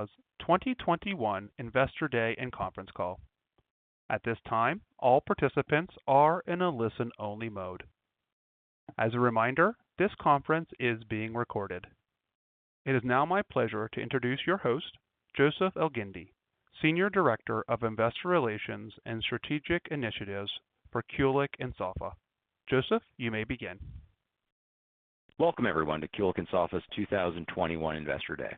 Welcome to 2021 Investor Day and conference call. It is now my pleasure to introduce your host, Joseph Elgindy, Senior Director of Investor Relations and Strategic Initiatives for Kulicke & Soffa. Joseph, you may begin. Welcome everyone to Kulicke & Soffa's 2021 Investor Day.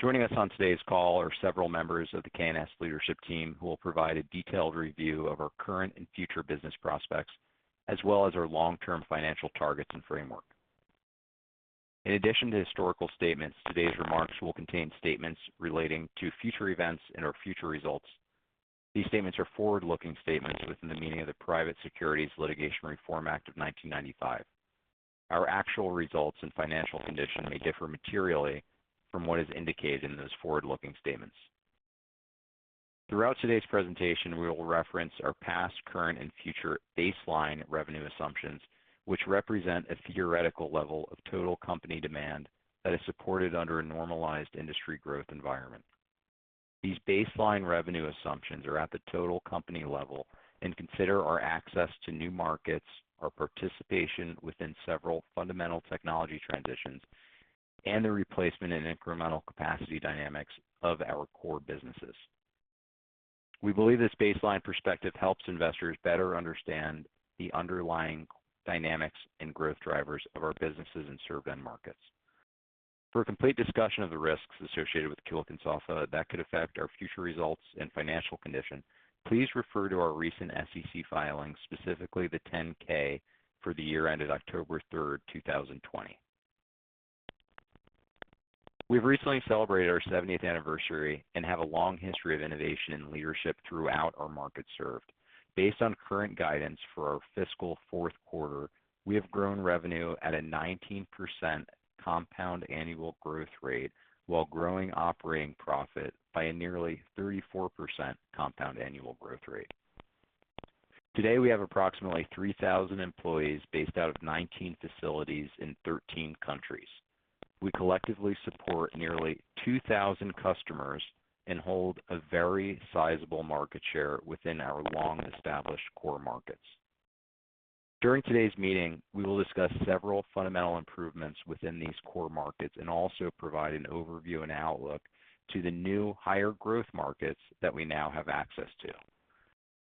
Joining us on today's call are several members of the K&S leadership team, who will provide a detailed review of our current and future business prospects, as well as our long-term financial targets and framework. In addition to historical statements, today's remarks will contain statements relating to future events and/or future results. These statements are forward-looking statements within the meaning of the Private Securities Litigation Reform Act of 1995. Our actual results and financial condition may differ materially from what is indicated in those forward-looking statements. Throughout today's presentation, we will reference our past, current, and future baseline revenue assumptions, which represent a theoretical level of total company demand that is supported under a normalized industry growth environment. These baseline revenue assumptions are at the total company level and consider our access to new markets, our participation within several fundamental technology transitions, and the replacement and incremental capacity dynamics of our core businesses. We believe this baseline perspective helps investors better understand the underlying dynamics and growth drivers of our businesses and served end markets. For a complete discussion of the risks associated with Kulicke & Soffa that could affect our future results and financial condition, please refer to our recent SEC filings, specifically the 10-K for the year ended October 3rd, 2020. We've recently celebrated our 70th anniversary and have a long history of innovation and leadership throughout our markets served. Based on current guidance for our fiscal fourth quarter, we have grown revenue at a 19% compound annual growth rate while growing operating profit by a nearly 34% compound annual growth rate. Today, we have approximately 3,000 employees based out of 19 facilities in 13 countries. We collectively support nearly 2,000 customers and hold a very sizable market share within our long-established core markets. During today's meeting, we will discuss several fundamental improvements within these core markets and also provide an overview and outlook to the new higher growth markets that we now have access to.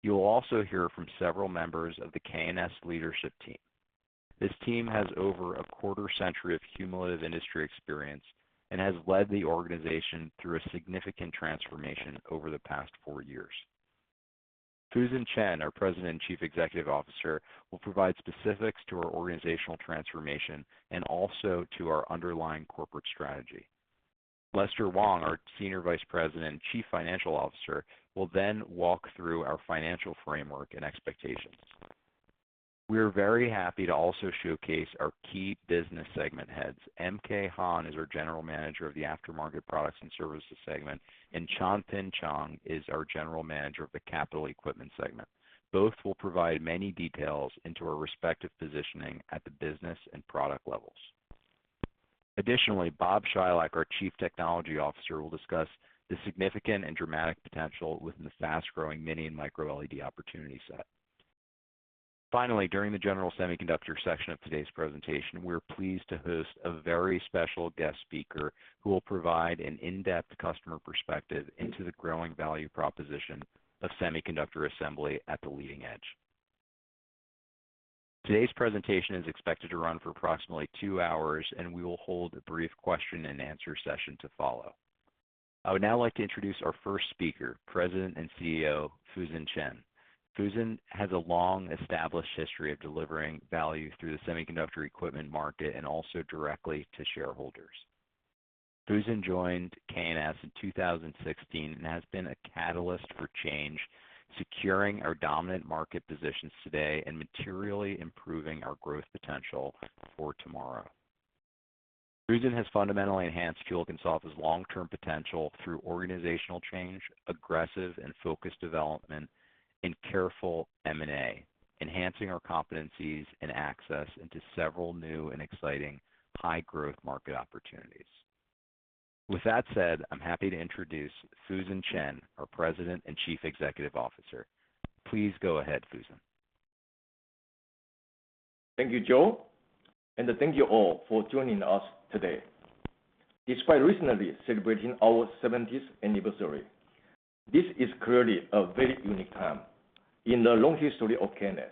You will also hear from several members of the K&S leadership team. This team has over a quarter-century of cumulative industry experience and has led the organization through a significant transformation over the past four years. Fusen Chen, our President and Chief Executive Officer, will provide specifics to our organizational transformation and also to our underlying corporate strategy. Lester Wong, our Senior Vice President and Chief Financial Officer, will walk through our financial framework and expectations. We are very happy to also showcase our key business segment heads. MK Han is our General Manager of the Aftermarket Products and Services segment, and Chan Pin Chong is our General Manager of the Capital Equipment segment. Both will provide many details into our respective positioning at the business and product levels. Additionally, Bob Chylak, our Chief Technology Officer, will discuss the significant and dramatic potential within the fast-growing mini and micro LED opportunity set. Finally, during the general semiconductor section of today's presentation, we are pleased to host a very special guest speaker who will provide an in-depth customer perspective into the growing value proposition of semiconductor assembly at the leading edge. Today's presentation is expected to run for approximately two hours, and we will hold a brief question and answer session to follow. I would now like to introduce our first speaker, President and CEO, Fusen Chen. Fusen has a long-established history of delivering value through the semiconductor equipment market and also directly to shareholders. Fusen joined K&S in 2016 and has been a catalyst for change, securing our dominant market positions today and materially improving our growth potential for tomorrow. Fusen has fundamentally enhanced Kulicke & Soffa's long-term potential through organizational change, aggressive and focused development, and careful M&A, enhancing our competencies and access into several new and exciting high-growth market opportunities. With that said, I'm happy to introduce Fusen Chen, our President and Chief Executive Officer. Please go ahead, Fusen. Thank you, Joe, and thank you all for joining us today. Despite recently celebrating our 70th anniversary, this is clearly a very unique time in the long history of K&S.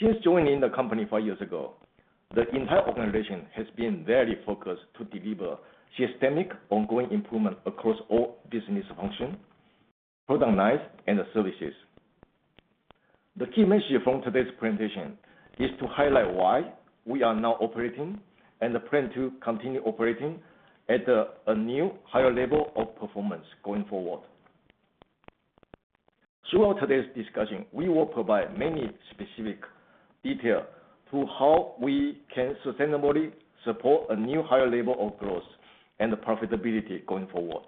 Since joining the company five years ago, the entire organization has been very focused to deliver systemic, ongoing improvement across all business functions, product lines, and services. The key message from today's presentation is to highlight why we are now operating, and plan to continue operating, at a new higher level of performance going forward. Throughout today's discussion, we will provide many specific details to how we can sustainably support a new higher level of growth and profitability going forward.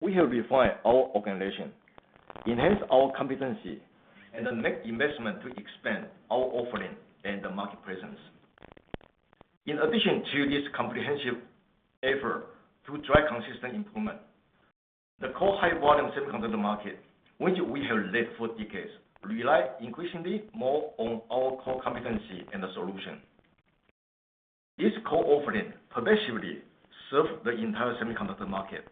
We have refined our organization, enhanced our competency, and then make investment to expand our offering and the market presence. In addition to this comprehensive effort to drive consistent improvement, the core high volume semiconductor market, which we have led for decades, rely increasingly more on our core competency and the solution. This core offering pervasively serves the entire semiconductor market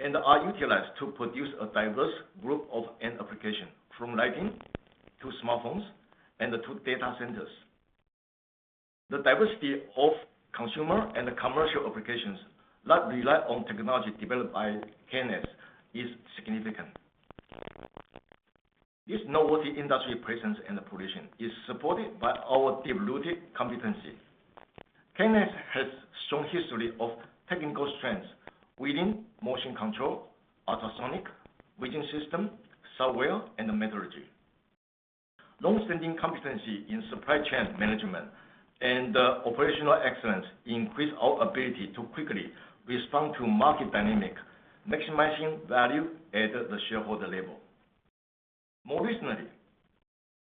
and are utilized to produce a diverse group of end application, from lighting to smartphones and to data centers. The diversity of consumer and the commercial applications that rely on technology developed by K&S is significant. This noteworthy industry presence and the position is supported by our deep-rooted competency. K&S has strong history of technical strengths within motion control, ultrasonic, vision system, software, and metrology. Long-standing competency in supply chain management and operational excellence increase our ability to quickly respond to market dynamic, maximizing value at the shareholder level. More recently,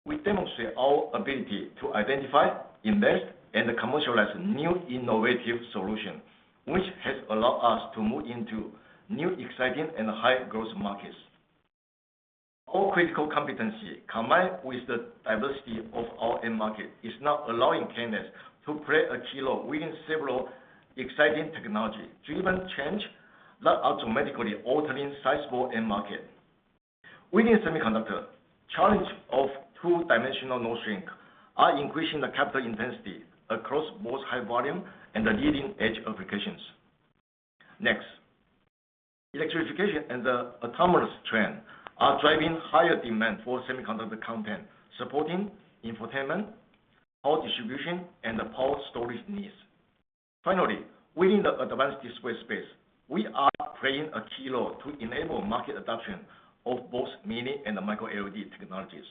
we demonstrate our ability to identify, invest, and commercialize new innovative solutions, which has allowed us to move into new, exciting, and high growth markets. Our critical competency, combined with the diversity of our end markets, is now allowing K&S to play a key role within several exciting technology-driven changes that are dramatically altering sizable end markets. Within semiconductor, challenges of two-dimensional node shrink are increasing the capital intensity across both high volume and the leading-edge applications. Electrification and the autonomous trend are driving higher demand for semiconductor content, supporting infotainment, power distribution, and power storage needs. Within the advanced display space, we are playing a key role to enable market adoption of both mini and micro LED technologies.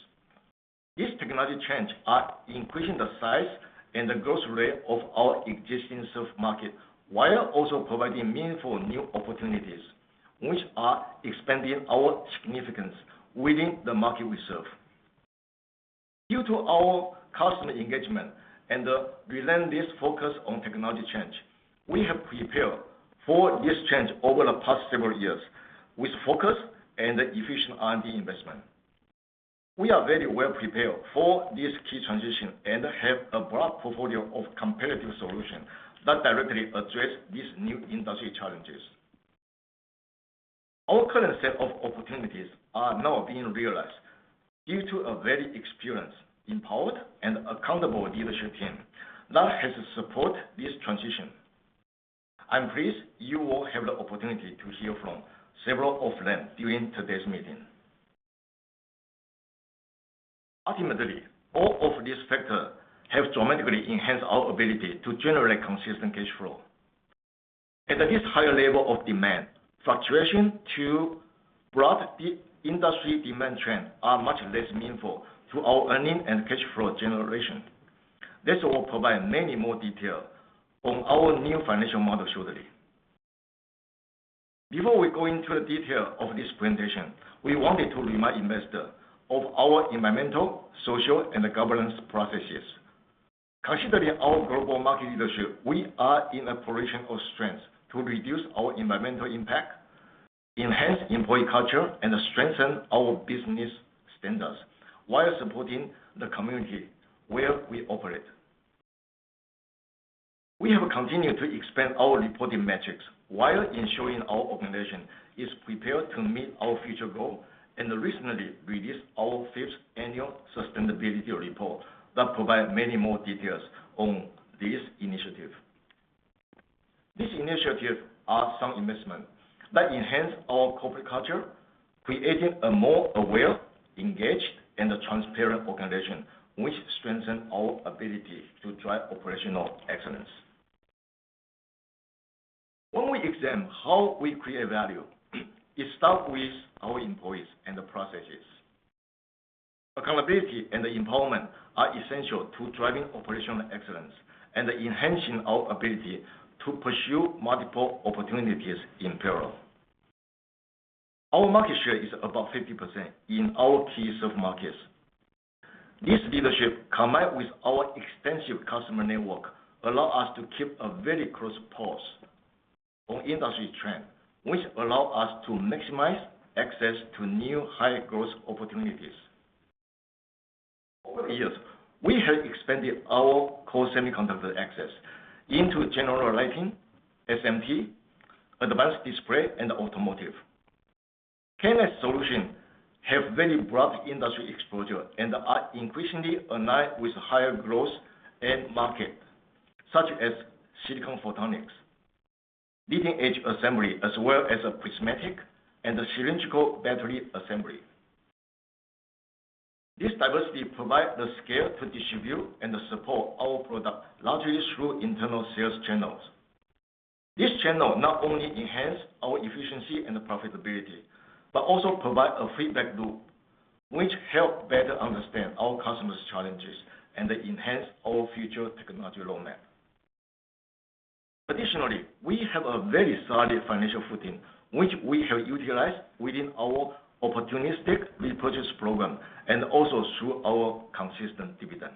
These technology trends are increasing the size and the growth rate of our existing served market, while also providing meaningful new opportunities, which are expanding our significance within the market we serve. Due to our customer engagement and the relentless focus on technology change, we have prepared for this change over the past several years with focus and efficient R&D investment. We are very well prepared for this key transition and have a broad portfolio of competitive solution that directly address these new industry challenges. Our current set of opportunities are now being realized due to a very experienced, empowered, and accountable leadership team that has support this transition. I'm pleased you will have the opportunity to hear from several of them during today's meeting. Ultimately, all of these factors have dramatically enhanced our ability to generate consistent cash flow. At this higher level of demand, fluctuations to broad industry demand trends are much less meaningful to our earnings and cash flow generation. This will provide many more details on our new financial model shortly. Before we go into the details of this presentation, we wanted to remind investors of our environmental, social, and governance processes. Considering our global market leadership, we are in a position of strength to reduce our environmental impact, enhance employee culture, and strengthen our business standards while supporting the community where we operate. We have continued to expand our reporting metrics while ensuring our organization is prepared to meet our future goals and recently released our fifth annual sustainability report that provides many more details on this initiative. These initiatives are some investments that enhance our corporate culture, creating a more aware, engaged, and transparent organization, which strengthen our ability to drive operational excellence. When we examine how we create value, it starts with our employees and the processes. Accountability and empowerment are essential to driving operational excellence and enhancing our ability to pursue multiple opportunities in parallel. Our market share is above 50% in our key served markets. This leadership, combined with our extensive customer network, allows us to keep a very close pulse on industry trends, which allows us to maximize access to new high growth opportunities. Over the years, we have expanded our core semiconductor access into general lighting, SMT, advanced display, and automotive. K&S solutions have very broad industry exposure and are increasingly aligned with higher growth end markets, such as silicon photonics, leading-edge assembly, as well as prismatic and cylindrical battery assembly. This diversity provides the scale to distribute and support our products largely through internal sales channels. This channel not only enhance our efficiency and profitability, but also provide a feedback loop which help better understand our customers' challenges and enhance our future technology roadmap. Additionally, we have a very solid financial footing, which we have utilized within our opportunistic repurchase program and also through our consistent dividend.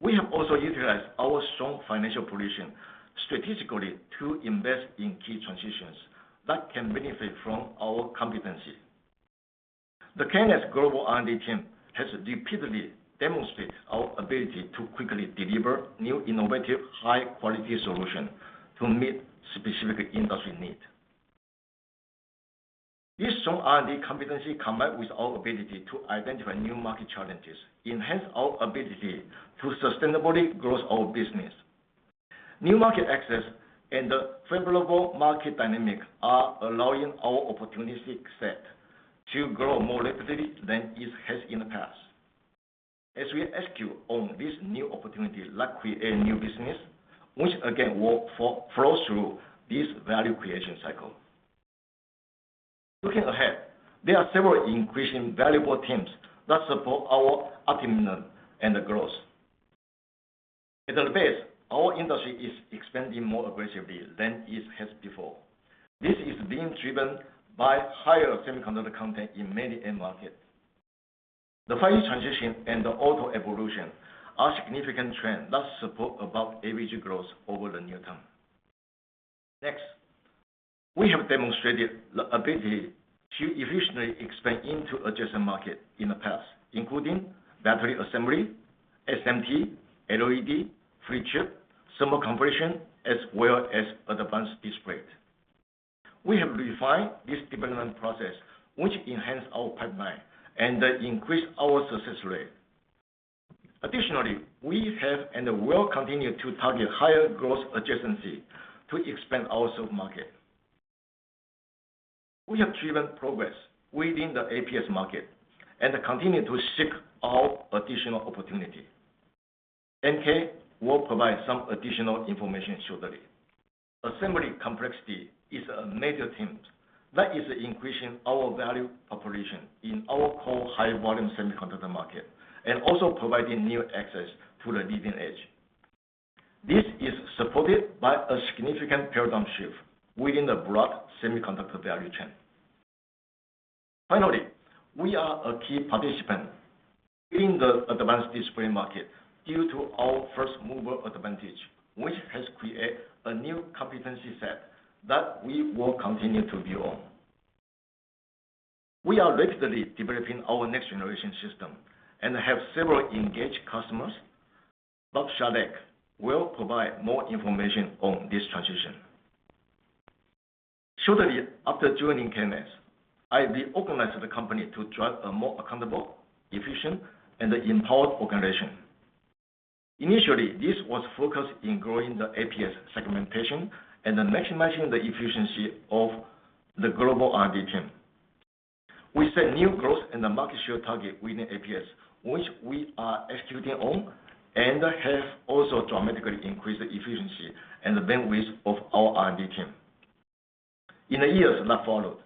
We have also utilized our strong financial position strategically to invest in key transitions that can benefit from our competency. The K&S global R&D team has repeatedly demonstrated our ability to quickly deliver new, innovative, high-quality solutions to meet specific industry needs. This strong R&D competency, combined with our ability to identify new market challenges, enhance our ability to sustainably grow our business. New market access and the favorable market dynamic are allowing our opportunistic set to grow more rapidly than it has in the past. As we execute on these new opportunities, like create new business, which again will flow through this value creation cycle. Looking ahead, there are several increasing valuable themes that support our optimism and growth. At the base, our industry is expanding more aggressively than it has before. This is being driven by higher semiconductor content in many end markets. The 5G transition and the auto evolution are significant trends that support above-avg growth over the near term. Next, we have demonstrated the ability to efficiently expand into adjacent markets in the past, including battery assembly, SMT, LED, flip chip, thermocompression, as well as advanced display. We have refined this development process, which enhanced our pipeline and increased our success rate. Additionally, we have and will continue to target higher growth adjacencies to expand our served market. We have driven progress within the APS market and continue to seek out additional opportunities. MK will provide some additional information shortly. Assembly complexity is a major theme that is increasing our value proposition in our core high-volume semiconductor market and also providing new access to the leading edge. This is supported by a significant paradigm shift within the broad semiconductor value chain. Finally, we are a key participant in the advanced display market due to our first-mover advantage, which has created a new competency set that we will continue to build. We are rapidly developing our next-generation system and have several engaged customers. Bob Chylak will provide more information on this transition. Shortly after joining K&S, I reorganized the company to drive a more accountable, efficient, and empowered organization. Initially, this was focused on growing the APS segmentation and maximizing the efficiency of the global R&D team. We set new growth and the market share target within APS, which we are executing on and have also dramatically increased the efficiency and the bandwidth of our R&D team. In the years that followed,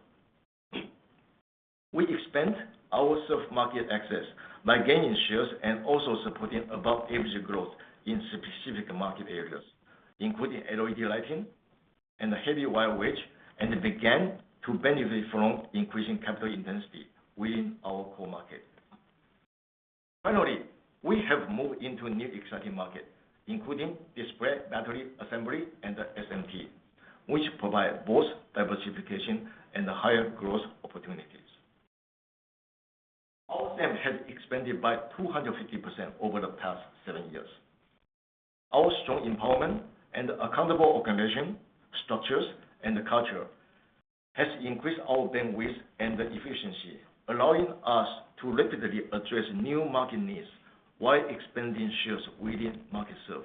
we expanded our served market access by gaining shares and also supporting above-average growth in specific market areas, including LED lighting and heavy wire wedge, and began to benefit from increasing capital intensity within our core market. Finally, we have moved into a new exciting market, including display, battery, assembly, and SMT, which provide both diversification and higher growth opportunities. Our sales have expanded by 250% over the past seven years. Our strong empowerment and accountable organization, structures, and culture have increased our bandwidth and efficiency, allowing us to rapidly address new market needs while expanding shares within markets served.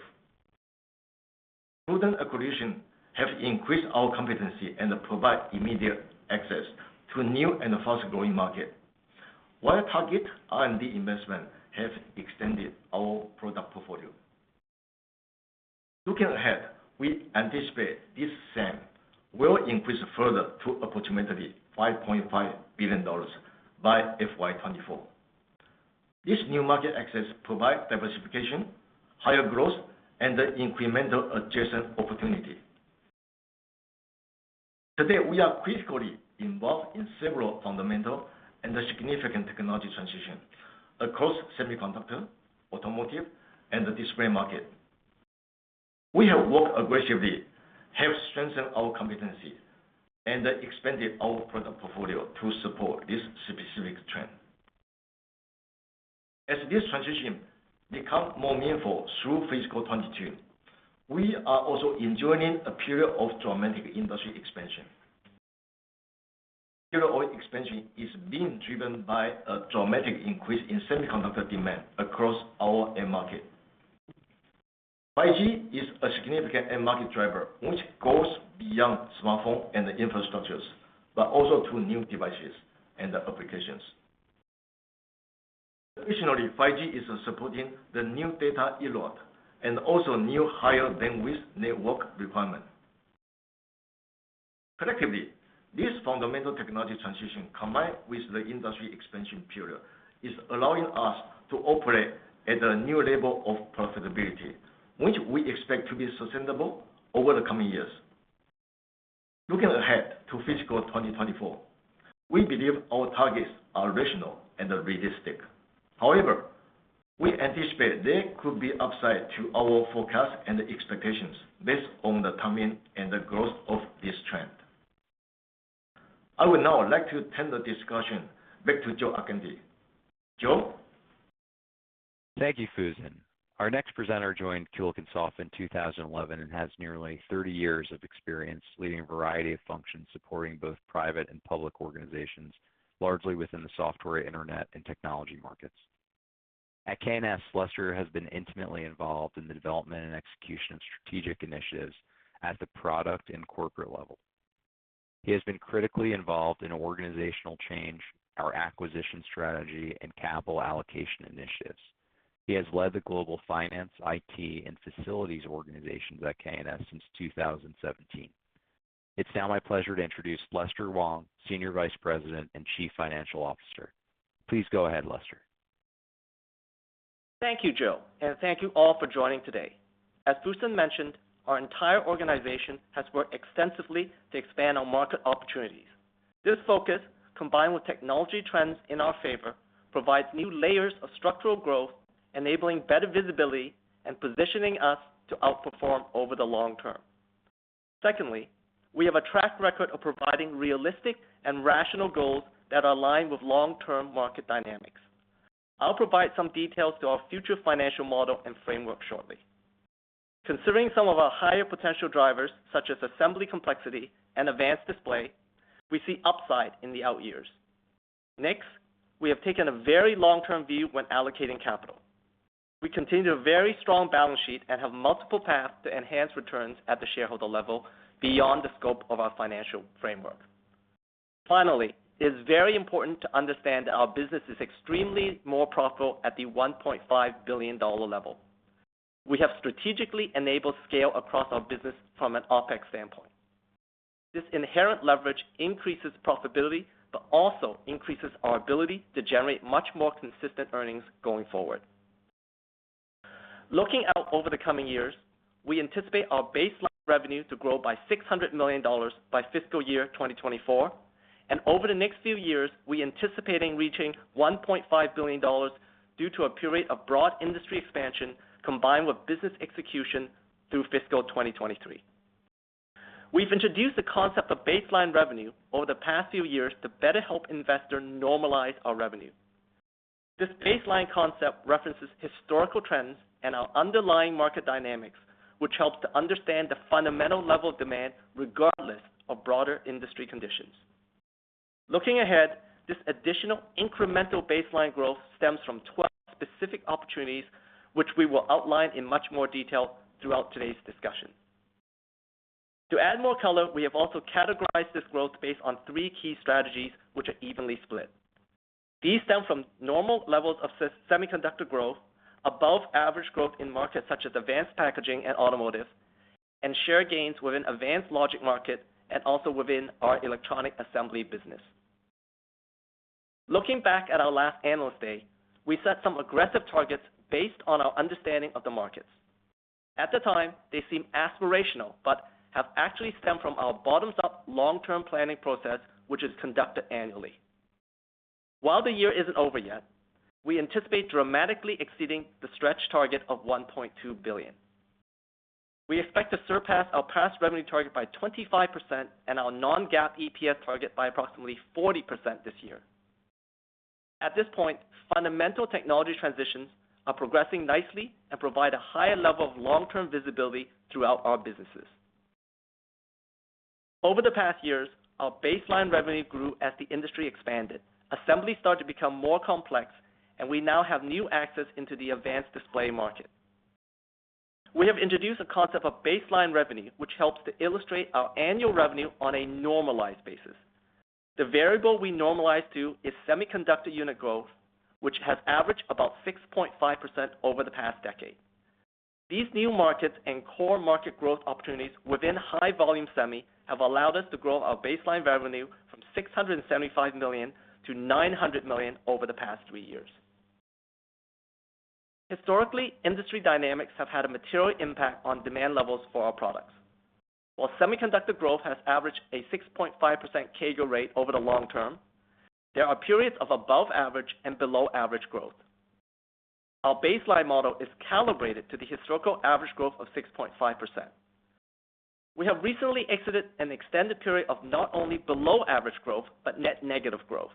Prudent acquisitions have increased our competency and provide immediate access to new and fast-growing markets, while targeted R&D investments have extended our product portfolio. Looking ahead, we anticipate this SAM will increase further to approximately $5.5 billion by FY 2024. This new market access provides diversification, higher growth, and incremental adjacent opportunities. Today, we are critically involved in several fundamental and significant technology transitions across semiconductor, automotive, and the display market. We have worked aggressively, have strengthened our competency, and expanded our product portfolio to support these specific trends. As these transitions become more meaningful through fiscal 2022, we are also enjoying a period of dramatic industry expansion. Organic expansion is being driven by a dramatic increase in semiconductor demand across our end market. 5G is a significant end market driver, which goes beyond smartphone and infrastructures, but also to new devices and applications. Additionally, 5G is supporting the new data era, and also new higher bandwidth network requirement. Collectively, this fundamental technology transition, combined with the industry expansion period, is allowing us to operate at a new level of profitability, which we expect to be sustainable over the coming years. Looking ahead to fiscal 2024, we believe our targets are rational and realistic. However, we anticipate there could be upside to our forecast and expectations based on the timing and the growth of this trend. I would now like to turn the discussion back to Joe Elgindy. Joe? Thank you, Fusen. Our next presenter joined Kulicke & Soffa in 2011 and has nearly 30 years of experience leading a variety of functions supporting both private and public organizations, largely within the software, internet, and technology markets. At K&S, Lester has been intimately involved in the development and execution of strategic initiatives at the product and corporate level. He has been critically involved in organizational change, our acquisition strategy, and capital allocation initiatives. He has led the global finance, IT, and facilities organizations at K&S since 2017. It's now my pleasure to introduce Lester Wong, Senior Vice President and Chief Financial Officer. Please go ahead, Lester. Thank you, Joe, and thank you all for joining today. As Fusen mentioned, our entire organization has worked extensively to expand our market opportunities. This focus, combined with technology trends in our favor, provides new layers of structural growth, enabling better visibility and positioning us to outperform over the long term. Secondly, we have a track record of providing realistic and rational goals that align with long-term market dynamics. I'll provide some details to our future financial model and framework shortly. Considering some of our higher potential drivers, such as assembly complexity and advanced display, we see upside in the out years. Next, we have taken a very long-term view when allocating capital. We continue a very strong balance sheet and have multiple paths to enhance returns at the shareholder level beyond the scope of our financial framework. Finally, it is very important to understand our business is extremely more profitable at the $1.5 billion level. We have strategically enabled scale across our business from an OPEX standpoint. This inherent leverage increases profitability, but also increases our ability to generate much more consistent earnings going forward. Looking out over the coming years, we anticipate our baseline revenue to grow by $600 million by fiscal year 2024. Over the next few years, we're anticipating reaching $1.5 billion due to a period of broad industry expansion, combined with business execution through fiscal 2023. We've introduced the concept of baseline revenue over the past few years to better help investors normalize our revenue. This baseline concept references historical trends and our underlying market dynamics, which helps to understand the fundamental level of demand regardless of broader industry conditions. Looking ahead, this additional incremental baseline growth stems from 12 specific opportunities, which we will outline in much more detail throughout today's discussion. To add more color, we have also categorized this growth based on three key strategies, which are evenly split. These stem from normal levels of semiconductor growth, above-average growth in markets such as advanced packaging and automotive, and share gains within advanced logic market and also within our electronic assembly business. Looking back at our last Analyst Day, we set some aggressive targets based on our understanding of the markets. At the time, they seemed aspirational, but have actually stemmed from our bottom-up long-term planning process, which is conducted annually. While the year isn't over yet, we anticipate dramatically exceeding the stretch target of $1.2 billion. We expect to surpass our past revenue target by 25% and our non-GAAP EPS target by approximately 40% this year. At this point, fundamental technology transitions are progressing nicely and provide a higher level of long-term visibility throughout our businesses. Over the past years, our baseline revenue grew as the industry expanded. Assembly started to become more complex, and we now have new access into the advanced display market. We have introduced a concept of baseline revenue, which helps to illustrate our annual revenue on a normalized basis. The variable we normalize to is semiconductor unit growth, which has averaged about 6.5% over the past decade. These new markets and core market growth opportunities within high-volume semi have allowed us to grow our baseline revenue from $675 million to $900 million over the past three years. Historically, industry dynamics have had a material impact on demand levels for our products. While semiconductor growth has averaged a 6.5% CAGR rate over the long term, there are periods of above-average and below-average growth. Our baseline model is calibrated to the historical average growth of 6.5%. We have recently exited an extended period of not only below-average growth, but net negative growth.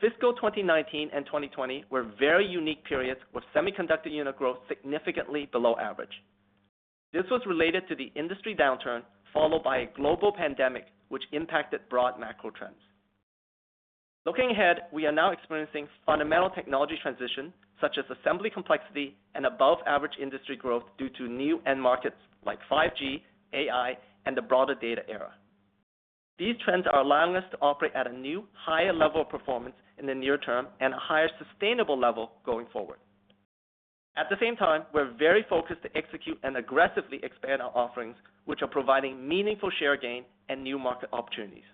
Fiscal 2019 and 2020 were very unique periods, with semiconductor unit growth significantly below average. This was related to the industry downturn, followed by a global pandemic, which impacted broad macro trends. Looking ahead, we are now experiencing fundamental technology transition, such as assembly complexity and above-average industry growth due to new end markets like 5G, AI, and the broader data era. These trends are allowing us to operate at a new higher level of performance in the near term and a higher sustainable level going forward. At the same time, we're very focused to execute and aggressively expand our offerings, which are providing meaningful share gain and new market opportunities.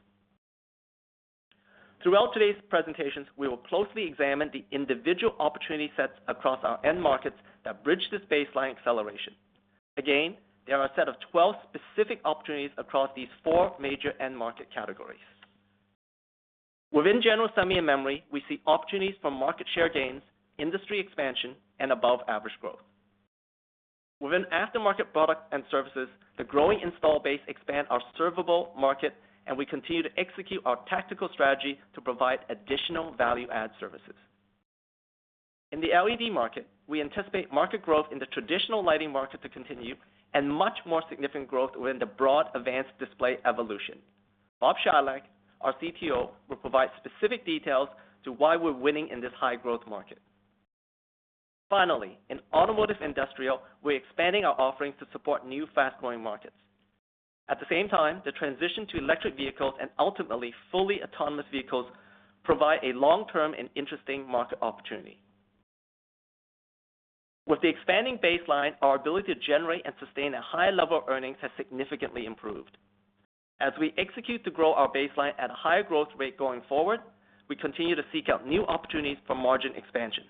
Throughout today's presentations, we will closely examine the individual opportunity sets across our end markets that bridge this baseline acceleration. There are a set of 12 specific opportunities across these four major end market categories. Within general semi and memory, we see opportunities for market share gains, industry expansion, and above-average growth. Within aftermarket products and services, the growing install base expand our servable market, and we continue to execute our tactical strategy to provide additional value-add services. In the LED market, we anticipate market growth in the traditional lighting market to continue and much more significant growth within the broad advanced display evolution. Bob Chylak, our CTO, will provide specific details to why we're winning in this high-growth market. In automotive industrial, we're expanding our offerings to support new fast-growing markets. At the same time, the transition to electric vehicles and ultimately fully autonomous vehicles provide a long-term and interesting market opportunity. With the expanding baseline, our ability to generate and sustain a high level of earnings has significantly improved. We execute to grow our baseline at a higher growth rate going forward, we continue to seek out new opportunities for margin expansion.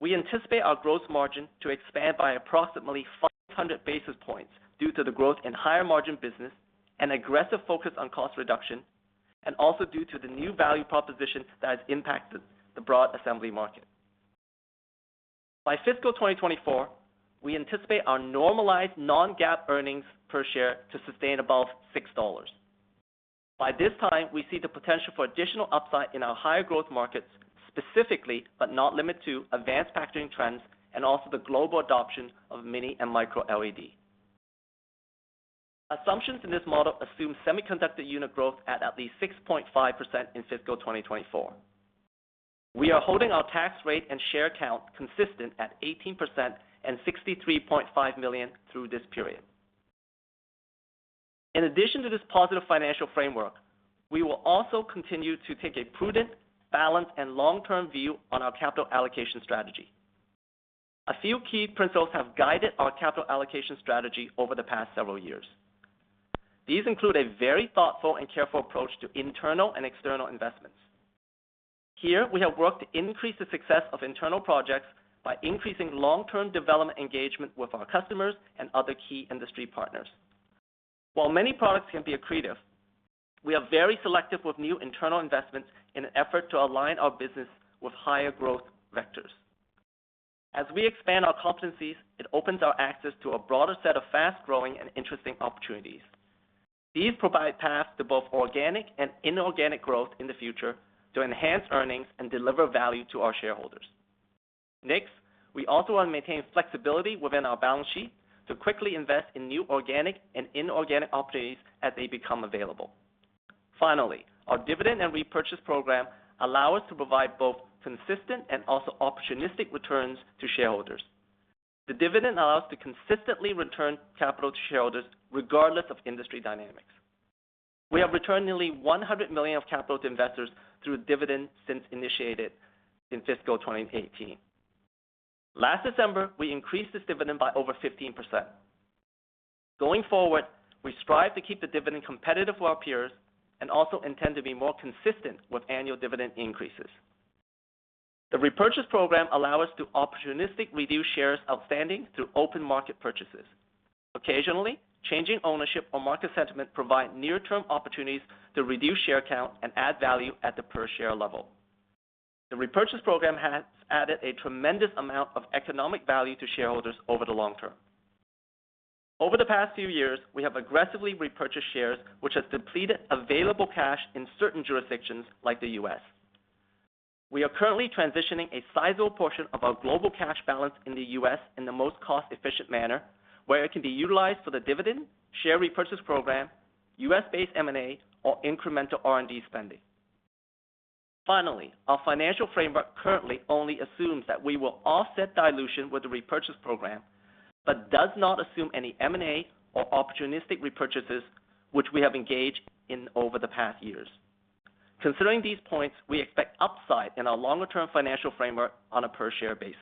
We anticipate our gross margin to expand by approximately 500 basis points due to the growth in higher margin business and aggressive focus on cost reduction, and also due to the new value proposition that has impacted the broad assembly market. By fiscal 2024, we anticipate our normalized non-GAAP earnings per share to sustain above $6. By this time, we see the potential for additional upside in our higher growth markets, specifically, but not limited to, advanced packaging trends and also the global adoption of mini and micro LED. Assumptions in this model assume semiconductor unit growth at least 6.5% in fiscal 2024. We are holding our tax rate and share count consistent at 18% and 63.5 million through this period. In addition to this positive financial framework, we will also continue to take a prudent balance and long-term view on our capital allocation strategy. A few key principles have guided our capital allocation strategy over the past several years. These include a very thoughtful and careful approach to internal and external investments. Here, we have worked to increase the success of internal projects by increasing long-term development engagement with our customers and other key industry partners. While many products can be accretive, we are very selective with new internal investments in an effort to align our business with higher growth vectors. As we expand our competencies, it opens our access to a broader set of fast-growing and interesting opportunities. These provide paths to both organic and inorganic growth in the future to enhance earnings and deliver value to our shareholders. We also want to maintain flexibility within our balance sheet to quickly invest in new organic and inorganic opportunities as they become available. Our dividend and repurchase program allow us to provide both consistent and also opportunistic returns to shareholders. The dividend allows to consistently return capital to shareholders regardless of industry dynamics. We have returned nearly $100 million of capital to investors through dividends since initiated in fiscal 2018. Last December, we increased this dividend by over 15%. Going forward, we strive to keep the dividend competitive for our peers and also intend to be more consistent with annual dividend increases. The repurchase program allow us to opportunistically reduce shares outstanding through open market purchases. Occasionally, changing ownership or market sentiment provide near-term opportunities to reduce share count and add value at the per-share level. The repurchase program has added a tremendous amount of economic value to shareholders over the long term. Over the past few years, we have aggressively repurchased shares, which has depleted available cash in certain jurisdictions like the U.S. We are currently transitioning a sizable portion of our global cash balance in the U.S. in the most cost-efficient manner, where it can be utilized for the dividend, share repurchase program, U.S.-based M&A, or incremental R&D spending. Finally, our financial framework currently only assumes that we will offset dilution with the repurchase program, but does not assume any M&A or opportunistic repurchases, which we have engaged in over the past years. Considering these points, we expect upside in our longer-term financial framework on a per-share basis.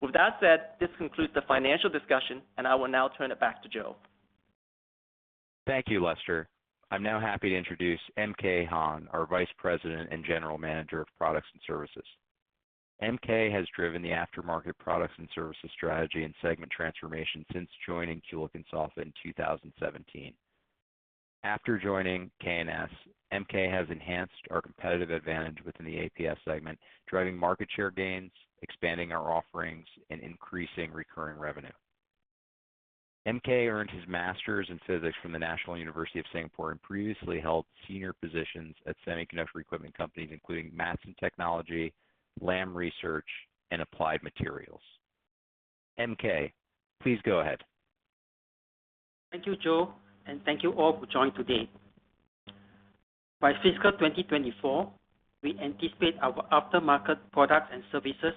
With that said, this concludes the financial discussion, and I will now turn it back to Joe. Thank you, Lester. I am now happy to introduce MK Han, our vice president and general manager of products and services. MK has driven the aftermarket products and services strategy and segment transformation since joining Kulicke & Soffa in 2017. After joining K&S, MK has enhanced our competitive advantage within the APS segment, driving market share gains, expanding our offerings, and increasing recurring revenue. MK earned his master's in physics from the National University of Singapore and previously held senior positions at semiconductor equipment companies, including Mattson Technology, Lam Research, and Applied Materials. MK, please go ahead. Thank you, Joe. Thank you all for joining today. By fiscal 2024, we anticipate our aftermarket products and services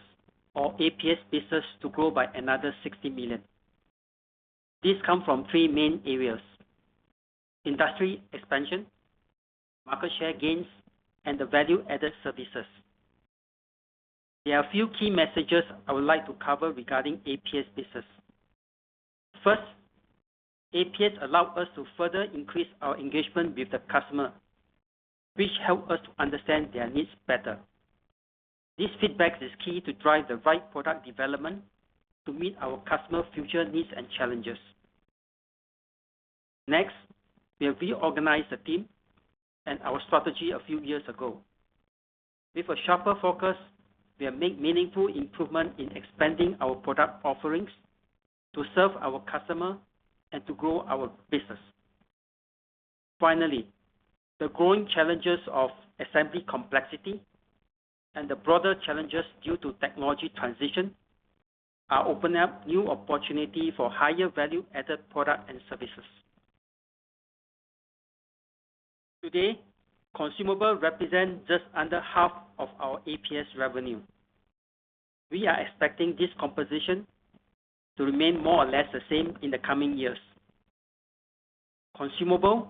or APS business to grow by another $60 million. This comes from three main areas: industry expansion, market share gains, and value-added services. There are a few key messages I would like to cover regarding APS business. First, APS allows us to further increase our engagement with the customer, which helps us to understand their needs better. This feedback is key to drive the right product development to meet our customers' future needs and challenges. Next, we reorganized the team and our strategy a few years ago. With a sharper focus, we have made meaningful improvements in expanding our product offerings to serve our customers and to grow our business. Finally, the growing challenges of assembly complexity and the broader challenges due to technology transition are opening up new opportunities for higher value-added products and services. Today, consumables represent just under half of our APS revenue. We are expecting this composition to remain more or less the same in the coming years. Consumables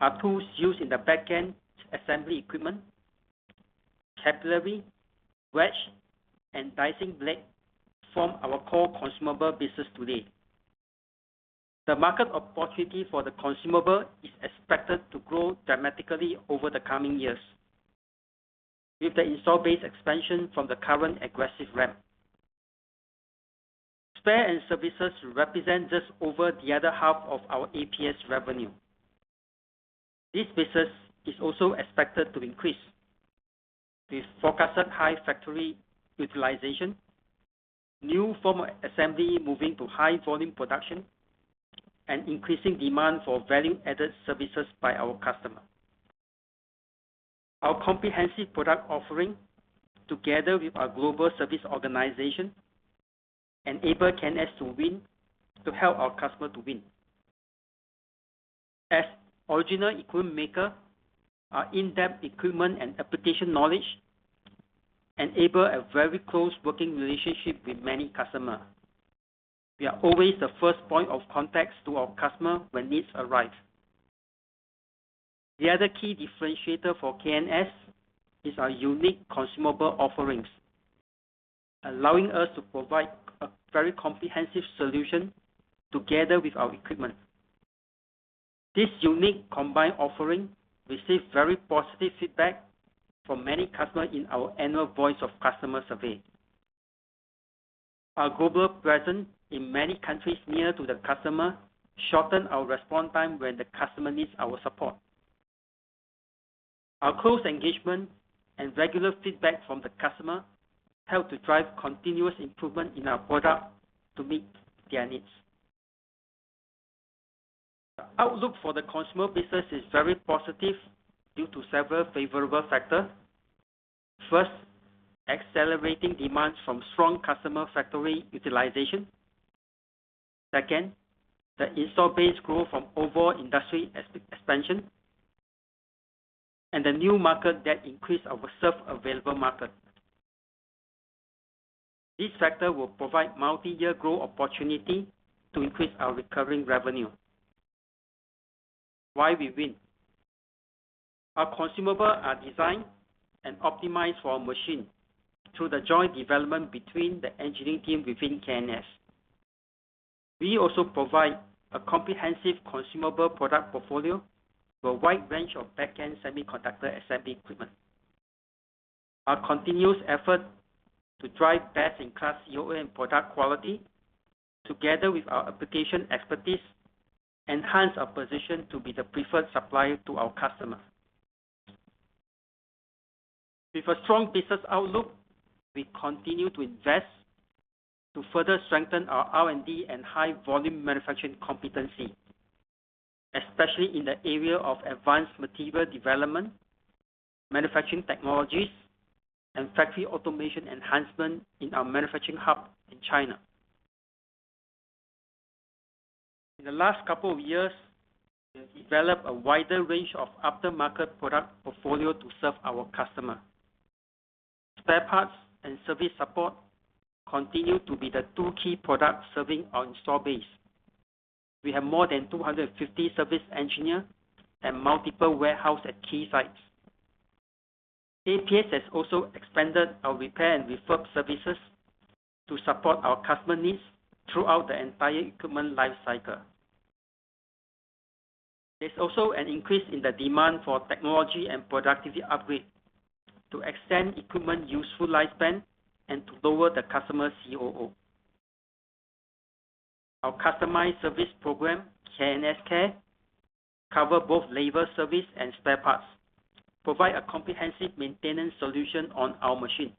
are tools used in the back-end assembly equipment. Capillary, wedge, and dicing blade form our core consumable business today. The market opportunity for the consumable is expected to grow dramatically over the coming years with the install base expansion from the current aggressive ramp. Spares and services represent just over the other half of our APS revenue. This business is also expected to increase with forecasted high factory utilization, new form of assembly moving to high volume production, and increasing demand for value-added services by our customers. Our comprehensive product offering, together with our global service organization, enable K&S to help our customers to win. As original equipment manufacturer, our in-depth equipment and application knowledge enable a very close working relationship with many customers. We are always the first point of contact to our customers when needs arise. The other key differentiator for K&S is our unique consumable offerings, allowing us to provide a very comprehensive solution together with our equipment. This unique combined offering received very positive feedback from many customers in our annual Voice of Customer survey. Our global presence in many countries near to the customer shortens our response time when the customer needs our support. Our close engagement and regular feedback from the customer help to drive continuous improvement in our product to meet their needs. The outlook for the consumable business is very positive due to several favorable factors. Accelerating demand from strong customer factory utilization. The install base growth from overall industry expansion, and the new markets that increase our serve available market. These factors will provide multi-year growth opportunity to increase our recurring revenue. Why we win. Our consumables are designed and optimized for our machine through the joint development between the engineering team within K&S. We also provide a comprehensive consumable product portfolio for a wide range of back-end semiconductor assembly equipment. Our continuous effort to drive best-in-class OEM product quality, together with our application expertise, enhance our position to be the preferred supplier to our customers. With a strong business outlook, we continue to invest to further strengthen our R&D and high volume manufacturing competency, especially in the area of advanced material development, manufacturing technologies, and factory automation enhancement in our manufacturing hub in China. In the last couple of years, we have developed a wider range of aftermarket product portfolio to serve our customers. Spare parts and service support continue to be the two key products serving our install base. We have more than 250 service engineers and multiple warehouses at key sites. APS has also expanded our repair and refurb services to support our customers' needs throughout the entire equipment lifecycle. There's also an increase in the demand for technology and productivity upgrades to extend equipment useful lifespan and to lower the customer's COO. Our customized service program, K&S Care, covers both labor service and spare parts, provide a comprehensive maintenance solution on our machine.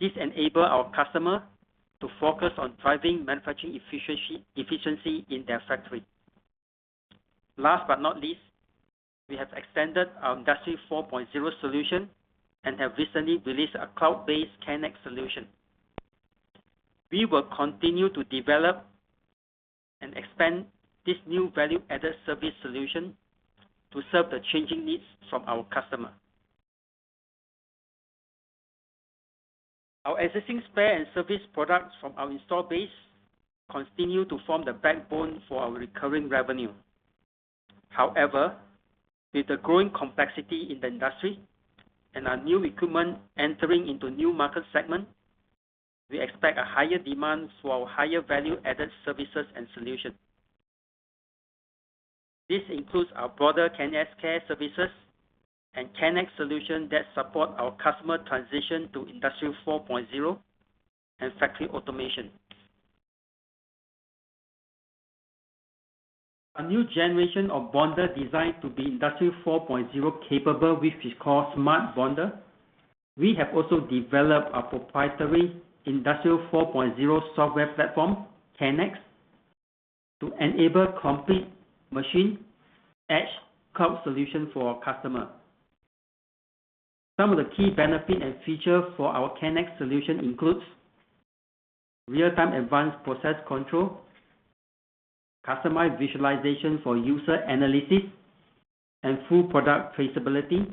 This enables our customers to focus on driving manufacturing efficiency in their factory. Last but not least, we have extended our Industry 4.0 solution and have recently released a cloud-based KNeXt solution. We will continue to develop and expand this new value-added service solution to serve the changing needs from our customer. Our existing spare and service products from our install base continue to form the backbone for our recurring revenue. However, with the growing complexity in the industry and our new equipment entering into new market segment, we expect a higher demand for our higher value-added services and solution. This includes our broader K&S Care services and KNeXt solution that support our customer transition to Industry 4.0 and factory automation. Our new generation of bonder designed to be Industry 4.0 capable, which we call smart bonder. We have also developed a proprietary Industrial 4.0 software platform, KNeXt, to enable complete machine edge cloud solution for our customer. Some of the key benefit and feature for our KNeXt solution includes real-time advanced process control, customized visualization for user analysis, and full product traceability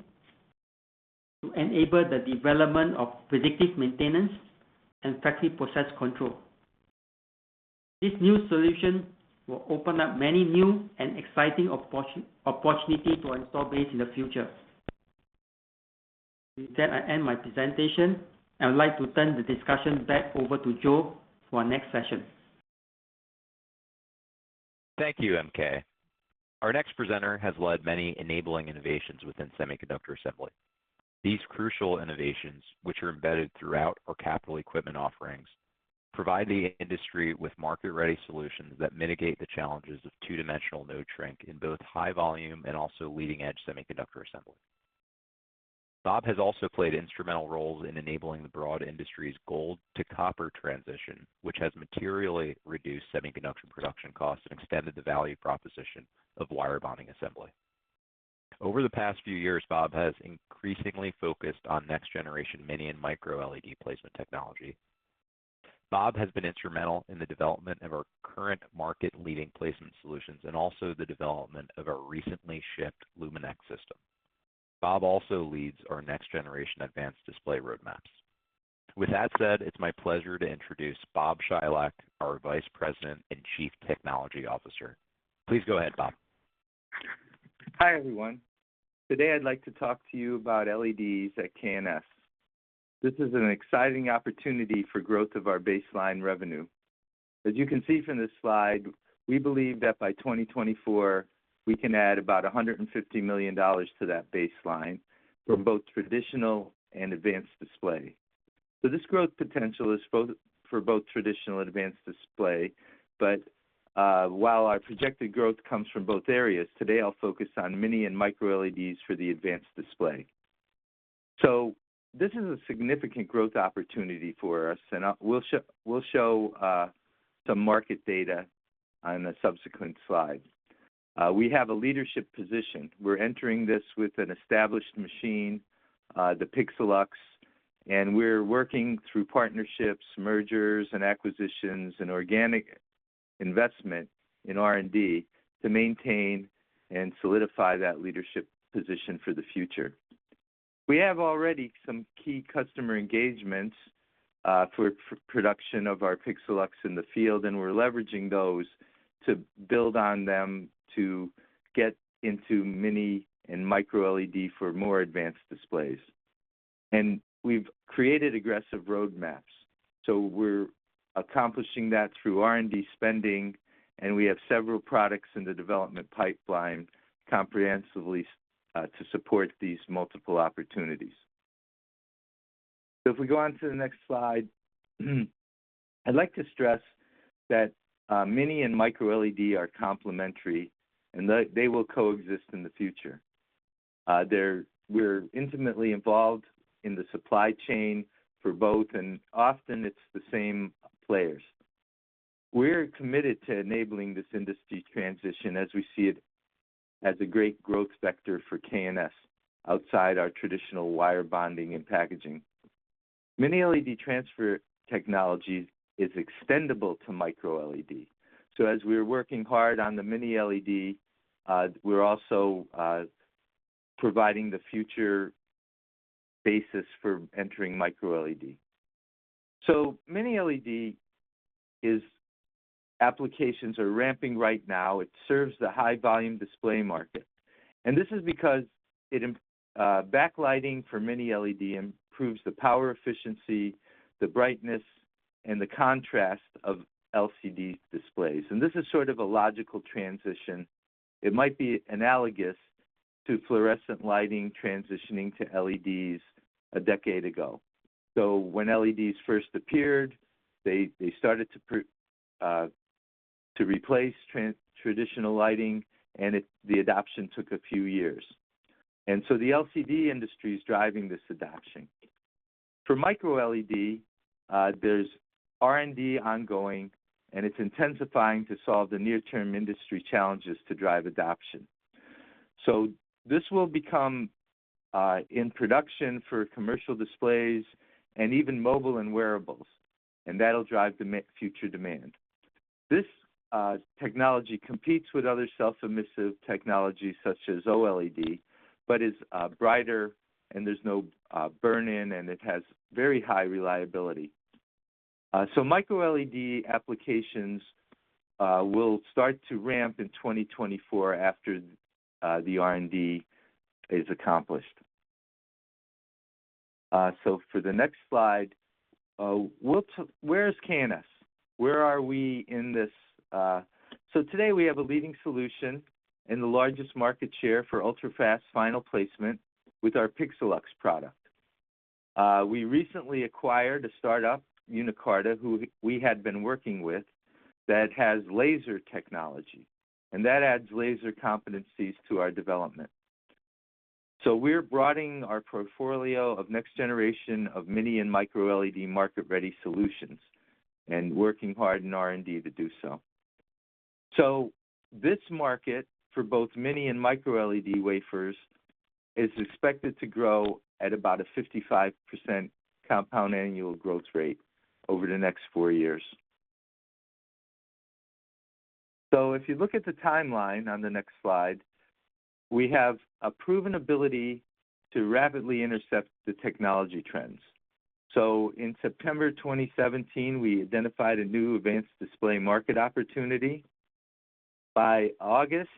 to enable the development of predictive maintenance and factory process control. This new solution will open up many new and exciting opportunities to install base in the future. With that, I end my presentation. I would like to turn the discussion back over to Joe for our next session. Thank you, MK. Our next presenter has led many enabling innovations within semiconductor assembly. These crucial innovations, which are embedded throughout our capital equipment offerings, provide the industry with market-ready solutions that mitigate the challenges of two-dimensional node shrink in both high volume and also leading-edge semiconductor assembly. Bob has also played instrumental roles in enabling the broad industry's gold to copper transition, which has materially reduced semiconductor production costs and extended the value proposition of wire bonding assembly. Over the past few years, Bob has increasingly focused on next generation mini and micro LED placement technology. Bob has been instrumental in the development of our current market leading placement solutions and also the development of our recently shipped LUMINEX system. Bob also leads our next generation advanced display roadmaps. With that said, it's my pleasure to introduce Bob Chylak, our Vice President and Chief Technology Officer. Please go ahead, Bob. Hi, everyone. Today, I'd like to talk to you about LEDs at K&S. This is an exciting opportunity for growth of our baseline revenue. As you can see from this slide, we believe that by 2024, we can add about $150 million to that baseline for both traditional and advanced display. This growth potential is for both traditional and advanced display, while our projected growth comes from both areas, today I'll focus on mini and micro LEDs for the advanced display. This is a significant growth opportunity for us, and we'll show some market data on the subsequent slides. We have a leadership position. We're entering this with an established machine, the PIXALUX, and we're working through partnerships, mergers and acquisitions, and organic investment in R&D to maintain and solidify that leadership position for the future. We have already some key customer engagements for production of our PIXALUX in the field. We're leveraging those to build on them to get into mini and micro LED for more advanced displays. We've created aggressive roadmaps. We're accomplishing that through R&D spending, and we have several products in the development pipeline comprehensively to support these multiple opportunities. If we go on to the next slide, I'd like to stress that mini and micro LED are complementary. They will coexist in the future. We're intimately involved in the supply chain for both. Often it's the same players. We're committed to enabling this industry transition as we see it as a great growth vector for K&S outside our traditional wire bonding and packaging. Mini LED transfer technologies is extendable to micro LED. As we're working hard on the mini LED, we're also providing the future basis for entering micro LED. Mini LED applications are ramping right now. It serves the high volume display market, and this is because backlighting for mini LED improves the power efficiency, the brightness, and the contrast of LCD displays. This is sort of a logical transition. It might be analogous to fluorescent lighting transitioning to LEDs a decade ago. When LEDs first appeared, they started to replace traditional lighting, and the adoption took a few years. The LCD industry is driving this adoption. For micro LED, there's R&D ongoing, and it's intensifying to solve the near-term industry challenges to drive adoption. This will become in production for commercial displays and even mobile and wearables, and that'll drive future demand. This technology competes with other self-emissive technologies such as OLED, but is brighter and there's no burn-in, and it has very high reliability. Micro LED applications will start to ramp in 2024 after the R&D is accomplished. For the next slide, where is K&S? Where are we in this? Today, we have a leading solution and the largest market share for ultra-fast final placement with our PIXALUX product. We recently acquired a startup, Uniqarta, who we had been working with, that has laser technology, and that adds laser competencies to our development. We're broadening our portfolio of next generation of mini and micro LED market-ready solutions, and working hard in R&D to do so. This market, for both mini and micro LED wafers, is expected to grow at about a 55% compound annual growth rate over the next four years. If you look at the timeline on the next slide, we have a proven ability to rapidly intercept the technology trends. In September 2017, we identified a new advanced display market opportunity. By August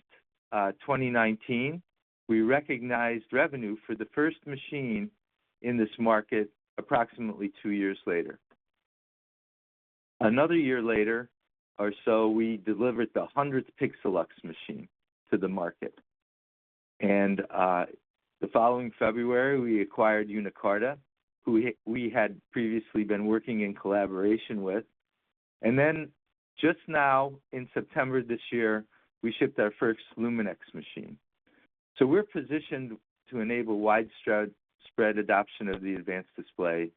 2019, we recognized revenue for the first machine in this market approximately two years later. Another year later or so, we delivered the 100th PIXALUX machine to the market. The following February, we acquired Uniqarta, who we had previously been working in collaboration with. Just now, in September this year, we shipped our first LUMINEX machine. We're positioned to enable widespread adoption of the advanced display,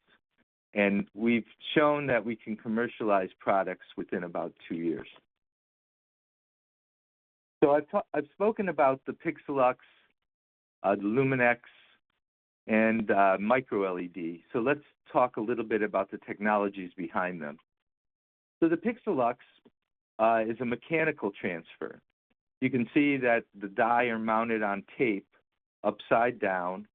and we've shown that we can commercialize products within about two years. I've spoken about the PIXALUX, the LUMINEX, and micro LED. Let's talk a little bit about the technologies behind them. The PIXALUX is a mechanical transfer. You can see that the die are mounted on tape upside down,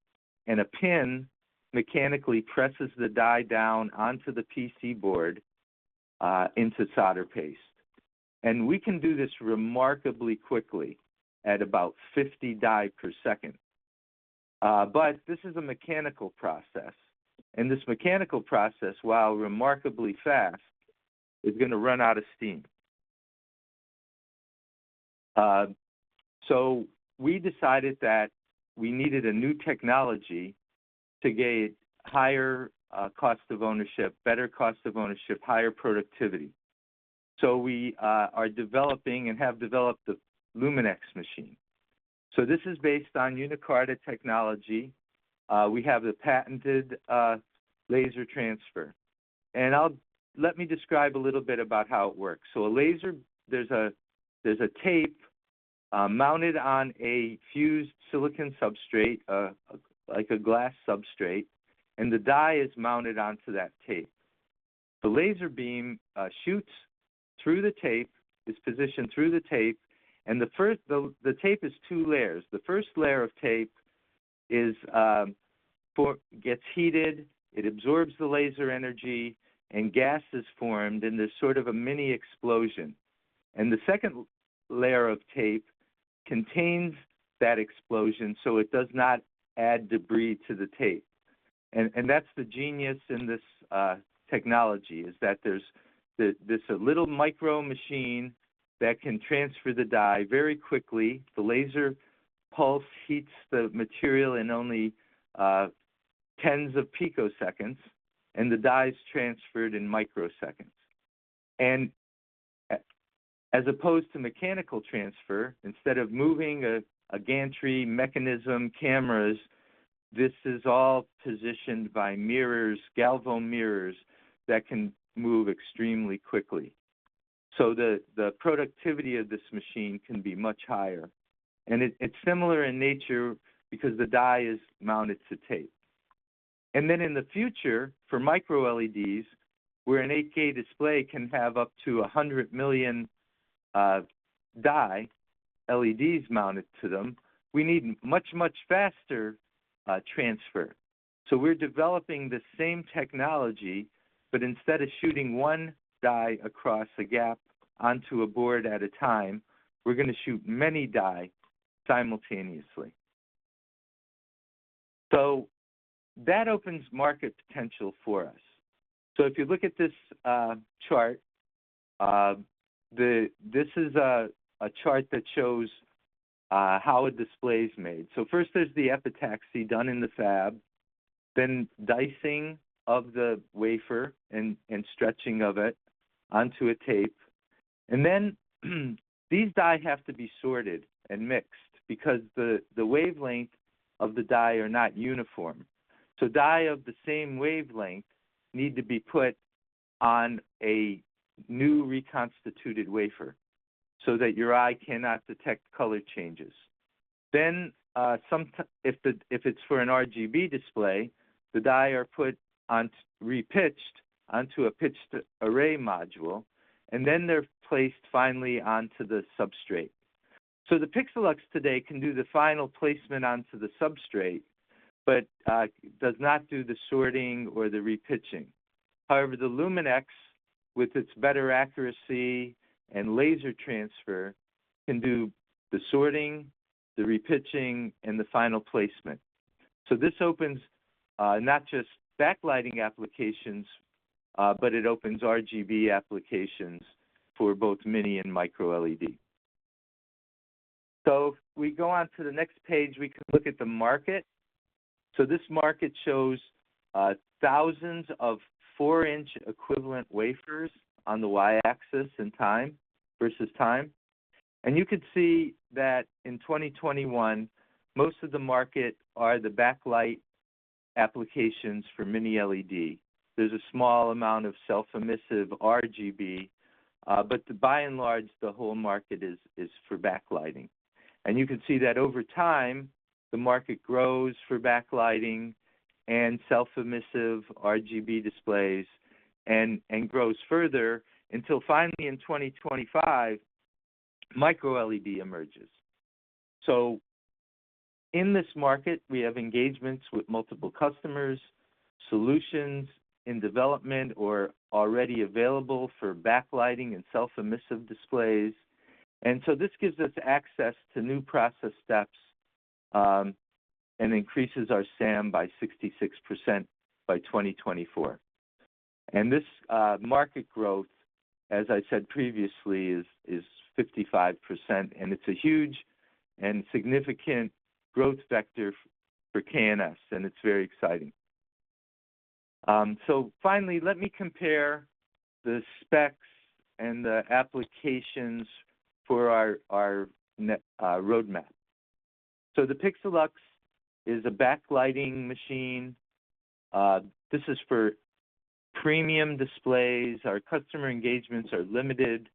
and a pin mechanically presses the die down onto the PC board into solder paste. We can do this remarkably quickly at about 50 die per second. This is a mechanical process, and this mechanical process, while remarkably fast, is going to run out of steam. We decided that we needed a new technology to gain higher cost of ownership, better cost of ownership, higher productivity. We are developing and have developed the LUMINEX machine. This is based on Uniqarta technology. We have the patented laser transfer. Let me describe a little bit about how it works. There's a tape mounted on a fused silicon substrate, like a glass substrate, and the die is mounted onto that tape. The laser beam shoots through the tape, is positioned through the tape. The tape is two layers. The first layer of tape gets heated, it absorbs the laser energy, and gas is formed, and there's sort of a mini explosion. The second layer of tape contains that explosion, so it does not add debris to the tape. That's the genius in this technology, is that there's this little micro machine that can transfer the die very quickly. The laser pulse heats the material in only tens of picoseconds. The die is transferred in microseconds. As opposed to mechanical transfer, instead of moving a gantry mechanism, cameras, this is all positioned by mirrors, galvo mirrors, that can move extremely quickly. The productivity of this machine can be much higher, and it's similar in nature because the die is mounted to tape. In the future, for micro LEDs, where an 8K display can have up to 100 million die LEDs mounted to them, we need much faster transfer. We're developing the same technology, but instead of shooting one die across a gap onto a board at a time, we're going to shoot many die simultaneously. That opens market potential for us. If you look at this chart, this is a chart that shows how a display is made. First, there's the epitaxy done in the fab, then dicing of the wafer and stretching of it onto a tape. These die have to be sorted and mixed because the wavelength of the die are not uniform. Die of the same wavelength need to be put on a new reconstituted wafer so that your eye cannot detect color changes. If it's for an RGB display, the die are repitched onto a pitched array module, and then they're placed finally onto the substrate. The PIXALUX today can do the final placement onto the substrate, but does not do the sorting or the repitching. However, the LUMINEX, with its better accuracy and laser transfer, can do the sorting, the repitching, and the final placement. This opens, not just backlighting applications, but it opens RGB applications for both mini and micro LED. If we go onto the next page, we can look at the market. This market shows thousands of 4-inch equivalent wafers on the Y-axis in time, versus time. You could see that in 2021, most of the market are the backlight applications for mini LED. There's a small amount of self-emissive RGB. By and large, the whole market is for backlighting. You can see that over time, the market grows for backlighting and self-emissive RGB displays and grows further, until finally in 2025, micro LED emerges. In this market, we have engagements with multiple customers, solutions in development or already available for backlighting and self-emissive displays. This gives us access to new process steps, and increases our SAM by 66% by 2024. This market growth, as I said previously, is 55%, and it's a huge and significant growth vector for K&S, and it's very exciting. Finally, let me compare the specs and the applications for our roadmap. The PIXALUX is a backlighting machine. This is for premium displays. Our customer engagements are limited.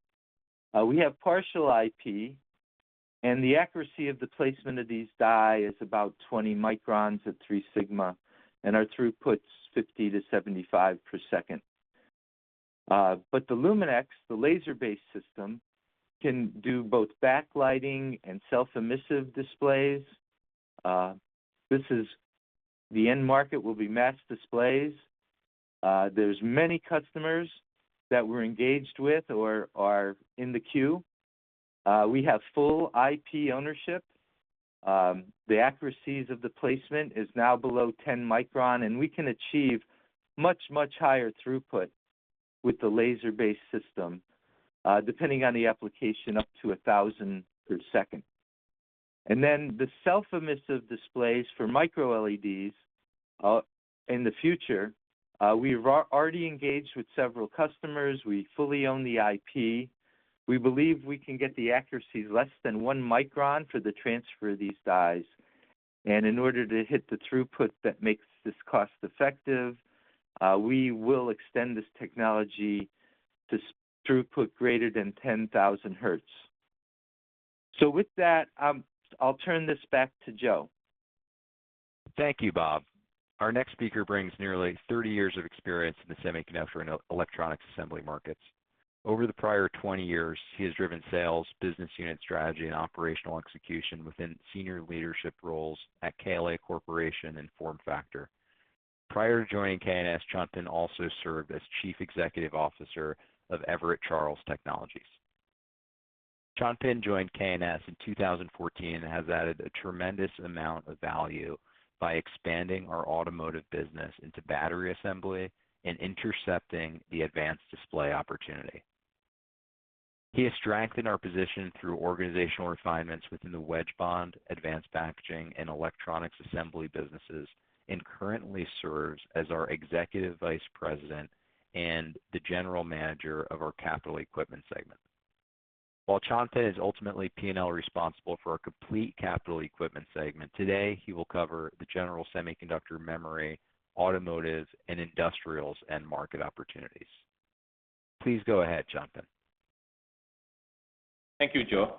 We have partial IP, and the accuracy of the placement of these die is about 20 microns at 3 sigma, and our throughput's 50-75 per second. The LUMINEX, the laser-based system, can do both backlighting and self-emissive displays. The end market will be mass displays. There's many customers that we're engaged with or are in the queue. We have full IP ownership. The accuracies of the placement is now below 10 micron, and we can achieve much, much higher throughput with the laser-based system, depending on the application, up to 1,000 per second. Then the self-emissive displays for micro LEDs in the future, we've already engaged with several customers. We fully own the IP. We believe we can get the accuracy less than 1 micron for the transfer of these dies. In order to hit the throughput that makes this cost effective, we will extend this technology to throughput greater than 10,000 hertz. With that, I'll turn this back to Joe. Thank you, Bob. Our next speaker brings nearly 30 years of experience in the semiconductor and electronics assembly markets. Over the prior 20 years, he has driven sales, business unit strategy, and operational execution within senior leadership roles at KLA Corporation and FormFactor. Prior to joining K&S, Chan Pin also served as Chief Executive Officer of Everett Charles Technologies. Chan Pin joined K&S in 2014 and has added a tremendous amount of value by expanding our automotive business into battery assembly and intercepting the advanced display opportunity. He has strengthened our position through organizational refinements within the wedge bond, advanced packaging, and electronics assembly businesses, and currently serves as our Executive Vice President and General Manager of our capital equipment segment. While Chan Pin is ultimately P&L responsible for our complete capital equipment segment, today, he will cover the general semiconductor memory, automotive, and industrials and market opportunities. Please go ahead, Chan Pin. Thank you, Joe.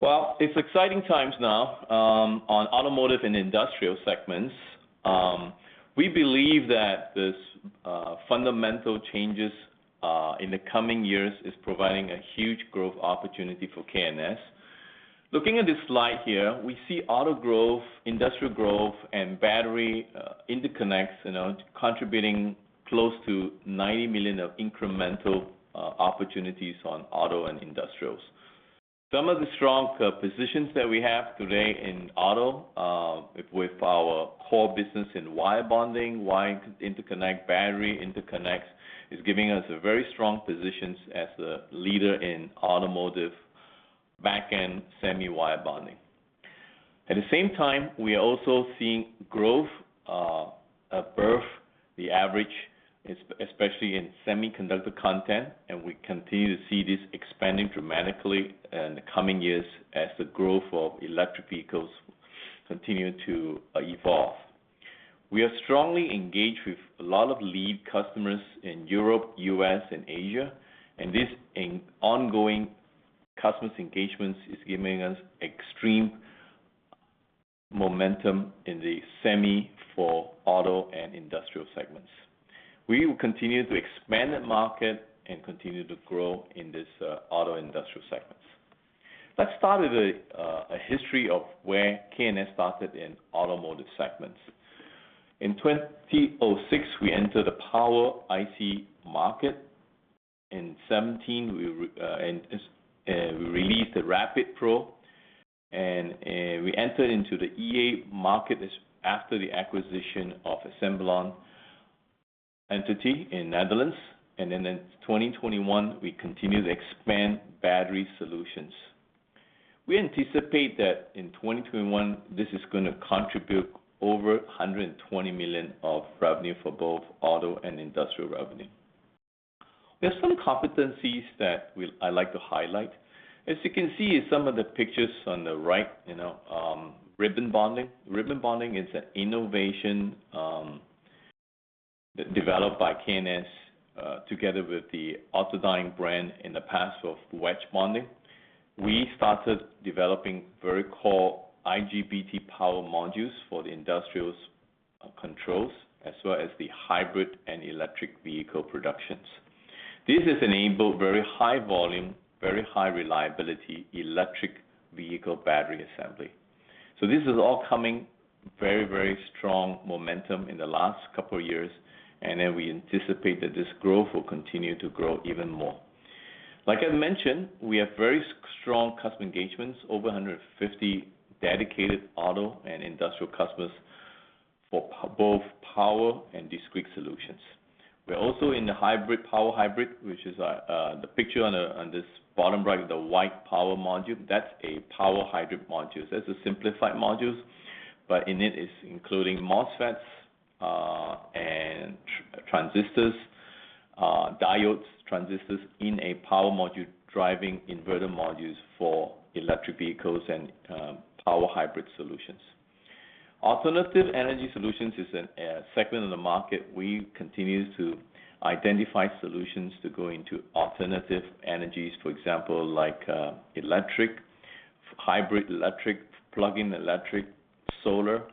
Well, it's exciting times now on automotive and industrial segments. We believe that this fundamental changes in the coming years is providing a huge growth opportunity for K&S. Looking at this slide here, we see auto growth, industrial growth, and battery interconnects contributing close to $90 million of incremental opportunities on auto and industrials. Some of the strong positions that we have today in auto, with our core business in wire bonding, wire interconnect, battery interconnects, is giving us a very strong position as a leader in automotive back-end semi wire bonding. At the same time, we are also seeing growth above the average, especially in semiconductor content, and we continue to see this expanding dramatically in the coming years as the growth of electric vehicles continue to evolve. We are strongly engaged with a lot of lead customers in Europe, U.S., and Asia. These ongoing customer engagements are giving us extreme momentum in the semi for auto and industrial segments. We will continue to expand the market and continue to grow in this auto industrial segment. Let's start with a history of where K&S started in automotive segments. In 2006, we entered the power IC market. In 2017, we released the RapidPro. We entered into the EA market after the acquisition of Assembléon entity in Netherlands. Then in 2021, we continued to expand battery solutions. We anticipate that in 2021, this is going to contribute over $120 million of revenue for both auto and industrial revenue. There's some competencies that I like to highlight. As you can see, some of the pictures on the right, ribbon bonding. Ribbon bonding is an innovation developed by K&S together with the Orthodyne brand in the past for wedge bonding. We started developing very core IGBT power modules for the industrial controls as well as the hybrid and electric vehicle productions. This has enabled very high volume, very high reliability electric vehicle battery assembly. This is all coming very strong momentum in the last couple of years. We anticipate that this growth will continue to grow even more. Like I mentioned, we have very strong customer engagements, over 150 dedicated auto and industrial customers for both power and discrete solutions. We're also in the hybrid power hybrid, which is the picture on this bottom right of the white power module. That's a power hybrid module. That's a simplified module, but in it is including MOSFETs and transistors, diodes, transistors in a power module driving inverter modules for electric vehicles and power hybrid solutions. Alternative energy solutions is a segment of the market. We continue to identify solutions to go into alternative energies. For example, like electric, hybrid electric, plug-in electric, solar,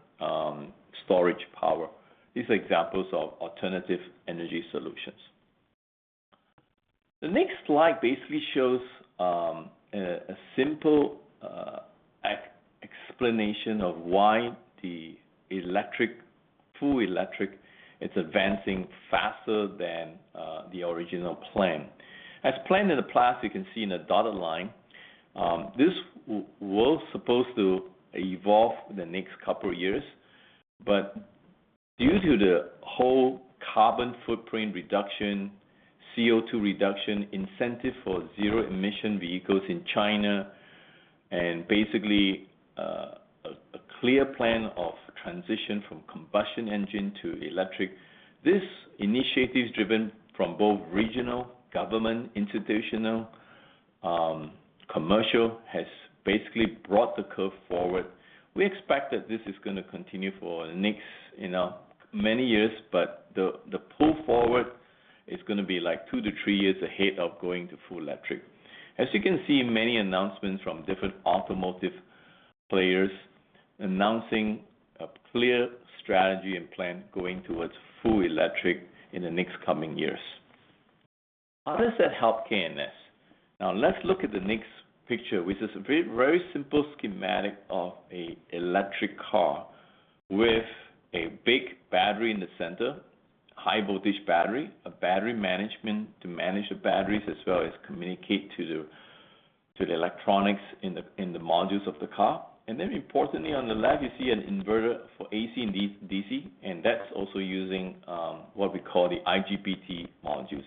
storage power. These are examples of alternative energy solutions. The next slide basically shows a simple explanation of why the full electric is advancing faster than the original plan. As planned in the past, you can see in the dotted line, this was supposed to evolve the next couple of years. Due to the whole carbon footprint reduction, CO2 reduction incentive for zero-emission vehicles in China, and basically, a clear plan of transition from combustion engine to electric, this initiative is driven from both regional government, institutional, commercial, has basically brought the curve forward. We expect that this is going to continue for the next many years. The pull forward is going to be two to three years ahead of going to full electric. As you can see, many announcements from different automotive players announcing a clear strategy and plan going towards full electric in the next coming years. How does that help K&S? Let's look at the next picture, which is a very simple schematic of a electric car with a big battery in the center, high voltage battery, a battery management to manage the batteries as well as communicate to the electronics in the modules of the car. Importantly on the left, you see an inverter for AC and DC, and that's also using what we call the IGBT modules.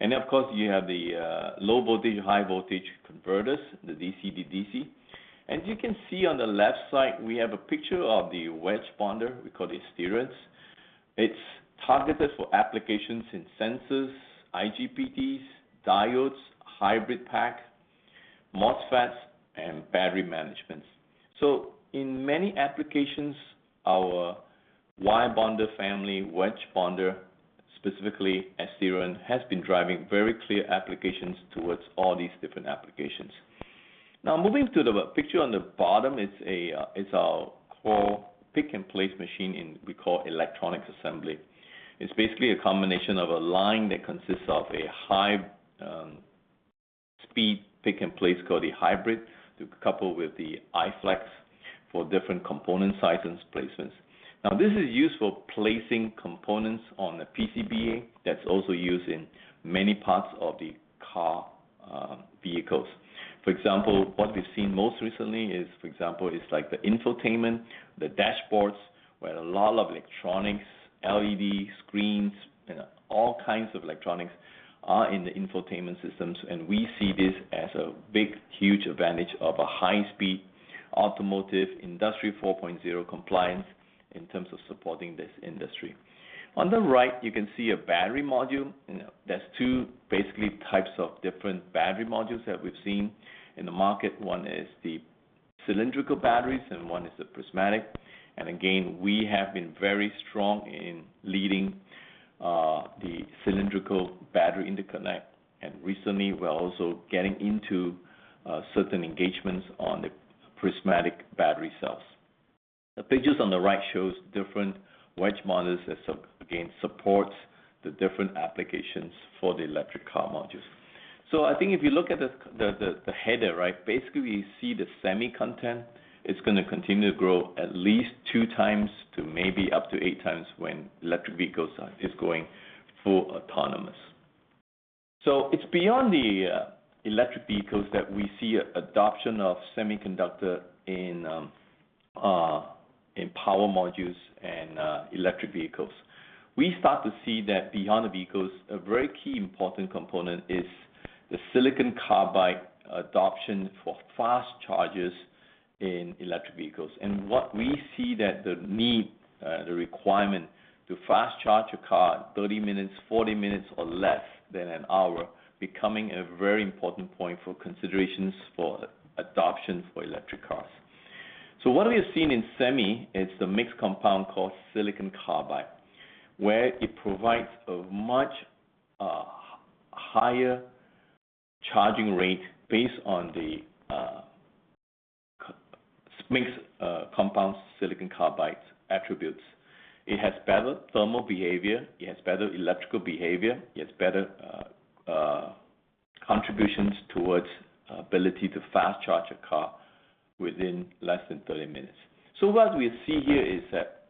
Of course, you have the low voltage, high voltage converters, the DC to DC. You can see on the left side, we have a picture of the wedge bonder, we call it Asterion. It's targeted for applications in sensors, IGBTs, diodes, hybrid pack, MOSFETs, and battery management. In many applications, our wire bonder family, wedge bonder, specifically Asterion, has been driving very clear applications towards all these different applications. Moving to the picture on the bottom, it's our core pick-and-place machine in we call electronics assembly. It's basically a combination of a line that consists of a high-speed pick-and-place called a Hybrid, coupled with the iFlex for different component sizes placements. This is used for placing components on a PCBA that's also used in many parts of the car vehicles. For example, what we've seen most recently is, for example, like the infotainment, the dashboards, where a lot of electronics, LED screens, all kinds of electronics are in the infotainment systems, and we see this as a big, huge advantage of a high-speed automotive Industry 4.0 compliance in terms of supporting this industry. On the right, you can see a battery module. There's two basically types of different battery modules that we've seen in the market. One is the cylindrical batteries and one is the prismatic. Again, we have been very strong in leading the cylindrical battery interconnect. Recently, we're also getting into certain engagements on the prismatic battery cells. The pictures on the right shows different wedge modules that, again, support the different applications for the electric car modules. I think if you look at the header, right? Basically, you see the semi content, it's going to continue to grow at least 2x to maybe up to 8x when electric vehicles are just going full autonomous. It's beyond the electric vehicles that we see adoption of semiconductor in power modules and electric vehicles. We start to see that beyond the vehicles, a very key important component is the silicon carbide adoption for fast chargers in electric vehicles. What we see that the need, the requirement to fast charge your car 30 minutes, 40 minutes, or less than an hour, becoming a very important point for considerations for adoption for electric cars. What we've seen in semi is the mixed compound called silicon carbide, where it provides a much higher charging rate based on the mixed compounds silicon carbide's attributes. It has better thermal behavior, it has better electrical behavior, it has better contributions towards ability to fast charge a car within less than 30 minutes. What we see here is that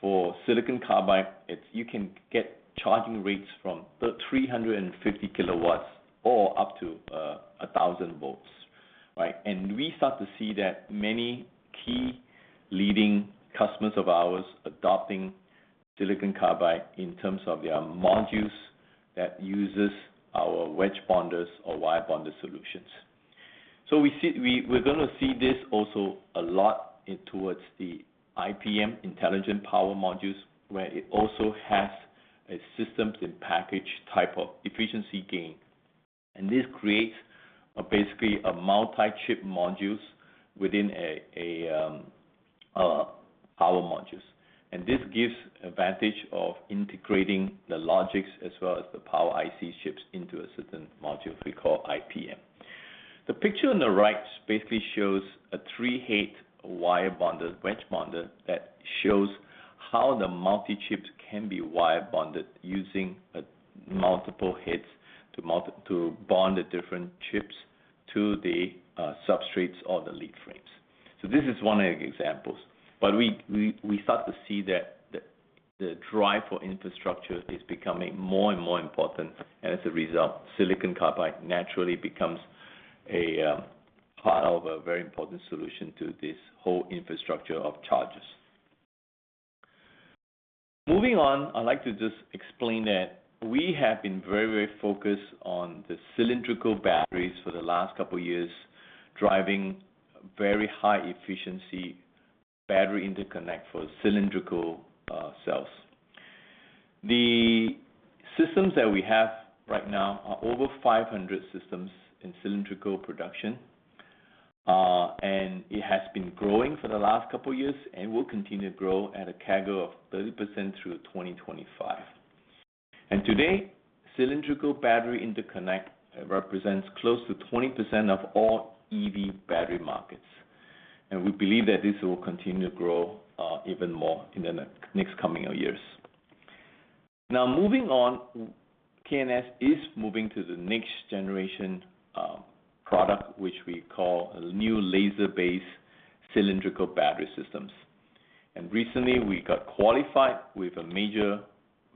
for silicon carbide, you can get charging rates from 350 kW or up to 1,000 V, right? We start to see that many key leading customers of ours adopting silicon carbide in terms of their modules that uses our wedge bonders or wire bonder solutions. We're going to see this also a lot towards the IPM, intelligent power modules, where it also has a systems and package type of efficiency gain. This creates basically a multi-chip modules within power modules. This gives advantage of integrating the logics as well as the power IC chips into a certain module we call IPM. The picture on the right basically shows a three-head wire bonder, wedge bonder, that shows how the multi-chips can be wire bonded using multiple heads to bond the different chips to the substrates or the lead frames. This is one of the examples, but we start to see that the drive for infrastructure is becoming more and more important. As a result, silicon carbide naturally becomes a part of a very important solution to this whole infrastructure of chargers. I'd like to just explain that we have been very focused on the cylindrical batteries for the last couple of years, driving very high efficiency battery interconnect for cylindrical cells. The systems that we have right now are over 500 systems in cylindrical production, and it has been growing for the last couple of years and will continue to grow at a CAGR of 30% through 2025. Today, cylindrical battery interconnect represents close to 20% of all EV battery markets, and we believe that this will continue to grow even more in the next coming years. K&S is moving to the next generation product, which we call a new laser-based cylindrical battery systems. Recently, we got qualified with a major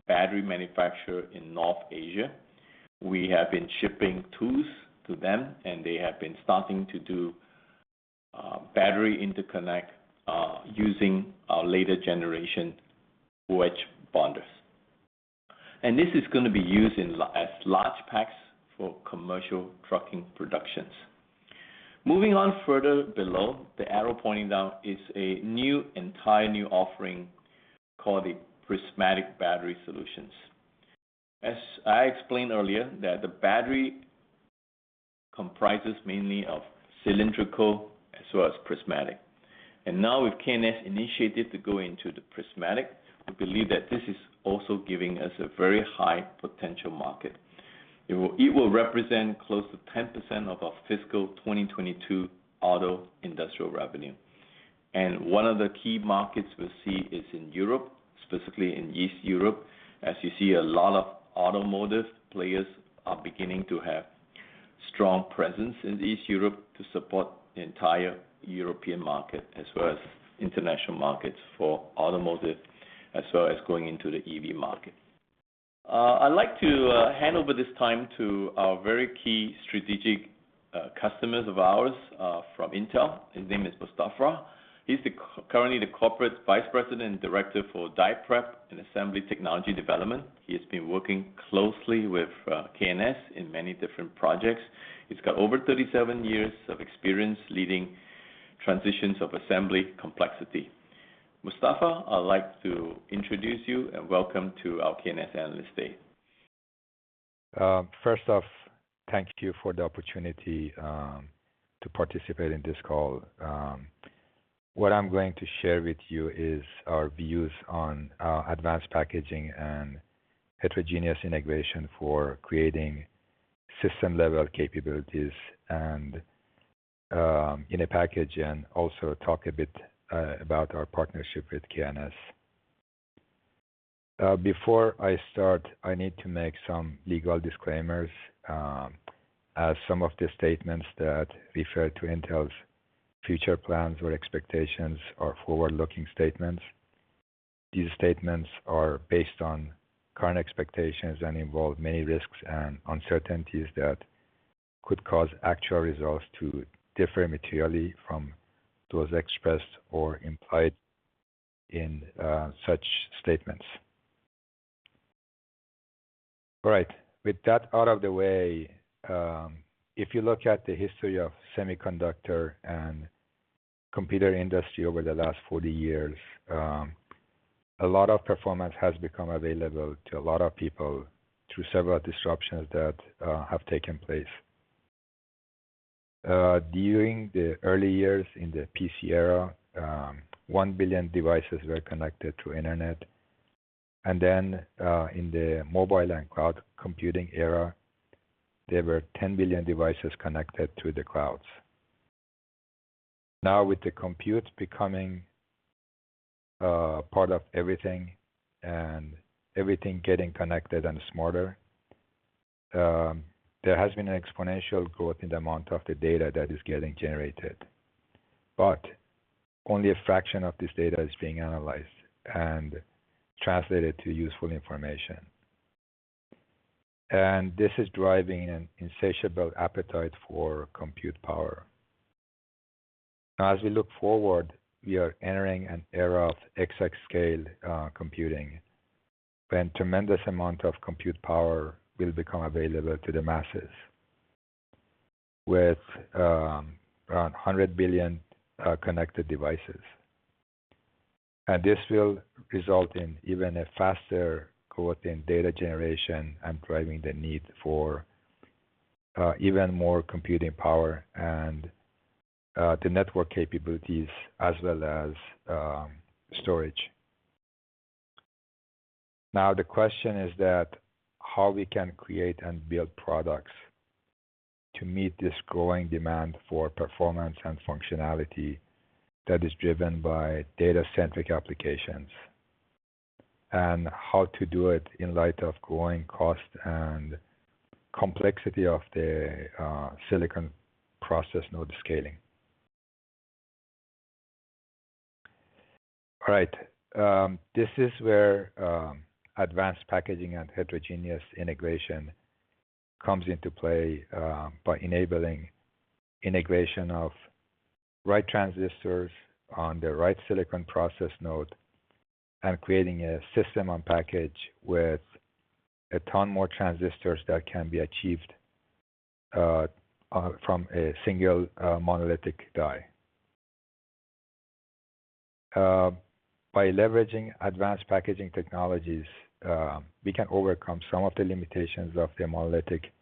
battery manufacturer in North Asia. We have been shipping tools to them, and they have been starting to do battery interconnect using our later generation wedge bonders. This is going to be used as large packs for commercial trucking productions. Moving on further below, the arrow pointing down is an entire new offering called the Prismatic Battery Solutions. As I explained earlier, that the battery comprises mainly of cylindrical as well as prismatic. Now with K&S initiated to go into the prismatic, we believe that this is also giving us a very high potential market. It will represent close to 10% of our fiscal 2022 auto industrial revenue. One of the key markets we'll see is in Europe, specifically in East Europe. As you see, a lot of automotive players are beginning to have strong presence in East Europe to support the entire European market, as well as international markets for automotive, as well as going into the EV market. I'd like to hand over this time to a very key strategic customers of ours, from Intel. His name is Mostafa. He's currently the Corporate Vice President and Director for Die Prep and Assembly Technology Development. He has been working closely with K&S in many different projects. He's got over 37 years of experience leading transitions of assembly complexity. Mostafa, I'd like to introduce you and welcome to our K&S Analyst Day. First off, thank you for the opportunity to participate in this call. What I'm going to share with you is our views on advanced packaging and heterogeneous integration for creating system-level capabilities and in a package, and also talk a bit about our partnership with K&S. Before I start, I need to make some legal disclaimers, as some of the statements that refer to Intel's future plans or expectations are forward-looking statements. These statements are based on current expectations and involve many risks and uncertainties that could cause actual results to differ materially from those expressed or implied in such statements. All right. With that out of the way, if you look at the history of semiconductor and computer industry over the last 40 years, a lot of performance has become available to a lot of people through several disruptions that have taken place. During the early years in the PC era, 1 billion devices were connected to internet. Then, in the mobile and cloud computing era, there were 10 billion devices connected to the clouds. Now, with the compute becoming a part of everything and everything getting connected and smarter, there has been an exponential growth in the amount of the data that is getting generated. Only a fraction of this data is being analyzed and translated to useful information. This is driving an insatiable appetite for compute power. Now, as we look forward, we are entering an era of exascale computing, when tremendous amount of compute power will become available to the masses with around 100 billion connected devices. This will result in even a faster growth in data generation and driving the need for even more computing power and the network capabilities, as well as storage. The question is how we can create and build products to meet this growing demand for performance and functionality that is driven by data-centric applications, and how to do it in light of growing cost and complexity of the silicon process node scaling. This is where advanced packaging and heterogeneous integration comes into play, by enabling integration of right transistors on the right silicon process node and creating a system on package with a ton more transistors that can be achieved from a single monolithic die. By leveraging advanced packaging technologies, we can overcome some of the limitations of the monolithic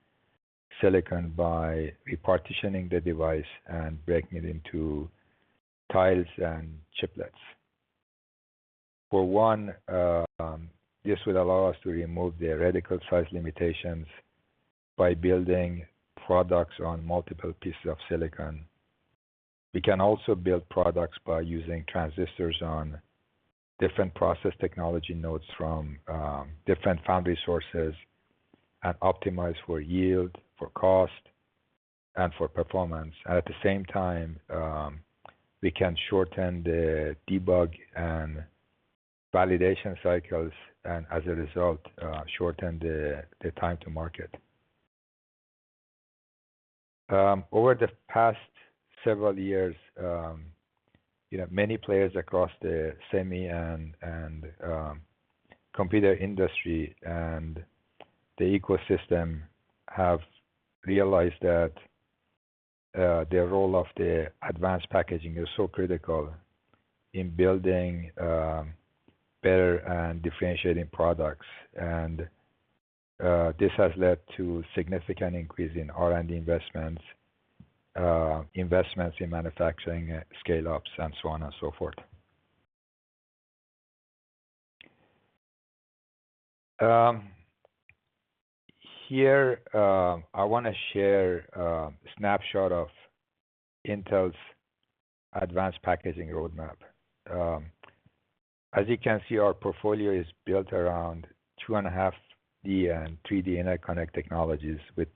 silicon by repartitioning the device and breaking it into tiles and chiplets. For one, this would allow us to remove the reticle size limitations by building products on multiple pieces of silicon. We can also build products by using transistors on different process technology nodes from different foundry sources and optimize for yield, for cost, and for performance. At the same time, we can shorten the debug and validation cycles and, as a result, shorten the time to market. Over the past several years, many players across the semi and computer industry and the ecosystem have realized that the role of the advanced packaging is so critical in building better and differentiating products. This has led to significant increase in R&D investments in manufacturing scale-ups, and so on and so forth. Here, I want to share a snapshot of Intel's advanced packaging roadmap. As you can see, our portfolio is built around 2.5D and 3D interconnect technologies with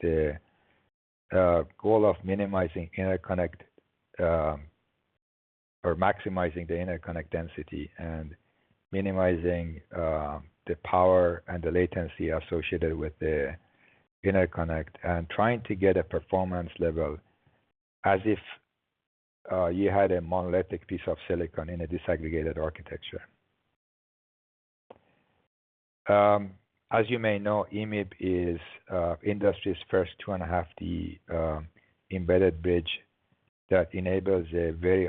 the goal of minimizing interconnect, or maximizing the interconnect density and minimizing the power and the latency associated with the interconnect, and trying to get a performance level as if you had a monolithic piece of silicon in a disaggregated architecture. As you may know, EMIB is industry's first 2.5D embedded bridge that enables a very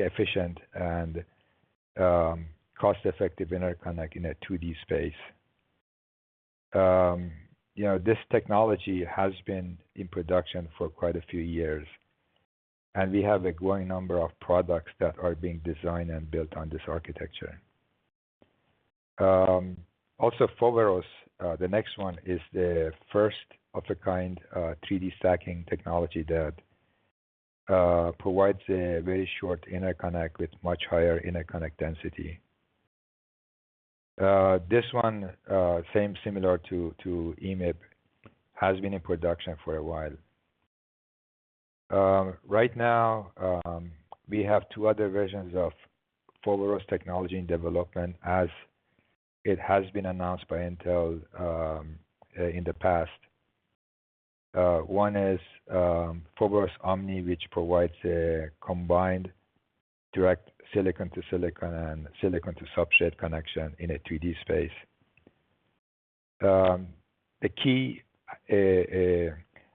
efficient and cost-effective interconnect in a 2D space. This technology has been in production for quite a few years, and we have a growing number of products that are being designed and built on this architecture. Foveros, the next one, is the first of a kind 3D stacking technology that provides a very short interconnect with much higher interconnect density. This one, similar to EMIB, has been in production for a while. Right now, we have two other versions of Foveros technology in development as it has been announced by Intel in the past. One is Foveros Omni, which provides a combined direct silicon to silicon and silicon to substrate connection in a 3D space. The key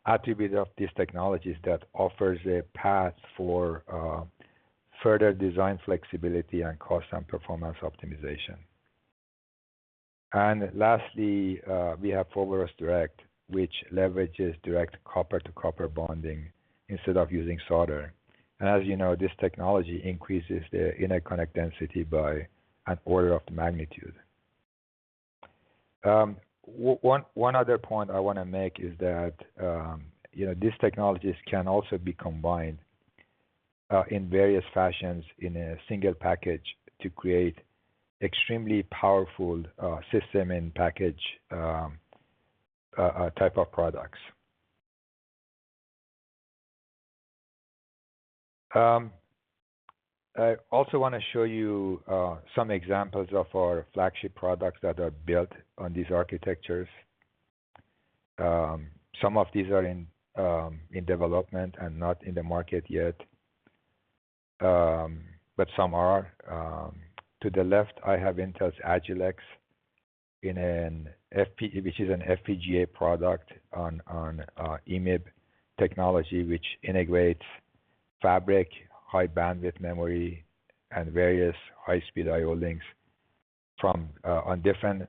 attribute of this technology is that offers a path for further design flexibility and cost and performance optimization. Lastly, we have Foveros Direct, which leverages direct copper to copper bonding instead of using solder. As you know, this technology increases the interconnect density by an order of the magnitude. One other point I want to make is that these technologies can also be combined in various fashions in a single package to create extremely powerful system and package type of products. I also want to show you some examples of our flagship products that are built on these architectures. Some of these are in development and not in the market yet, but some are. To the left, I have Intel's Agilex, which is an FPGA product on EMIB technology, which integrates fabric, high bandwidth memory, and various high-speed I/O links on different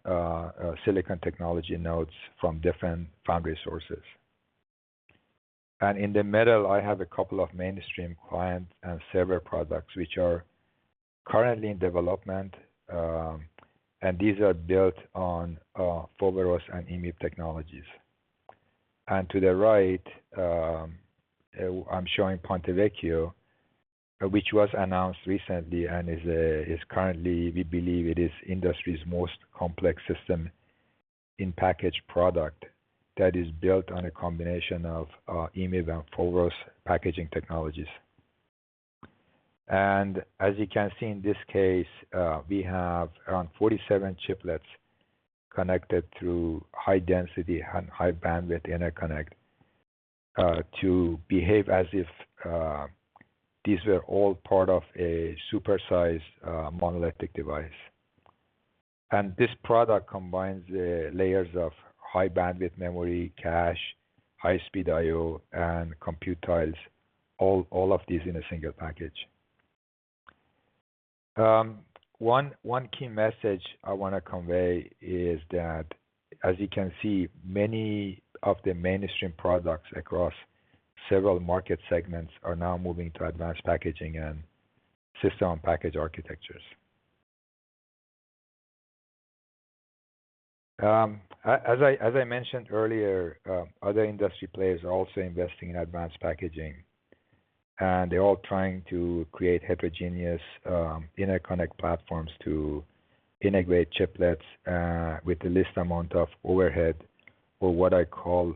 silicon technology nodes from different foundry sources. In the middle, I have a couple of mainstream client and server products, which are currently in development, and these are built on Foveros and EMIB technologies. To the right, I'm showing Ponte Vecchio, which was announced recently and is currently, we believe it is industry's most complex system in packaged product that is built on a combination of EMIB and Foveros packaging technologies. As you can see in this case, we have around 47 chiplets connected through high density and high bandwidth interconnect, to behave as if these were all part of a super-sized monolithic device. This product combines the layers of high bandwidth memory, cache, high-speed I/O, and compute tiles, all of these in a single package. One key message I want to convey is that as you can see, many of the mainstream products across several market segments are now moving to advanced packaging and system package architectures. As I mentioned earlier, other industry players are also investing in advanced packaging. They're all trying to create heterogeneous interconnect platforms to integrate chiplets with the least amount of overhead, or what I call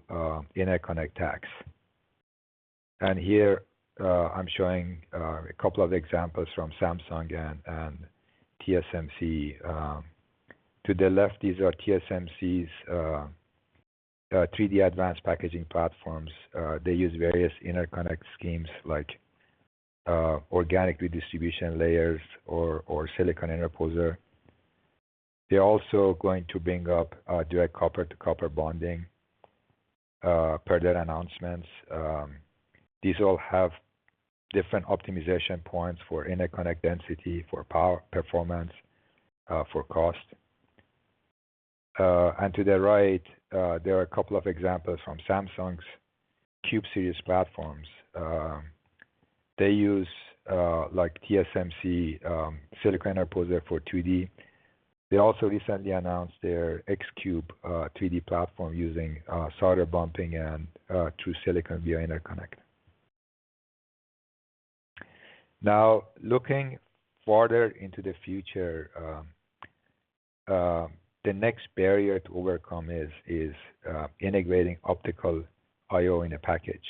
interconnect tax. Here, I'm showing a couple of examples from Samsung and TSMC. To the left, these are TSMC's 3D advanced packaging platforms. They use various interconnect schemes like organic redistribution layers or silicon interposer. They're also going to bring up direct copper-to-copper bonding per their announcements. These all have different optimization points for interconnect density, for power performance, for cost. To the right, there are a couple of examples from Samsung's I-Cube series platforms. They use, like TSMC, silicon interposer for 2D. They also recently announced their X-Cube 3D platform using solder bumping and through silicon via interconnect. Now, looking further into the future, the next barrier to overcome is integrating optical I/O in a package.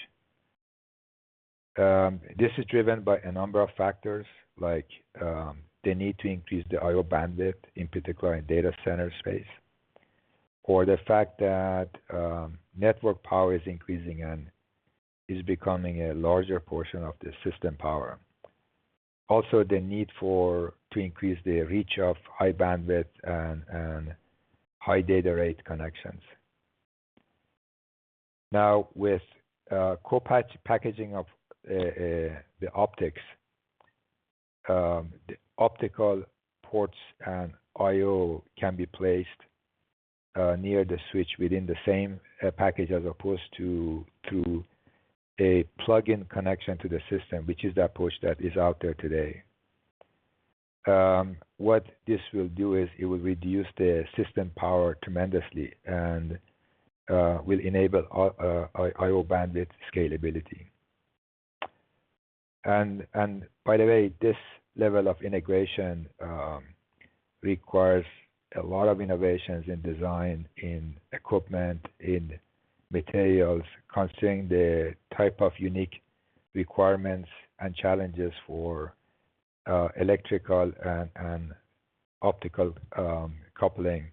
This is driven by a number of factors, like the need to increase the I/O bandwidth, in particular in data center space, or the fact that network power is increasing and is becoming a larger portion of the system power. The need to increase the reach of high bandwidth and high data rate connections. With co-package packaging of the optics, the optical ports and I/O can be placed near the switch within the same package, as opposed to a plug-in connection to the system, which is the approach that is out there today. What this will do is it will reduce the system power tremendously and will enable I/O bandwidth scalability. By the way, this level of integration requires a lot of innovations in design, in equipment, in materials, considering the type of unique requirements and challenges for electrical and optical coupling,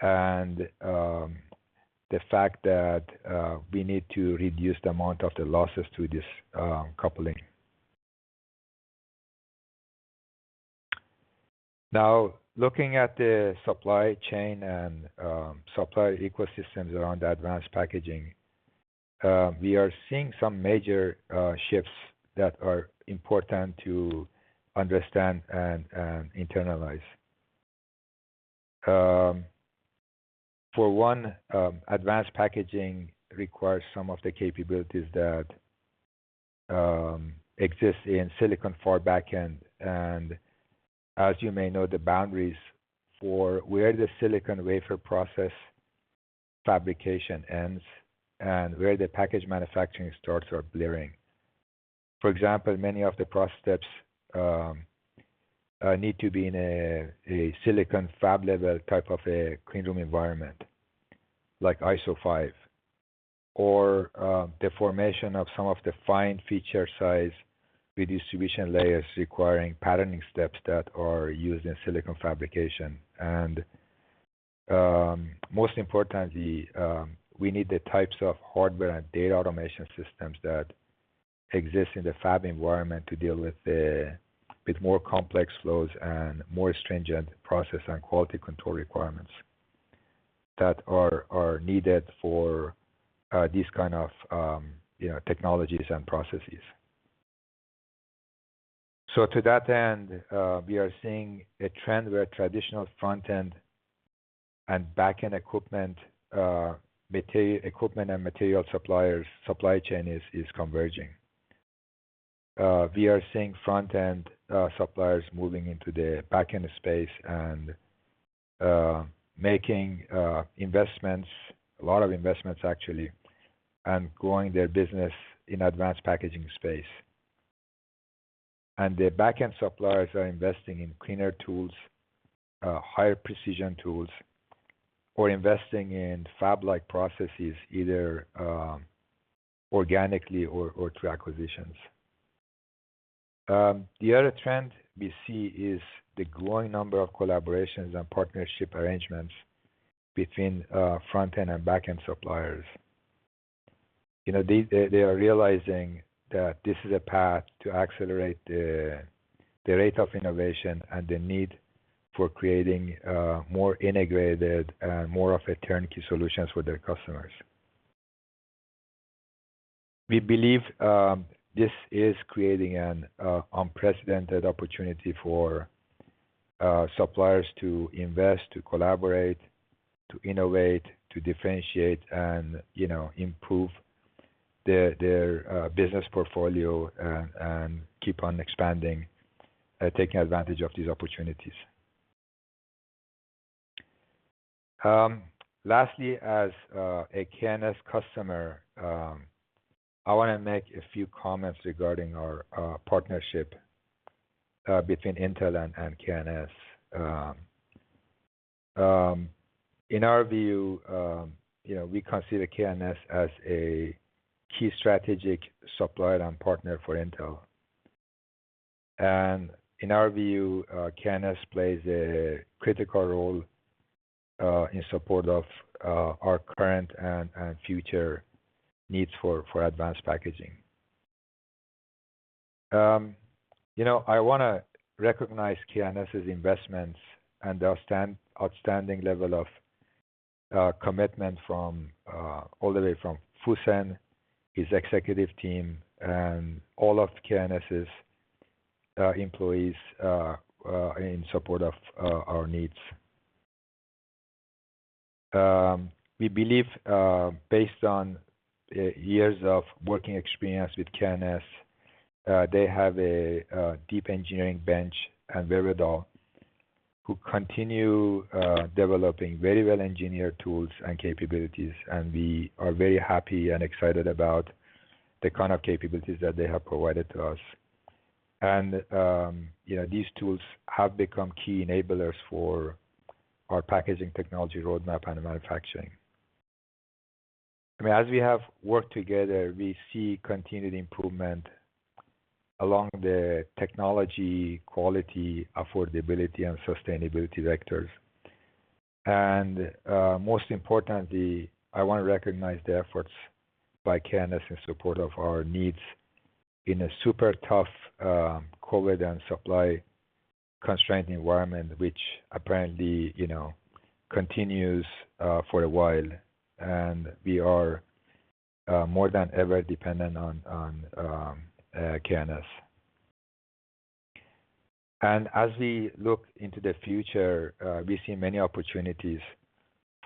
and the fact that we need to reduce the amount of the losses to this coupling. Looking at the supply chain and supply ecosystems around advanced packaging, we are seeing some major shifts that are important to understand and internalize. For one, advanced packaging requires some of the capabilities that exist in silicon far back-end. As you may know, the boundaries for where the silicon wafer process fabrication ends and where the package manufacturing starts are blurring. For example, many of the process steps need to be in a silicon fab level type of a clean room environment, like ISO 5. The formation of some of the fine feature size redistribution layers requiring patterning steps that are used in silicon fabrication. Most importantly, we need the types of hardware and data automation systems that exist in the fab environment to deal with more complex flows and more stringent process and quality control requirements that are needed for these kind of technologies and processes. To that end, we are seeing a trend where traditional front-end and back-end equipment and material suppliers' supply chain is converging. We are seeing front-end suppliers moving into the back-end space and making investments, a lot of investments actually, and growing their business in advanced packaging space. The back-end suppliers are investing in cleaner tools, higher precision tools, or investing in fab-like processes, either organically or through acquisitions. The other trend we see is the growing number of collaborations and partnership arrangements between front-end and back-end suppliers. They are realizing that this is a path to accelerate the rate of innovation and the need for creating more integrated and more of a turnkey solutions for their customers. We believe this is creating an unprecedented opportunity for suppliers to invest, to collaborate, to innovate, to differentiate, and improve their business portfolio, and keep on expanding, taking advantage of these opportunities. Lastly, as a K&S customer, I want to make a few comments regarding our partnership between Intel and K&S. In our view, we consider K&S as a key strategic supplier and partner for Intel. In our view, K&S plays a critical role in support of our current and future needs for advanced packaging. I want to recognize K&S's investments and their outstanding level of commitment all the way from Fusen, his executive team, and all of K&S's employees in support of our needs. We believe, based on years of working experience with K&S, they have a deep engineering bench and very well, who continue developing very well-engineered tools and capabilities, and we are very happy and excited about the kind of capabilities that they have provided to us. These tools have become key enablers for our packaging technology roadmap and manufacturing. As we have worked together, we see continued improvement along the technology, quality, affordability, and sustainability vectors. Most importantly, I want to recognize the efforts by K&S in support of our needs in a super tough COVID and supply constraint environment, which apparently continues for a while. We are more than ever dependent on K&S. As we look into the future, we see many opportunities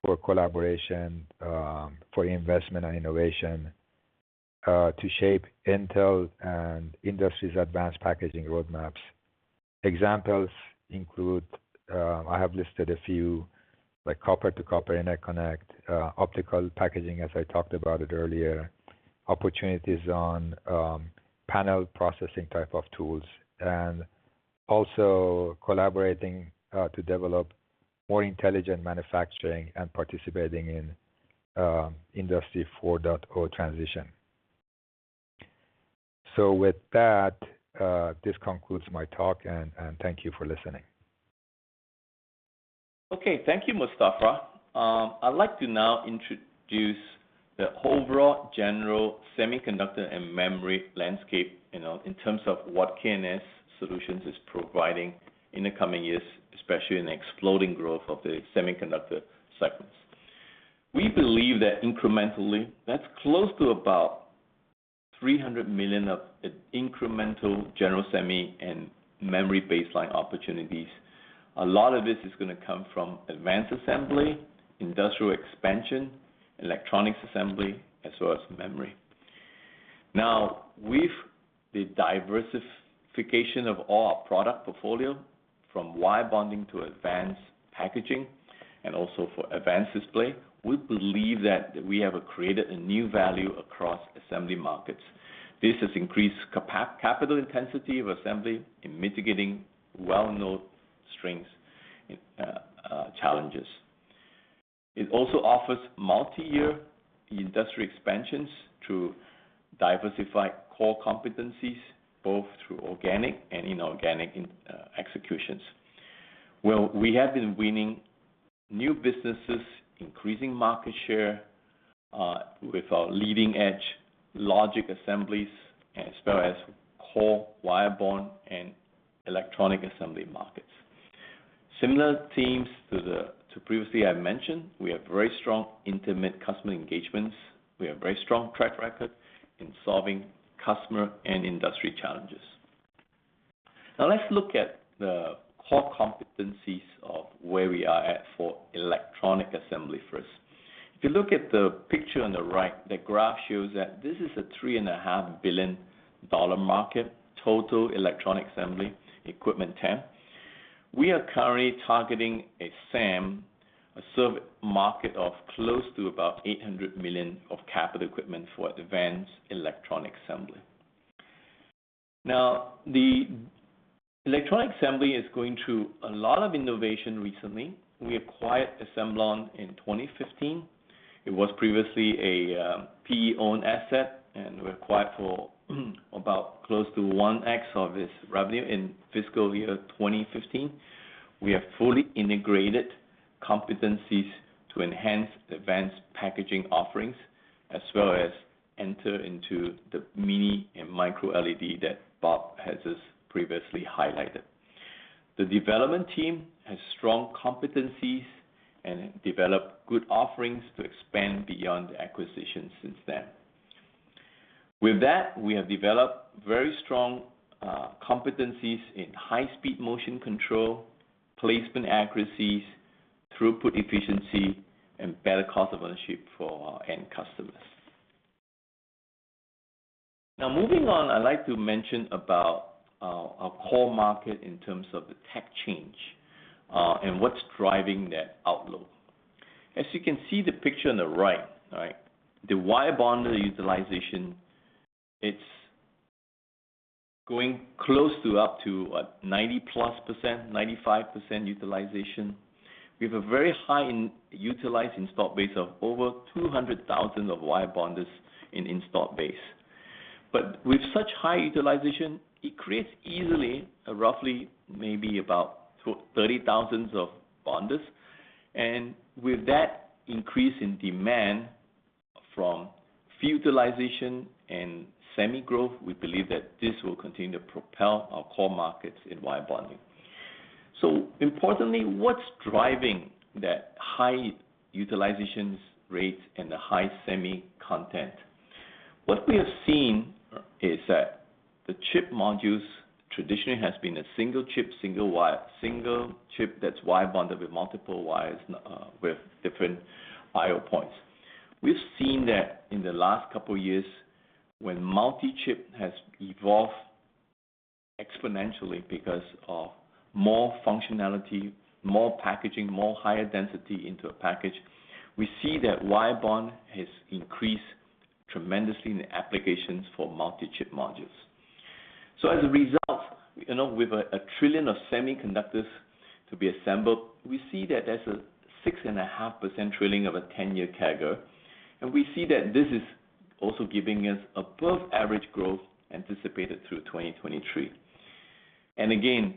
for collaboration, for investment and innovation, to shape Intel and industries advanced packaging roadmaps. Examples include, I have listed a few, like copper-to-copper interconnect, optical packaging, as I talked about it earlier, opportunities on panel processing type of tools, and also collaborating to develop more intelligent manufacturing and participating in Industry 4.0 transition. With that, this concludes my talk, and thank you for listening. Okay. Thank you, Mostafa. I'd like to now introduce the overall general semiconductor and memory landscape, in terms of what K&S Solutions is providing in the coming years, especially in the exploding growth of the semiconductor cycles. We believe that incrementally, that's close to about $300 million of incremental general semi and memory baseline opportunities. A lot of this is going to come from advanced assembly, industrial expansion, electronics assembly, as well as memory. Now, with the diversification of all our product portfolio from wire bonding to advanced packaging and also for advanced display, we believe that we have created a new value across assembly markets. This has increased capital intensity of assembly in mitigating well-known strengths, challenges. It also offers multi-year industry expansions through diversified core competencies, both through organic and inorganic executions. Well, we have been winning new businesses, increasing market share, with our leading-edge logic assemblies, as well as core wire bond and electronic assembly markets. Similar themes to previously I mentioned, we have very strong intimate customer engagements. We have very strong track record in solving customer and industry challenges. Now let's look at the core competencies of where we are at for electronic assembly first. If you look at the picture on the right, the graph shows that this is a $3.5 billion market, total electronic assembly equipment TAM. We are currently targeting a SAM, a serve market of close to about $800 million of capital equipment for advanced electronic assembly. Now, the electronic assembly is going through a lot of innovation recently. We acquired Assembléon in 2015. It was previously a PE-owned asset, and we acquired for about close to 1x of its revenue in fiscal year 2015. We have fully integrated competencies to enhance advanced packaging offerings, as well as enter into the mini and micro LED that Bob has just previously highlighted. The development team has strong competencies and developed good offerings to expand beyond the acquisition since then. With that, we have developed very strong competencies in high-speed motion control, placement accuracies, throughput efficiency, and better cost of ownership for our end customers. Now, moving on, I'd like to mention about our core market in terms of the tech change, and what's driving that outlook. As you can see the picture on the right, the wire bonder utilization, it's going close to up to what, 90+%, 95% utilization. We have a very high utilized installed base of over 200,000 of wire bonders in installed base. With such high utilization, it creates easily, roughly maybe about 30,000 of bonders. With that increase in demand from utilization and semi growth, we believe that this will continue to propel our core markets in wire bonding. Importantly, what's driving that high utilizations rate and the high semi content? What we have seen is that the chip modules traditionally has been a single chip, single wire, single chip that's wire bonded with multiple wires with different IO points. We've seen that in the last couple of years when multi-chip has evolved exponentially because of more functionality, more packaging, more higher density into a package. We see that wire bond has increased tremendously in the applications for multi-chip modules. As a result, with a trillion of semiconductors to be assembled, we see that there's a 6.5% trailing of a 10-year CAGR, we see that this is also giving us above average growth anticipated through 2023. Again,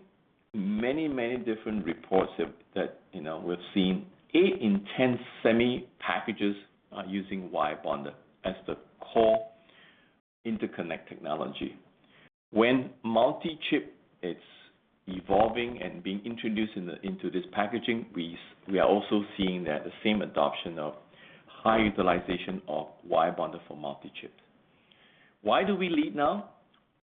many different reports that we've seen, eight in 10 semi packages are using wire bonder as the core interconnect technology. When multi-chip, it's evolving and being introduced into this packaging, we are also seeing that the same adoption of high utilization of wire bonder for multi-chip. Why do we lead now?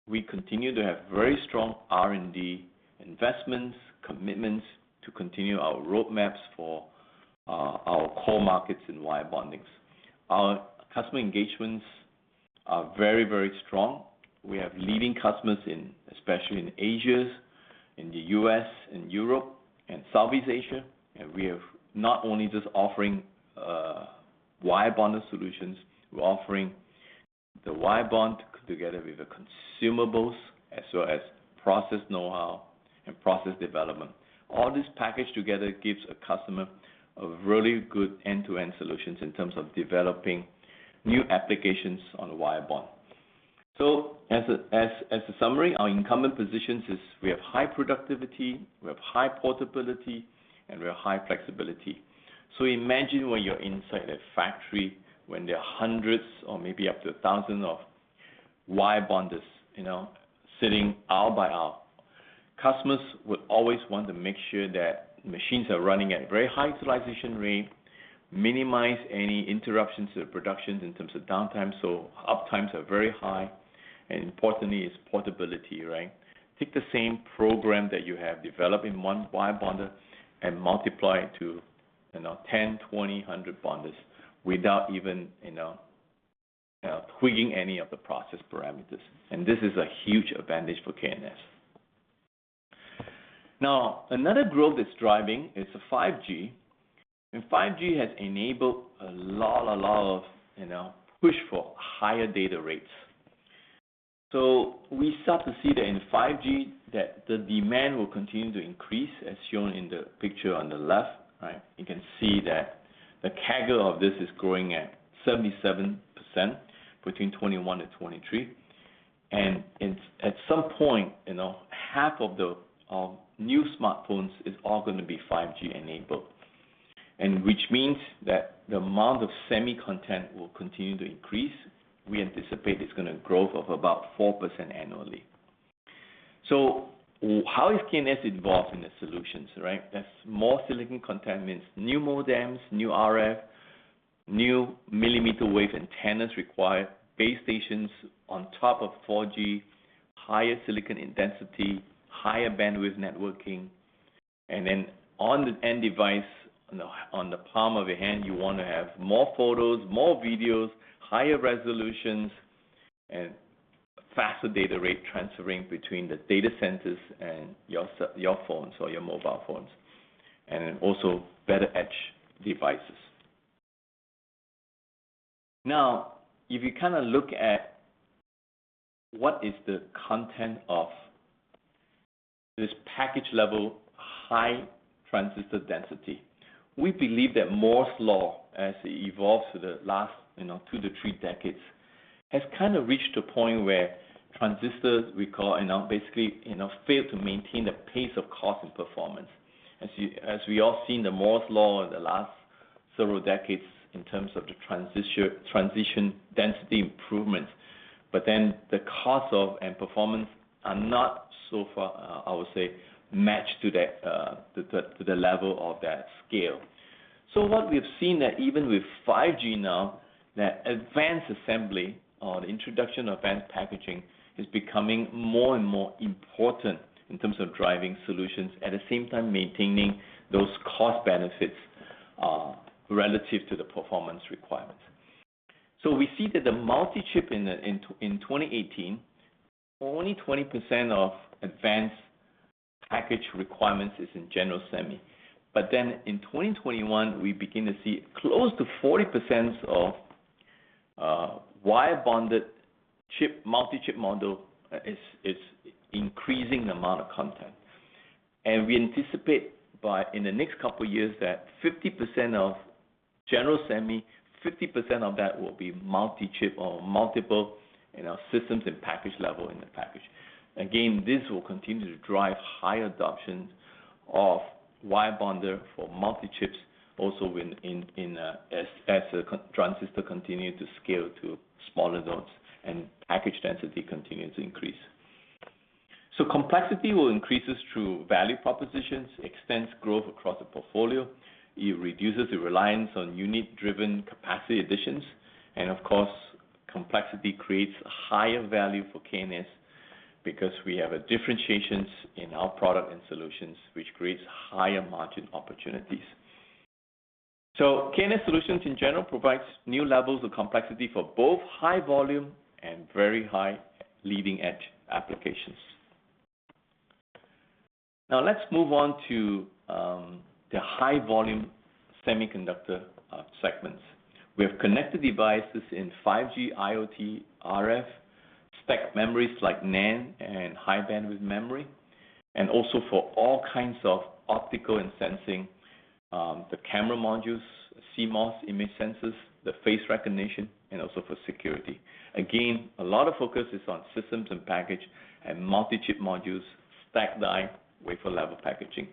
We continue to have very strong R&D investments, commitments to continue our roadmaps for our core markets in wire bondings. Our customer engagements are very strong. We have leading customers especially in Asia, in the U.S., in Europe, and Southeast Asia. We are not only just offering wire bonder solutions, we are offering the wire bond together with the consumables as well as process know-how and process development. All this packaged together gives a customer a really good end-to-end solutions in terms of developing new applications on a wire bond. As a summary, our incumbent positions is we have high productivity, we have high portability, and we have high flexibility. Imagine when you are inside a factory when there are hundreds or maybe up to thousands of wire bonders sitting aisle by aisle. Customers would always want to make sure that machines are running at very high utilization rate, minimize any interruptions to the productions in terms of downtime, so uptimes are very high. Importantly, is portability. Take the same program that you have developed in one wire bonder and multiply it to 10, 20, 100 bonders without even tweaking any of the process parameters. This is a huge advantage for K&S. Now, another growth that's driving is the 5G. 5G has enabled a lot of push for higher data rates. We start to see that in 5G, that the demand will continue to increase, as shown in the picture on the left. You can see that the CAGR of this is growing at 77% between 2021 and 2023. At some point, half of the new smartphones is all going to be 5G enabled. Which means that the amount of semi content will continue to increase. We anticipate it's going to growth of about 4% annually. How is K&S involved in the solutions? There's more silicon content means new modems, new RF, new millimeter wave antennas require base stations on top of 4G, higher silicon intensity, higher bandwidth networking, and then on the end device, on the palm of your hand, you want to have more photos, more videos, higher resolutions, and faster data rate transferring between the data centers and your phones or your mobile phones. Also better edge devices. Now, if you look at what is the content of this package level, high transistor density. We believe that Moore's law, as it evolves through the last two to three decades, has reached a point where transistors, we call now, basically, fail to maintain the pace of cost and performance. As we all seen, the Moore's Law over the last several decades in terms of the transistor density improvements, but then the cost of and performance are not so far, I would say, matched to the level of that scale. What we've seen that even with 5G now, that advanced assembly or the introduction of advanced packaging is becoming more and more important in terms of driving solutions, at the same time, maintaining those cost benefits relative to the performance requirements. We see that the multi-chip in 2018, only 20% of advanced package requirements is in general semi. In 2021, we begin to see close to 40% of wire bonded multi-chip module is increasing the amount of content. We anticipate in the next couple years that 50% of general semi, 50% of that will be multi-chip or multiple systems and package level in the package. Again, this will continue to drive high adoption of wire bonder for multi-chips also as the transistor continue to scale to smaller nodes and package density continue to increase. Complexity will increase through value propositions, extends growth across the portfolio. It reduces the reliance on unit-driven capacity additions, and of course, complexity creates a higher value for K&S because we have a differentiations in our product and solutions, which creates higher margin opportunities. K&S solutions in general provides new levels of complexity for both high volume and very high leading-edge applications. Now let's move on to the high volume semiconductor segments. We have connected devices in 5G, IoT, RF, spec memories like NAND and high bandwidth memory, and also for all kinds of optical and sensing, the camera modules, the CMOS image sensors, the face recognition, and also for security. Again, a lot of focus is on systems and package and multi-chip modules, stacked die, wafer level packaging.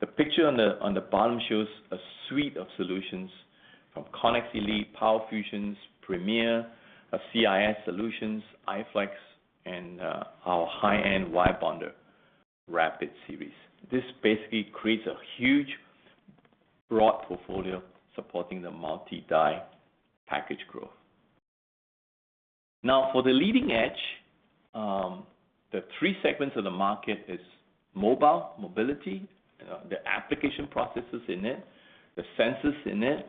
The picture on the bottom shows a suite of solutions from ConnX ELITE, PowerFusions, AT Premier, CIS solutions, iFlex, and our high-end wire bonder, RAPID Series. This basically creates a huge, broad portfolio supporting the multi-die package growth. For the leading edge, the three segments of the market is mobile, mobility, the application processes in it, the sensors in it,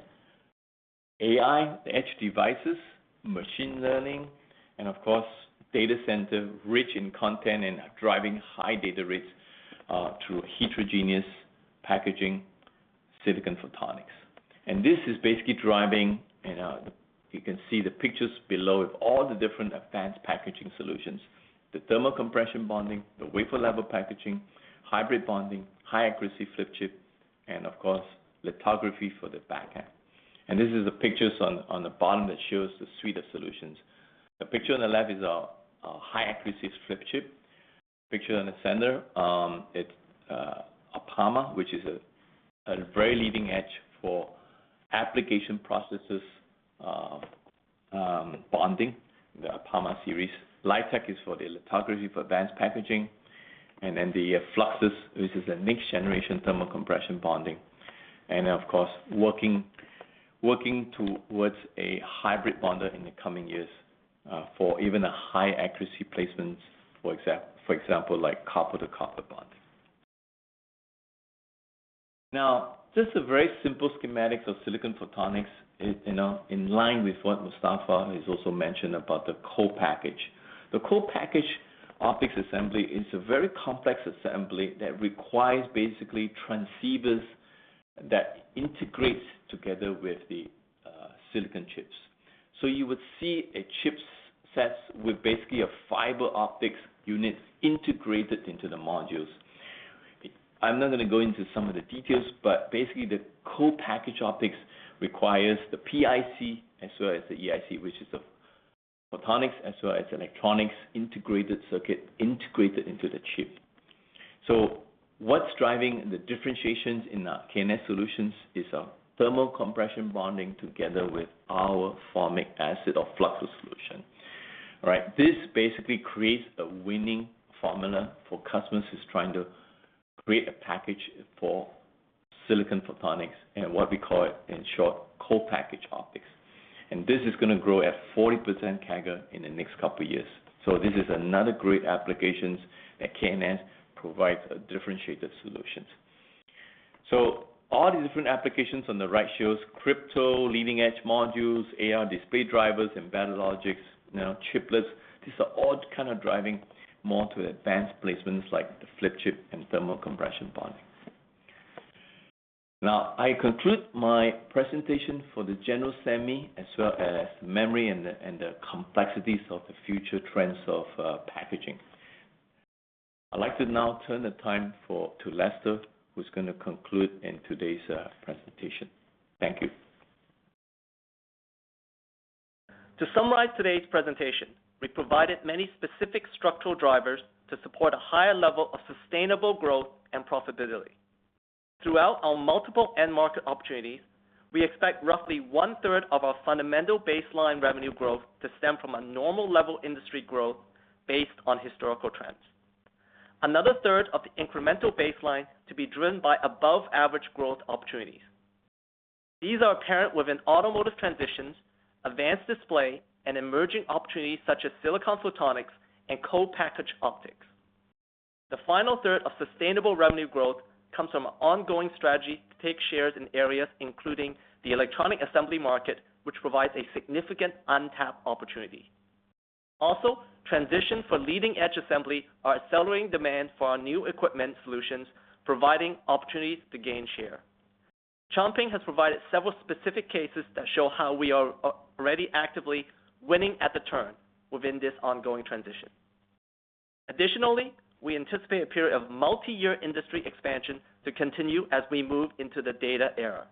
AI, the edge devices, machine learning, and of course, data center, rich in content and driving high data rates through heterogeneous packaging, silicon photonics. This is basically driving, and you can see the pictures below of all the different advanced packaging solutions, the thermal compression bonding, the wafer level packaging, hybrid bonding, high-accuracy flip chip, and of course, lithography for the back end. This is the pictures on the bottom that shows the suite of solutions. The picture on the left is our high-accuracy flip chip. Picture on the center, it's an APAMA, which is a very leading edge for application processes bonding, the APAMA series. LITEQ is for the lithography for advanced packaging. The fluxless, this is a next generation thermal compression bonding. Of course, working towards a hybrid bonder in the coming years, for even high-accuracy placements, for example, copper-to-copper bond. Just a very simple schematics of silicon photonics in line with what Mostafa has also mentioned about the co-package. The co-packaged optics assembly is a very complex assembly that requires basically transceivers that integrates together with the silicon chips. You would see a chip set with basically a fiber optics unit integrated into the modules. I'm not going to go into some of the details, but basically the co-packaged optics requires the PIC as well as the EIC, which is a photonics as well as electronics integrated circuit integrated into the chip. What's driving the differentiations in our K&S solutions is our thermal compression bonding together with our formic acid or Fluxus solution. All right. This basically creates a winning formula for customers who's trying to create a package for silicon photonics and what we call it, in short, co-packaged optics. This is going to grow at 40% CAGR in the next couple years. This is another great applications that K&S provides differentiated solutions. All the different applications on the right shows crypto, leading edge modules, AI display drivers, embedded logics, chiplets. These are all kind of driving more to advanced placements like the flip chip and thermal compression bonding. Now, I conclude my presentation for the general semi as well as memory and the complexities of the future trends of packaging. I'd like to now turn the time to Lester, who's going to conclude in today's presentation. Thank you. To summarize today's presentation, we provided many specific structural drivers to support a higher level of sustainable growth and profitability. Throughout our multiple end-market opportunities, we expect roughly 1/3 of our fundamental baseline revenue growth to stem from a normal level industry growth based on historical trends. Another third of the incremental baseline to be driven by above-average growth opportunities. These are apparent within automotive transitions, advanced display, and emerging opportunities such as silicon photonics and co-packaged optics. The final third of sustainable revenue growth comes from an ongoing strategy to take shares in areas including the electronic assembly market, which provides a significant untapped opportunity. Also, transition for leading-edge assembly are accelerating demand for our new equipment solutions, providing opportunities to gain share. Chan Pin has provided several specific cases that show how we are already actively winning at the turn within this ongoing transition. Additionally, we anticipate a period of multi-year industry expansion to continue as we move into the data era.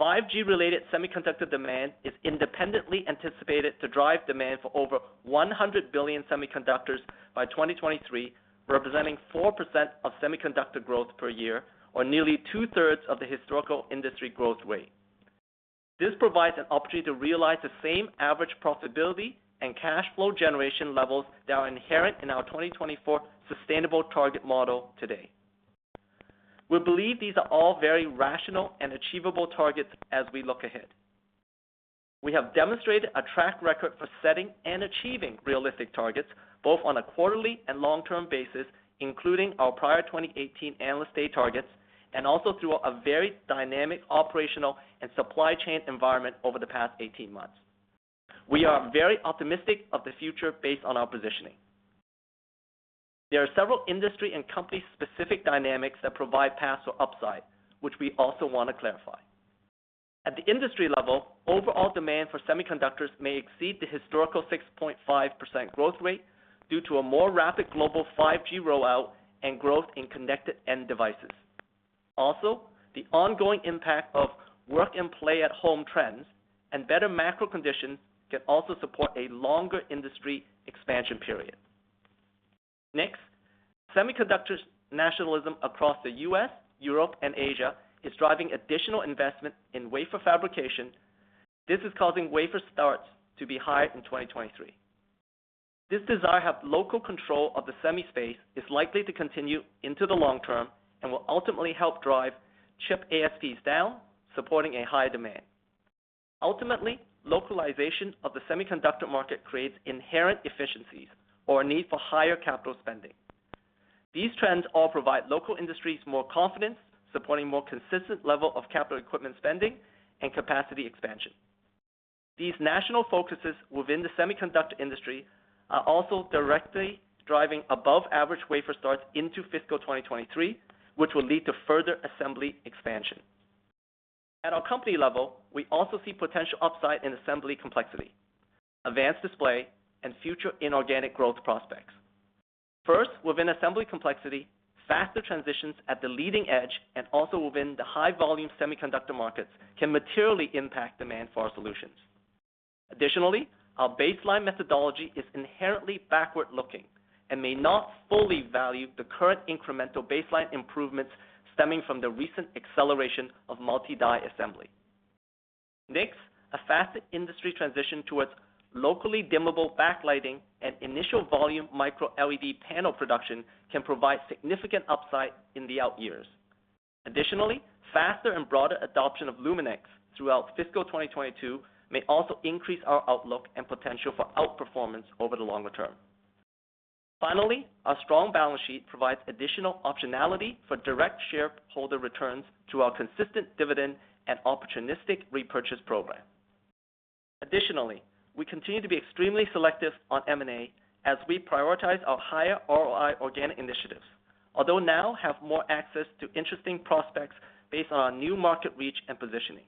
5G-related semiconductor demand is independently anticipated to drive demand for over 100 billion semiconductors by 2023, representing 4% of semiconductor growth per year, or nearly 2/3 of the historical industry growth rate. This provides an opportunity to realize the same average profitability and cash flow generation levels that are inherent in our 2024 sustainable target model today. We believe these are all very rational and achievable targets as we look ahead. We have demonstrated a track record for setting and achieving realistic targets, both on a quarterly and long-term basis, including our prior 2018 Analyst Day targets, and also through a very dynamic operational and supply chain environment over the past 18 months. We are very optimistic of the future based on our positioning. There are several industry and company-specific dynamics that provide paths for upside, which we also want to clarify. At the industry level, overall demand for semiconductors may exceed the historical 6.5% growth rate due to a more rapid global 5G rollout and growth in connected end devices. The ongoing impact of work and play at home trends and better macro conditions can also support a longer industry expansion period. Semiconductors nationalism across the U.S., Europe, and Asia is driving additional investment in wafer fabrication. This is causing wafer starts to be high in 2023. This desire to have local control of the semi space is likely to continue into the long term and will ultimately help drive chip ASPs down, supporting a high demand. Localization of the semiconductor market creates inherent efficiencies or a need for higher capital spending. These trends all provide local industries more confidence, supporting more consistent level of capital equipment spending and capacity expansion. These national focuses within the semiconductor industry are also directly driving above-average wafer starts into fiscal 2023, which will lead to further assembly expansion. At our company level, we also see potential upside in assembly complexity, advanced display, and future inorganic growth prospects. First, within assembly complexity, faster transitions at the leading edge and also within the high volume semiconductor markets can materially impact demand for our solutions. Additionally, our baseline methodology is inherently backward-looking and may not fully value the current incremental baseline improvements stemming from the recent acceleration of multi-die assembly. Next, a faster industry transition towards locally dimmable backlighting and initial volume micro LED panel production can provide significant upside in the out years. Faster and broader adoption of LUMINEX throughout fiscal 2022 may also increase our outlook and potential for outperformance over the longer term. Our strong balance sheet provides additional optionality for direct shareholder returns through our consistent dividend and opportunistic repurchase program. We continue to be extremely selective on M&A as we prioritize our higher ROI organic initiatives, although now have more access to interesting prospects based on our new market reach and positioning.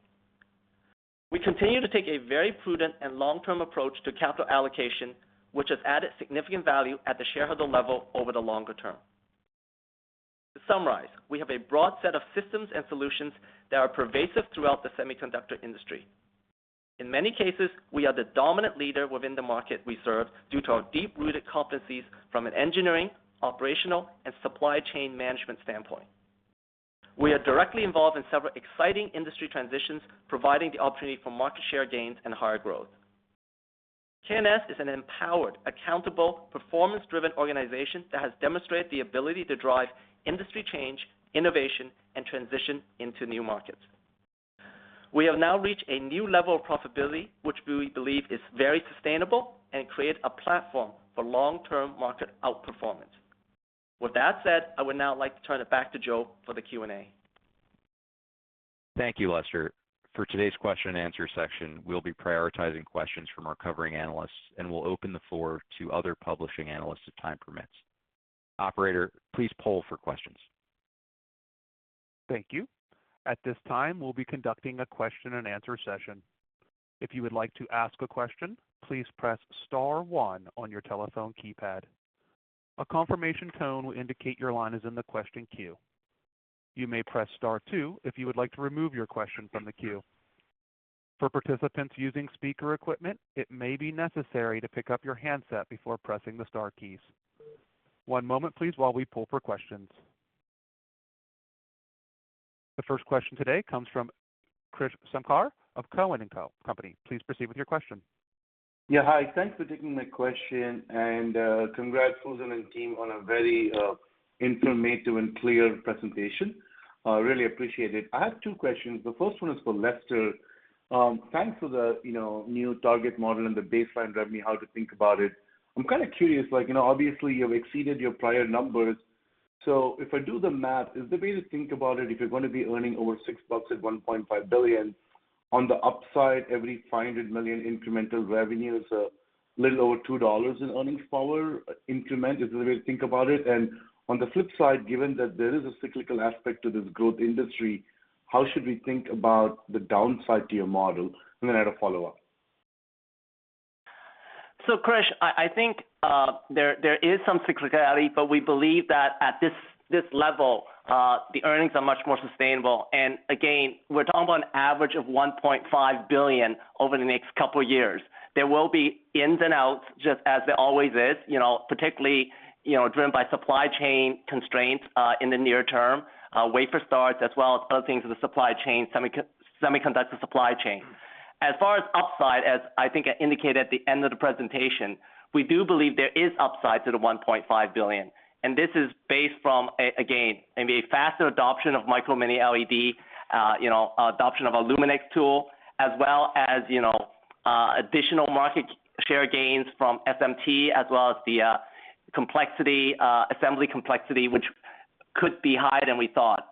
We continue to take a very prudent and long-term approach to capital allocation, which has added significant value at the shareholder level over the longer term. To summarize, we have a broad set of systems and solutions that are pervasive throughout the semiconductor industry. In many cases, we are the dominant leader within the market we serve due to our deep-rooted competencies from an engineering, operational, and supply chain management standpoint. We are directly involved in several exciting industry transitions, providing the opportunity for market share gains and higher growth. K&S is an empowered, accountable, performance-driven organization that has demonstrated the ability to drive industry change, innovation, and transition into new markets. We have now reached a new level of profitability, which we believe is very sustainable and create a platform for long-term market outperformance. With that said, I would now like to turn it back to Joe for the Q&A. Thank you, Lester. For today's question and answer section, we'll be prioritizing questions from our covering analysts, and we'll open the floor to other publishing analysts if time permits. Operator, please poll for questions. Thank you. At this time, we'll be conducting a question and answer session. If you would like to ask a question, please press star one on your telephone keypad. A confirmation tone will indicate your line is in the question queue. You may press star two if you would like to remove your question from the queue. For participants using speaker equipment, it may be necessary to pick up your handset before pressing the star keys. One moment, please, while we poll for questions. The first question today comes from Krish Sankar of TD Cowen. Please proceed with your question. Yeah, hi. Thanks for taking my question and congrats, Fusen and team on a very informative and clear presentation. Really appreciate it. I have two questions. The first one is for Lester. Thanks for the new target model and the baseline revenue, how to think about it. I'm kind of curious, obviously you've exceeded your prior numbers. If I do the math, is the way to think about it, if you're going to be earning over $6 at $1.5 billion, on the upside, every $500 million incremental revenue is a little over $2 in earnings power increment. Is that the way to think about it? On the flip side, given that there is a cyclical aspect to this growth industry, how should we think about the downside to your model? I had a follow-up. Krish, I think there is some cyclicality, but we believe that at this level, the earnings are much more sustainable. Again, we're talking about an average of $1.5 billion over the next couple of years. There will be ins and outs, just as there always is, particularly driven by supply chain constraints in the near term, wafer starts as well as other things in the supply chain, semiconductor supply chain. As far as upside, as I think I indicated at the end of the presentation, we do believe there is upside to the $1.5 billion. This is based from, again, maybe a faster adoption of micro mini LED, adoption of our LUMINEX tool, as well as additional market share gains from SMT, as well as the assembly complexity, which could be higher than we thought.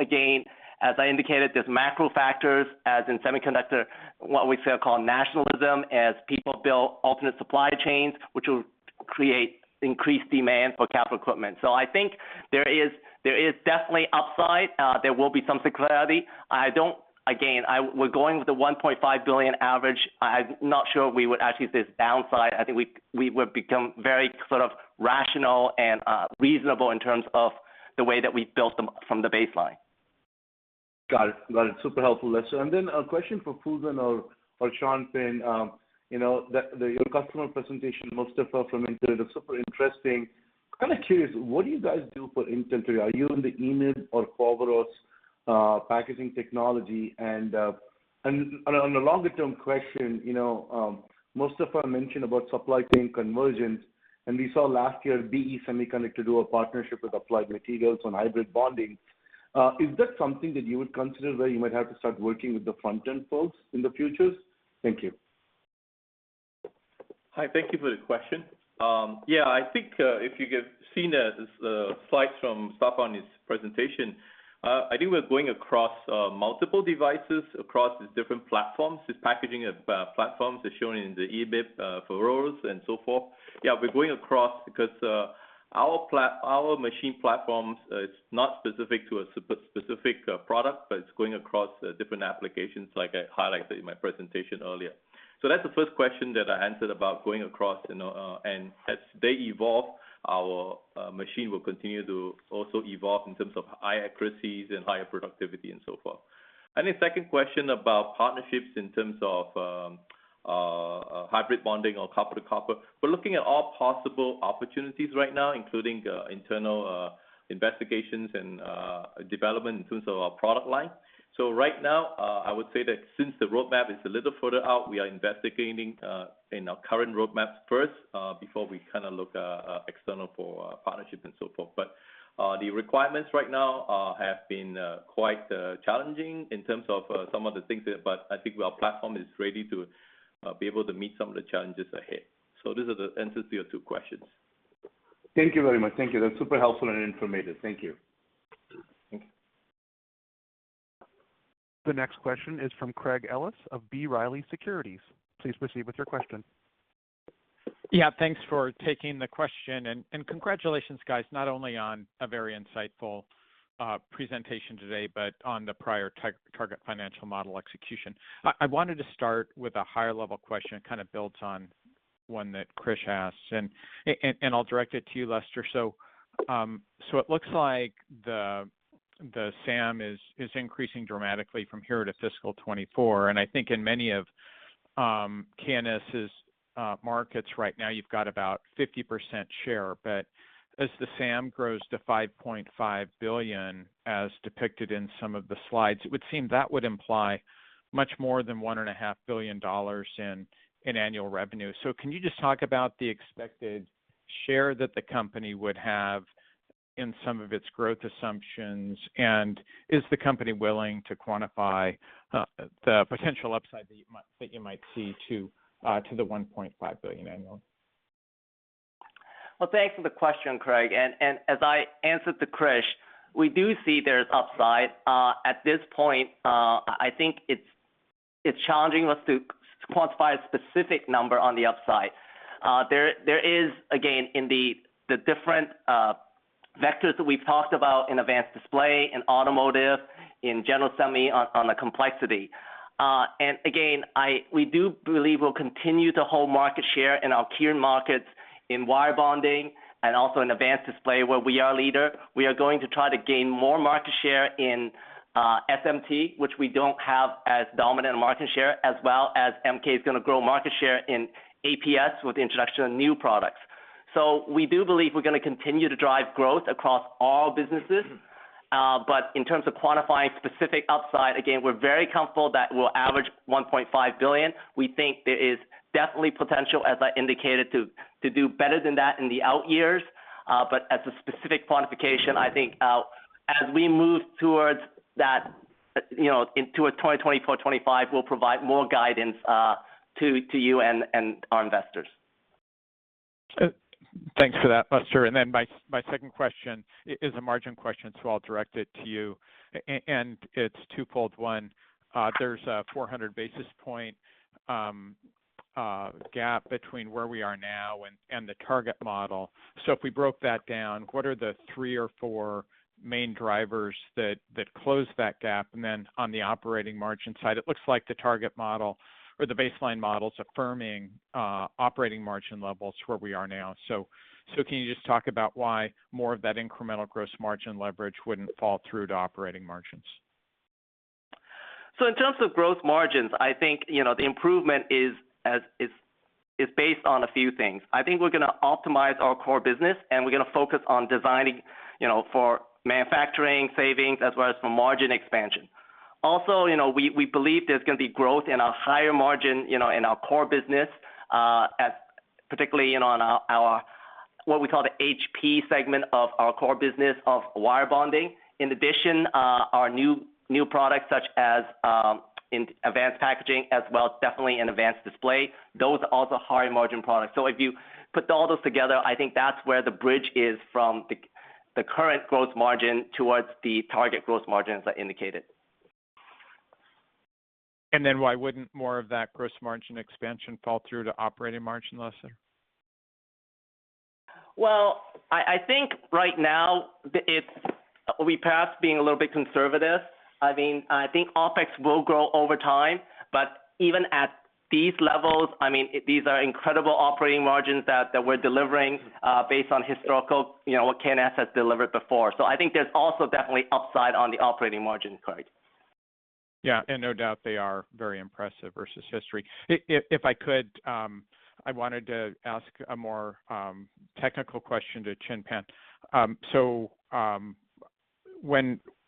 Again, as I indicated, there's macro factors, as in semiconductor, what we call nationalism, as people build alternate supply chains, which will create increased demand for capital equipment. I think there is definitely upside. There will be some cyclicality. Again, we're going with the $1.5 billion average. I'm not sure we would actually say it's downside. I think we would become very sort of rational and reasonable in terms of the way that we built from the baseline. Got it. Super helpful, Lester Wong. A question for Fusen or Chan Pin Chong then. Your customer presentation, Mostafa from Intel, it was super interesting. Kind of curious, what do you guys do for Intel? Are you in the EMIB or Foveros packaging technology? On a longer-term question, Mostafa Aghazadeh mentioned about supply chain convergence, and we saw last year BE Semiconductor Industries do a partnership with Applied Materials on hybrid bonding. Is that something that you would consider where you might have to start working with the front-end folks in the future? Thank you. Hi, thank you for the question. I think if you have seen the slides from Mostafa on his presentation, I think we're going across multiple devices, across the different platforms, the packaging of platforms as shown in the EMIB, Foveros, and so forth. We're going across because our machine platforms, it's not specific to a specific product, but it's going across different applications like I highlighted in my presentation earlier. That's the first question that I answered about going across, and as they evolve, our machine will continue to also evolve in terms of high accuracies and higher productivity and so forth. The second question about partnerships in terms of hybrid bonding or copper-to-copper. We're looking at all possible opportunities right now, including internal investigations and development in terms of our product line. Right now, I would say that since the roadmap is a little further out, we are investigating in our current roadmaps first, before we look external for partnerships and so forth. The requirements right now have been quite challenging in terms of some of the things, but I think our platform is ready to be able to meet some of the challenges ahead. These are the answers to your two questions. Thank you very much. Thank you. That is super helpful and informative. Thank you. Thank you. The next question is from Craig Ellis of B. Riley Securities. Please proceed with your question. Thanks for taking the question, congratulations, guys, not only on a very insightful presentation today, but on the prior target financial model execution. I wanted to start with a higher-level question, kind of builds on one that Krish asked, I'll direct it to you, Lester. It looks like the SAM is increasing dramatically from here to fiscal 2024. I think in many of K&S's markets right now, you've got about 50% share. As the SAM grows to $5.5 billion, as depicted in some of the slides, it would seem that would imply much more than $1.5 billion in annual revenue. Can you just talk about the expected share that the company would have in some of its growth assumptions, is the company willing to quantify the potential upside that you might see to the $1.5 billion annual? Well, thanks for the question, Craig, and as I answered to Krish Sankar, we do see there's upside. At this point, I think it's challenging us to quantify a specific number on the upside. There is, again, in the different vectors that we've talked about in advanced display, in automotive, in general semi on the complexity. Again, we do believe we'll continue to hold market share in our key markets in wire bonding and also in advanced display, where we are leader. We are going to try to gain more market share in SMT, which we don't have as dominant market share, as well as MK is going to grow market share in APS with the introduction of new products. We do believe we're going to continue to drive growth across all businesses. In terms of quantifying specific upside, again, we're very comfortable that we'll average $1.5 billion. We think there is definitely potential, as I indicated, to do better than that in the out years. As a specific quantification, I think as we move towards that into 2024, 2025, we'll provide more guidance to you and our investors. Thanks for that, Lester. My second question is a margin question, so I'll direct it to you. It's twofold. One, there's a 400 basis points gap between where we are now and the target model. If we broke that down, what are the three or four main drivers that close that gap? On the operating margin side, it looks like the target model or the baseline model's affirming operating margin levels to where we are now. Can you just talk about why more of that incremental gross margin leverage wouldn't fall through to operating margins? In terms of gross margins, I think the improvement is based on a few things. I think we're going to optimize our core business, and we're going to focus on designing for manufacturing savings as well as for margin expansion. We believe there's going to be growth in a higher margin in our core business, particularly on what we call the HP segment of our core business of wire bonding. In addition, our new products such as in advanced packaging as well as definitely in advanced display, those are also high margin products. If you put all those together, I think that's where the bridge is from the current gross margin towards the target gross margins I indicated. Why wouldn't more of that gross margin expansion fall through to operating margin, Lester? Well, I think right now, we passed being a little bit conservative. I think OpEx will grow over time, but even at these levels, these are incredible operating margins that we're delivering based on historical, what K&S has delivered before. I think there's also definitely upside on the operating margin side. Yeah. No doubt they are very impressive versus history. If I could, I wanted to ask a more technical question to Chan Pin.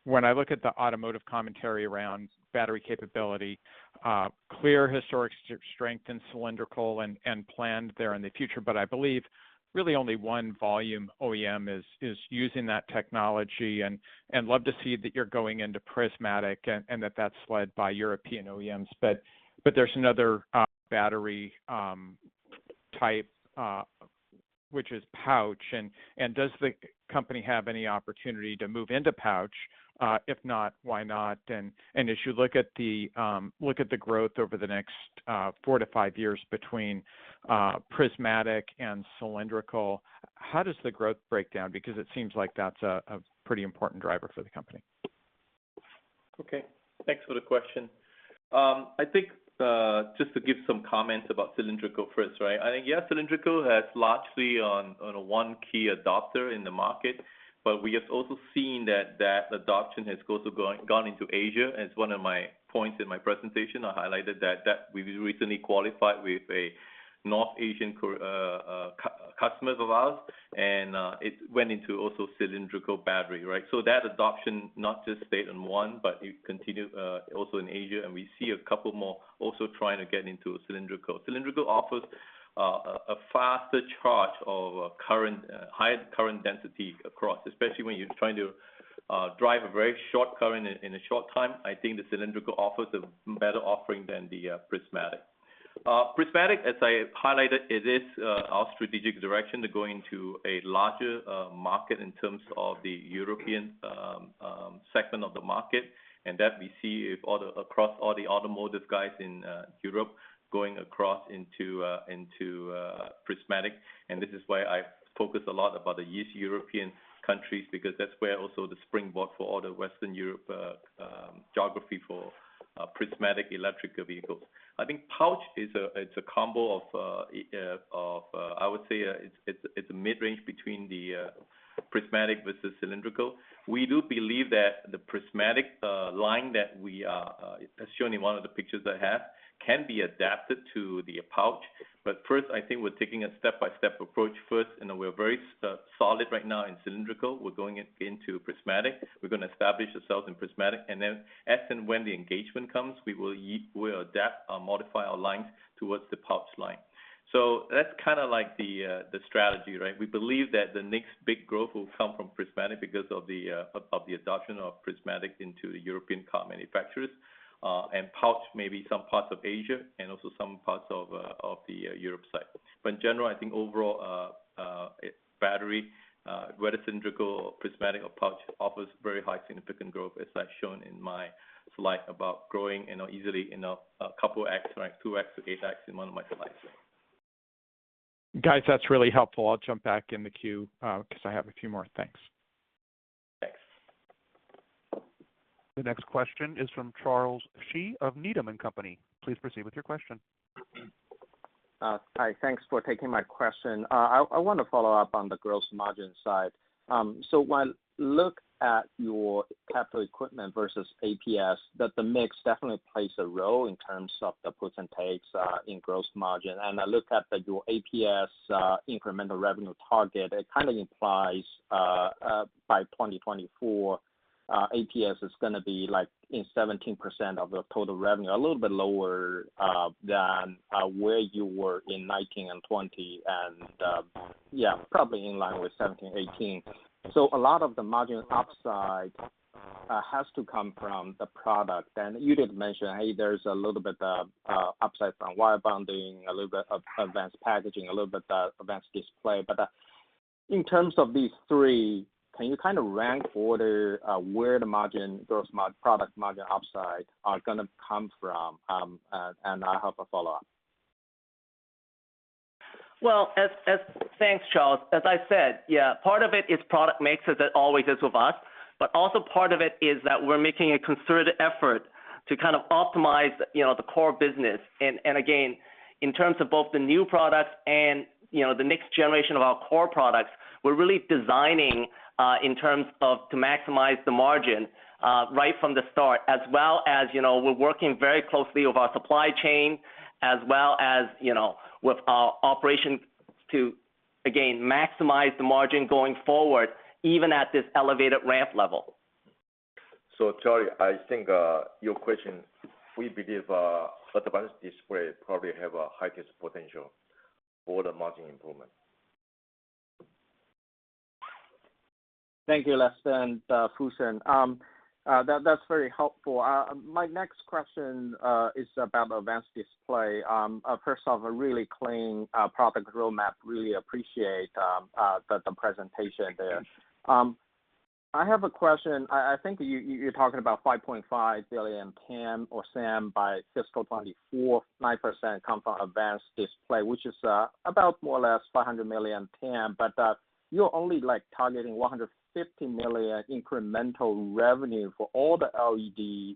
When I look at the automotive commentary around battery capability, clear historic strength in cylindrical and planned there in the future, but I believe really only one volume OEM is using that technology, and love to see that you're going into prismatic and that's led by European OEMs. There's another battery type, which is pouch, and does the company have any opportunity to move into pouch? If not, why not? As you look at the growth over the next four to five years between prismatic and cylindrical, how does the growth break down? Because it seems like that's a pretty important driver for the company. Okay, thanks for the question. I think, just to give some comments about cylindrical first, right? I think, yeah, cylindrical has largely on a one key adopter in the market, but we have also seen that adoption has also gone into Asia. As one of my points in my presentation, I highlighted that we've recently qualified with a North Asian customer of ours, and it went into also cylindrical battery, right? That adoption not just stayed in one, but it continued also in Asia, and we see a couple more also trying to get into cylindrical. Cylindrical offers a faster charge of a higher current density across, especially when you're trying to drive a very short current in a short time. I think the cylindrical offers a better offering than the prismatic. Prismatic, as I highlighted, it is our strategic direction to go into a larger market in terms of the European segment of the market, and that we see it across all the automotive guys in Europe going across into prismatic. This is why I focus a lot about the East European countries, because that's where also the springboard for all the Western Europe geography for prismatic electric vehicles. I think pouch, it's a combo of, I would say, it's a mid-range between the prismatic versus cylindrical. We do believe that the prismatic line that we are, as shown in one of the pictures I have, can be adapted to the pouch. First, I think we're taking a step-by-step approach first, and then we are very solid right now in cylindrical. We're going into prismatic. We're going to establish ourselves in prismatic, then as and when the engagement comes, we will adapt or modify our lines towards the pouch line. That's the strategy, right? We believe that the next big growth will come from prismatic because of the adoption of prismatic into the European car manufacturers, pouch, maybe some parts of Asia and also some parts of the Europe side. In general, I think overall, battery, whether cylindrical, prismatic or pouch offers very high significant growth as I've shown in my slide about growing easily in a couple X, right? 2X-8X in one of my slides. Guys, that's really helpful. I'll jump back in the queue, because I have a few more. Thanks. Thanks. The next question is from Charles Shi of Needham & Company. Please proceed with your question. Hi, thanks for taking my question. I want to follow up on the gross margin side. When I look at your capital equipment versus APS, the mix definitely plays a role in terms of the puts and takes in gross margin. I look at your APS incremental revenue target, it kind of implies, by 2024, APS is going to be like 17% of the total revenue, a little bit lower than where you were in 2019 and 2020, probably in line with 2017, 2018. A lot of the margin upside has to come from the product. You did mention, there's a little bit of upside from wire bonding, a little bit of advanced packaging, a little bit advanced display. In terms of these three, can you kind of rank order where the gross product margin upside is going to come from? I have a follow-up. Well, thanks, Charles. As I said, yeah, part of it is product mixes that always is with us. Also part of it is that we're making a concerted effort to optimize the core business. Again, in terms of both the new products and the next generation of our core products, we're really designing in terms of to maximize the margin right from the start. We're working very closely with our supply chain, as well as with our operations to, again, maximize the margin going forward, even at this elevated ramp level. Charlie, I think, your question, we believe advanced display probably have a highest potential for the margin improvement. Thank you, Lester and Fusen. That's very helpful. My next question is about advanced display. First off, a really clean product roadmap. Really appreciate the presentation there. I have a question. I think you're talking about $5.5 billion TAM or SAM by fiscal 2024, 9% compound advanced display, which is about more or less $500 million TAM. You're only targeting $150 million incremental revenue for all the LED,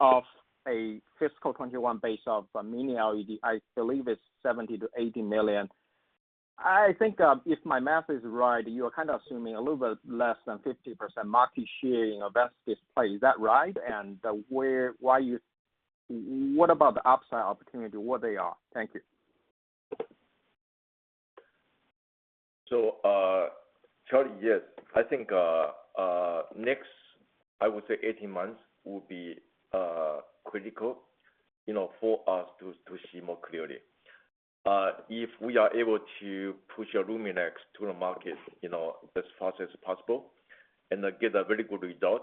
of a fiscal 2021 base of mini LED, I believe is $70 million-$80 million. I think if my math is right, you are assuming a little bit less than 50% market share in advanced display. Is that right? What about the upside opportunity? What they are? Thank you. Charles Shi, yes. I think next, I would say 18 months will be critical for us to see more clearly. If we are able to push our LUMINEX to the market as fast as possible and then get a very good result.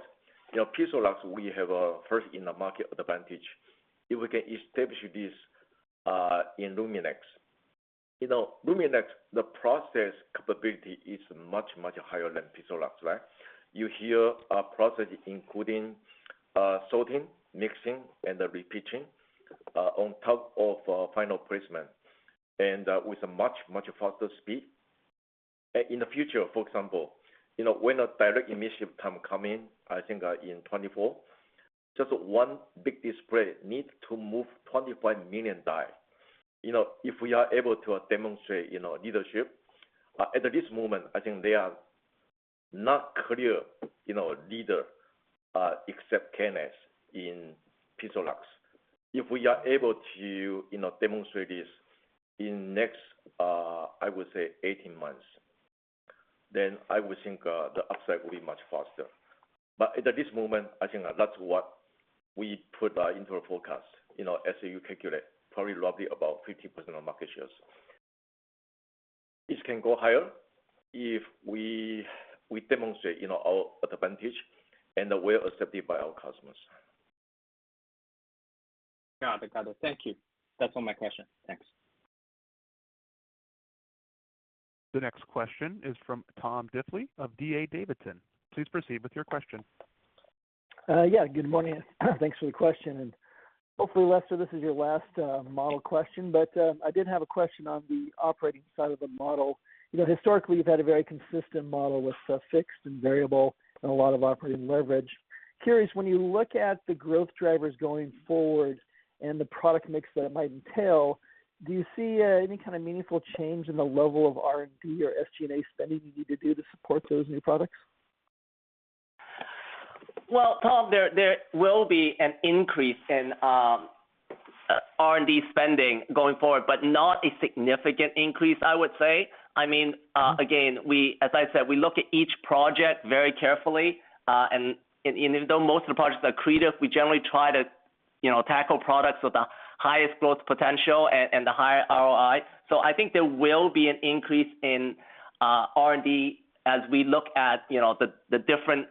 PIXALUX are we have a first in the market advantage if we can establish this in LUMINEX. LUMINEX, the process capability is much, much higher than PIXALUX, right? You hear a process including sorting, mixing, and repeating, on top of final placement, and with a much, much faster speed. In the future, for example when a direct emission time come in, I think in 2024, just one big display need to move 25 million die. If we are able to demonstrate leadership. At this moment, I think they are not clear leader except K&S in PIXALUX. If we are able to demonstrate this in next, I would say 18 months, I would think the upside will be much faster. At this moment, I think that's what we put into our forecast. As you calculate, probably roughly about 50% of market shares. It can go higher if we demonstrate our advantage and are well accepted by our customers. Got it. Thank you. That's all my question. Thanks. The next question is from Tom Diffely of D.A. Davidson. Please proceed with your question. Yeah, good morning. Thanks for the question. Hopefully, Lester, this is your last model question, but I did have a question on the operating side of the model. Historically, you've had a very consistent model with fixed and variable and a lot of operating leverage. Curious, when you look at the growth drivers going forward and the product mix that it might entail, do you see any kind of meaningful change in the level of R&D or SG&A spending you need to do to support those new products? Well, Tom, there will be an increase in R&D spending going forward, but not a significant increase, I would say. Again, as I said, we look at each project very carefully. Even though most of the projects are accretive, we generally try to tackle products with the highest growth potential and the higher ROI. I think there will be an increase in R&D as we look at the different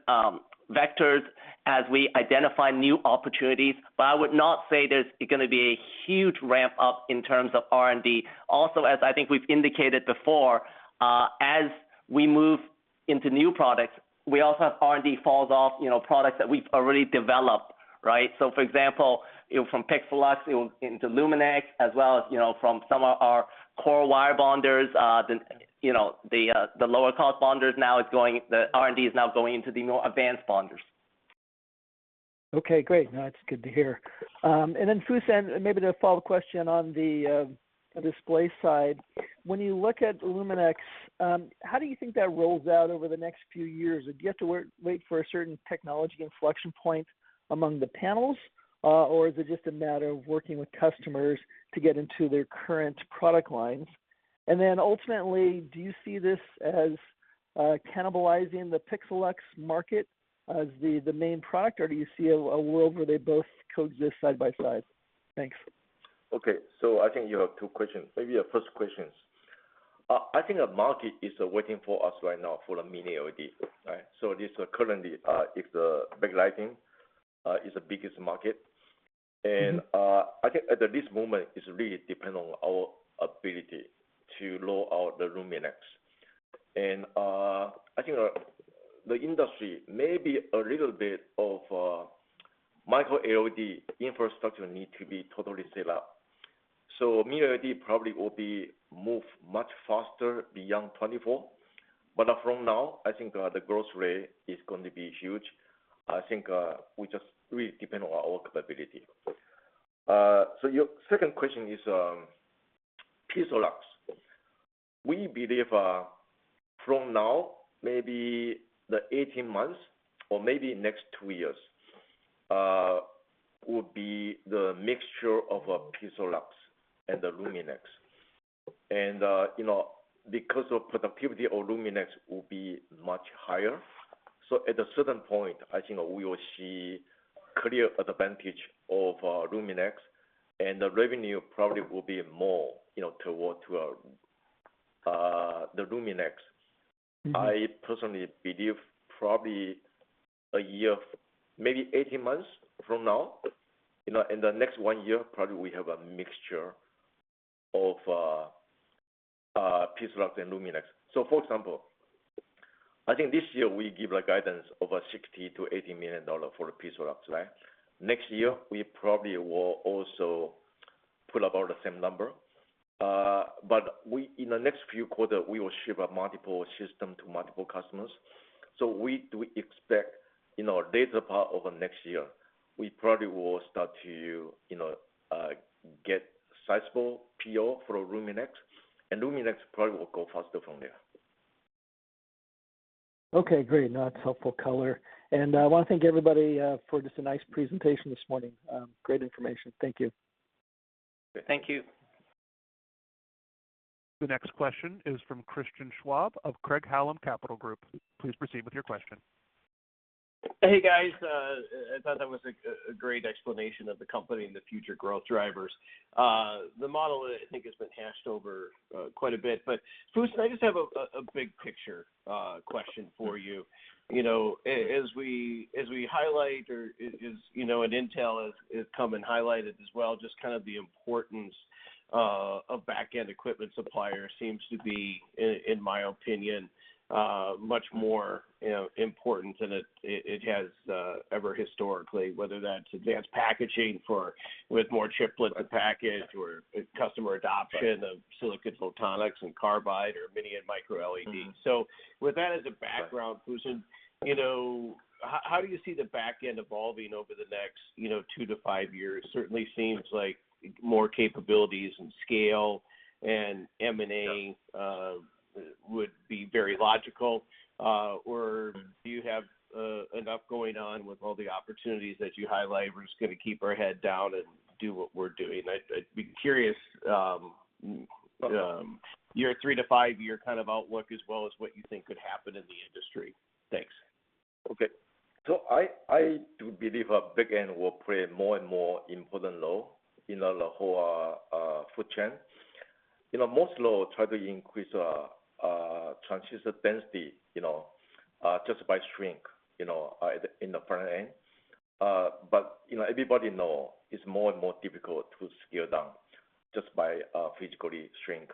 vectors as we identify new opportunities. I would not say there's going to be a huge ramp up in terms of R&D. Also, as I think we've indicated before, as we move into new products, we also have R&D falls off, products that we've already developed, right? For example, from PIXALUX into LUMINEX, as well as from some of our core wire bonders, the lower cost bonders now the R&D is now going into the more advanced bonders. Okay, great. No, it's good to hear. Fusen, maybe the follow-up question on the display side. When you look at LUMINEX, how do you think that rolls out over the next few years? Do you have to wait for a certain technology inflection point among the panels? Is it just a matter of working with customers to get into their current product lines? Ultimately, do you see this as cannibalizing the PIXALUX market as the main product, or do you see a world where they both coexist side by side? Thanks. Okay. I think you have two questions. Maybe your first question. I think the market is waiting for us right now for the Mini-LED, right? This currently is the backlighting, is the biggest market. I think at this moment, it really depends on our ability to roll out the LUMINEX. I think the industry may be a little bit of micro LED infrastructure need to be totally set up. Mini-LED probably will be moved much faster beyond 2024. From now, I think the growth rate is going to be huge. I think we just really depend on our capability. Your second question is PIXALUX. We believe from now, maybe the 18 months or maybe next two years, will be the mixture of PIXALUX and the LUMINEX. Because of productivity of LUMINEX will be much higher. At a certain point, I think we will see clear advantage of LUMINEX and the revenue probably will be more toward the LUMINEX. I personally believe probably a year, maybe 18 months from now, in the next one year, probably we have a mixture of PIXALUX and LUMINEX. For example, I think this year we give a guidance of a $60 million-$80 million for the PIXALUX, right? Next year, we probably will also pull about the same number. In the next few quarter, we will ship multiple system to multiple customers. We expect in our data part over next year, we probably will start to get sizable PO for LUMINEX, and LUMINEX probably will go faster from there. Okay, great. No, that's helpful color. I want to thank everybody for just a nice presentation this morning. Great information. Thank you. Thank you. The next question is from Christian Schwab of Craig-Hallum Capital Group. Please proceed with your question. Hey, guys. I thought that was a great explanation of the company and the future growth drivers. The model, I think, has been hashed over quite a bit. Fusen, I just have a big picture question for you. As we highlight, or as Intel has come and highlighted as well, just kind of the importance of back-end equipment supplier seems to be, in my opinion, much more important than it has ever historically, whether that's advanced packaging with more chiplet package or customer adoption of silicon photonics and silicon carbide or mini and micro LED. With that as a background, Fusen, how do you see the back end evolving over the next two to five years? Certainly seems like more capabilities and scale and M&A would be very logical. Do you have enough going on with all the opportunities that you highlight? We're just going to keep our head down and do what we're doing. I'd be curious, your three to five year kind of outlook as well as what you think could happen in the industry. Thanks. I do believe back end will play more and more important role in the whole food chain. Moore's Law try to increase transistor density, just by shrink in the front end. Everybody know it's more and more difficult to scale down just by physically shrink.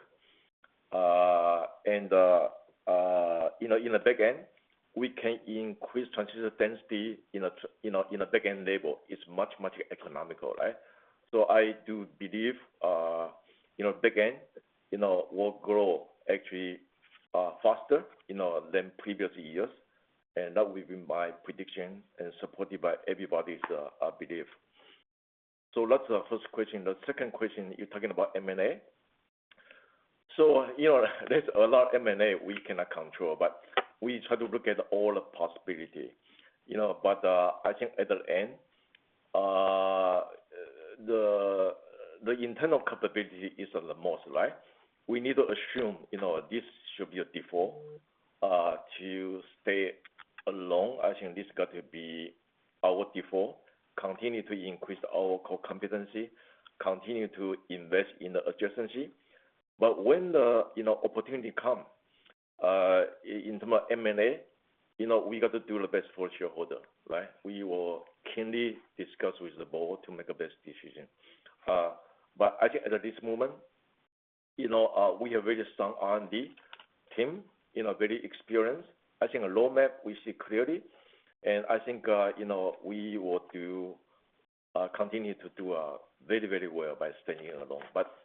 In the back end, we can increase transistor density in a back-end label. It's much, much economical, right? I do believe back end will grow actually faster than previous years, and that will be my prediction and supported by everybody's belief. That's the first question. The second question, you're talking about M&A? There's a lot M&A we cannot control, but we try to look at all the possibility. I think at the end, the internal capability is the most, right? We need to assume this should be a default to stay alone. I think this got to be our default, continue to increase our core competency, continue to invest in the adjacency. When the opportunity come in term of M&A, we got to do the best for shareholder, right? We will keenly discuss with the board to make the best decision. I think at this moment, we have very strong R&D team, very experienced. I think a roadmap we see clearly, and I think we will do, continue to do very, very well by staying alone.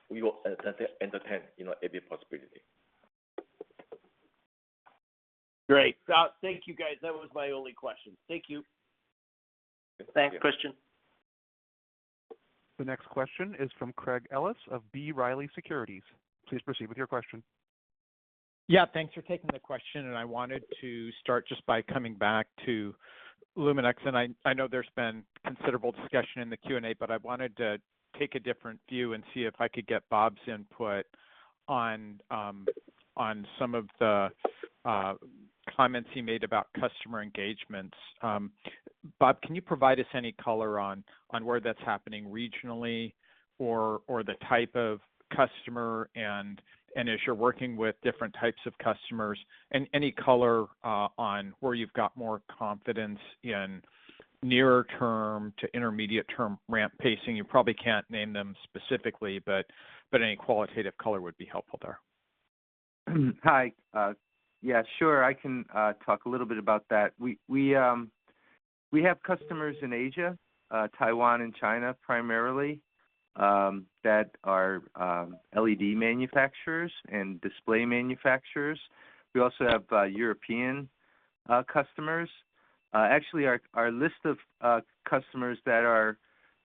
We will entertain every possibility. Great. Thank you, guys. That was my only question. Thank you. Thanks Christian. The next question is from Craig Ellis of B. Riley Securities. Please proceed with your question. Thanks for taking the question. I wanted to start just by coming back to LUMINEX, and I know there's been considerable discussion in the Q&A, but I wanted to take a different view and see if I could get Bob's input on some of the comments he made about customer engagements. Bob, can you provide us any color on where that's happening regionally or the type of customer and as you're working with different types of customers and any color on where you've got more confidence in nearer term to intermediate term ramp pacing? You probably can't name them specifically, but any qualitative color would be helpful there. Hi. Yeah, sure. I can talk a little bit about that. We have customers in Asia, Taiwan and China primarily, that are LED manufacturers and display manufacturers. We also have European customers. Actually, our list of customers that are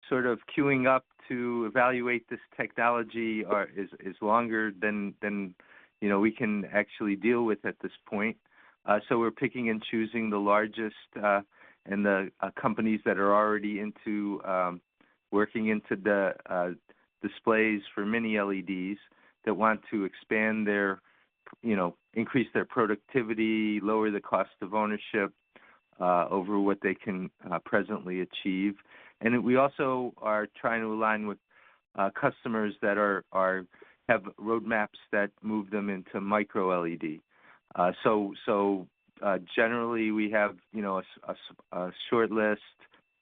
sort of queuing up to evaluate this technology is longer than we can actually deal with at this point. We're picking and choosing the largest and the companies that are already into working into the displays for mini LEDs that want to expand their, increase their productivity, lower the cost of ownership, over what they can presently achieve. We also are trying to align with customers that have roadmaps that move them into micro LED. Generally, we have a short list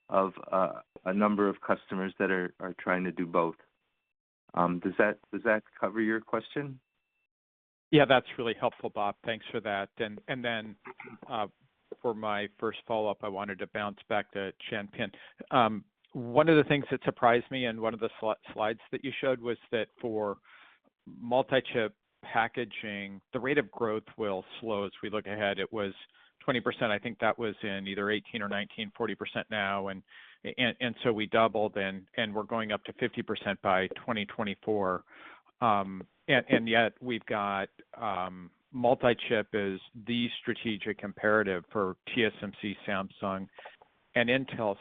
of a number of customers that are trying to do both. Does that cover your question? That's really helpful, Bob. Thanks for that. For my first follow-up, I wanted to bounce back to Chan Pin. One of the things that surprised me and one of the slides that you showed was that for multi-chip packaging, the rate of growth will slow as we look ahead. It was 20%, I think that was in either 2018 or 2019, 40% now. We doubled, and we're going up to 50% by 2024. Yet we've got multi-chip as the strategic imperative for TSMC, Samsung, and Intel.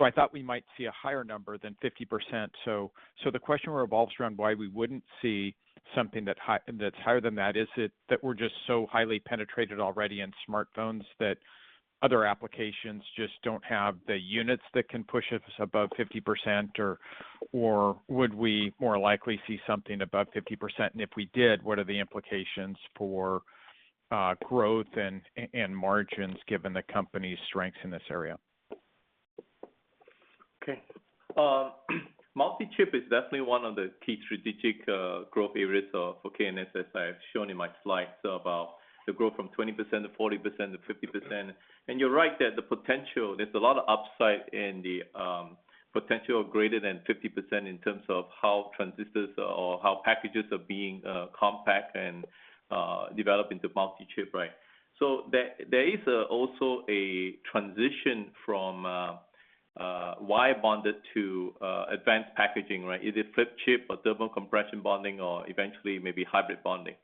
I thought we might see a higher number than 50%. The question revolves around why we wouldn't see something that's higher than that. Is it that we're just so highly penetrated already in smartphones that other applications just don't have the units that can push us above 50%, or would we more likely see something above 50%? If we did, what are the implications for growth and margins given the company's strengths in this area? Okay. Multi-chip is definitely one of the key strategic growth areas for K&S, as I have shown in my slides about the growth from 20% to 40% to 50%. You're right that the potential, there's a lot of upside in the potential of greater than 50% in terms of how transistors or how packages are being compact and develop into multi-chip, right? There is also a transition from wire bonded to advanced packaging, right? Either flip chip or thermal compression bonding or eventually maybe hybrid bonding.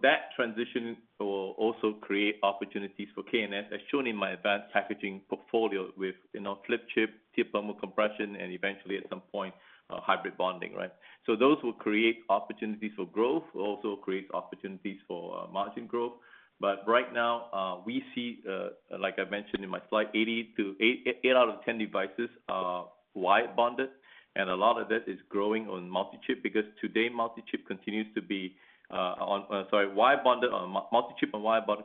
That transition will also create opportunities for K&S, as shown in my advanced packaging portfolio with flip chip thermal compression, and eventually, at some point, hybrid bonding, right? Those will create opportunities for growth, will also create opportunities for margin growth. Right now, we see, like I mentioned in my slide, eight out of 10 devices are wire bonded, and a lot of that is growing on multi-chip because today multi-chip and wire bond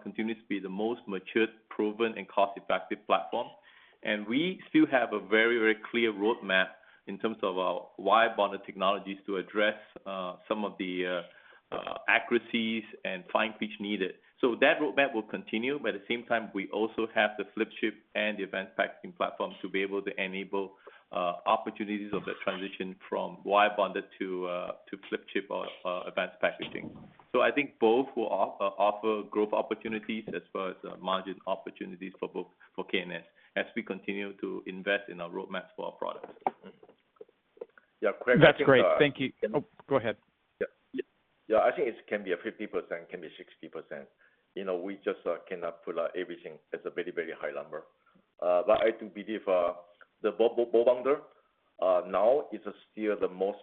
continues to be the most matured, proven, and cost-effective platform. We still have a very clear roadmap in terms of our wire bonded technologies to address some of the accuracies and fine pitch needed. That roadmap will continue, at the same time, we also have the flip chip and the advanced packaging platforms to be able to enable opportunities of that transition from wire bonded to flip chip or advanced packaging. I think both will offer growth opportunities as well as margin opportunities for both, for K&S, as we continue to invest in our roadmap for our products. Yeah, Craig. That's great. Thank you. Oh, go ahead. Yeah. I think it can be a 50%, can be 60%. We just cannot pull out everything as a very high number. I do believe the ball bonder now is still the most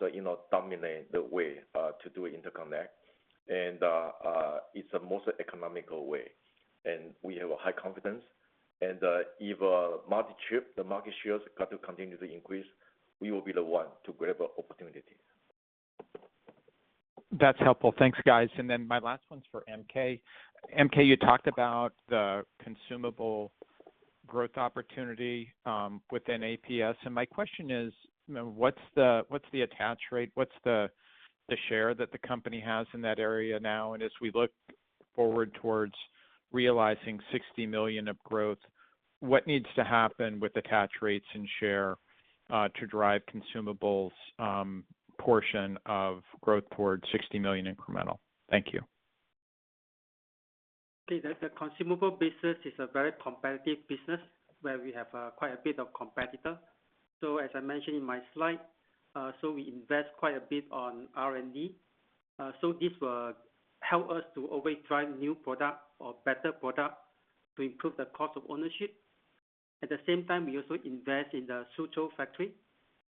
dominant way to do interconnect. It's the most economical way, and we have high confidence. If the market shares got to continue to increase, we will be the one to grab an opportunity. That's helpful. Thanks, guys. Then my last one's for MK. MK, you talked about the consumable growth opportunity within APS. My question is, what's the attach rate? What's the share that the company has in that area now? As we look forward towards realizing $60 million of growth, what needs to happen with attach rates and share to drive consumables portion of growth towards $60 million incremental? Thank you. Okay. The consumable business is a very competitive business where we have quite a bit of competitor. As I mentioned in my slide, we invest quite a bit on R&D. This will help us to always try new product or better product to improve the cost of ownership. At the same time, we also invest in the Suzhou factory.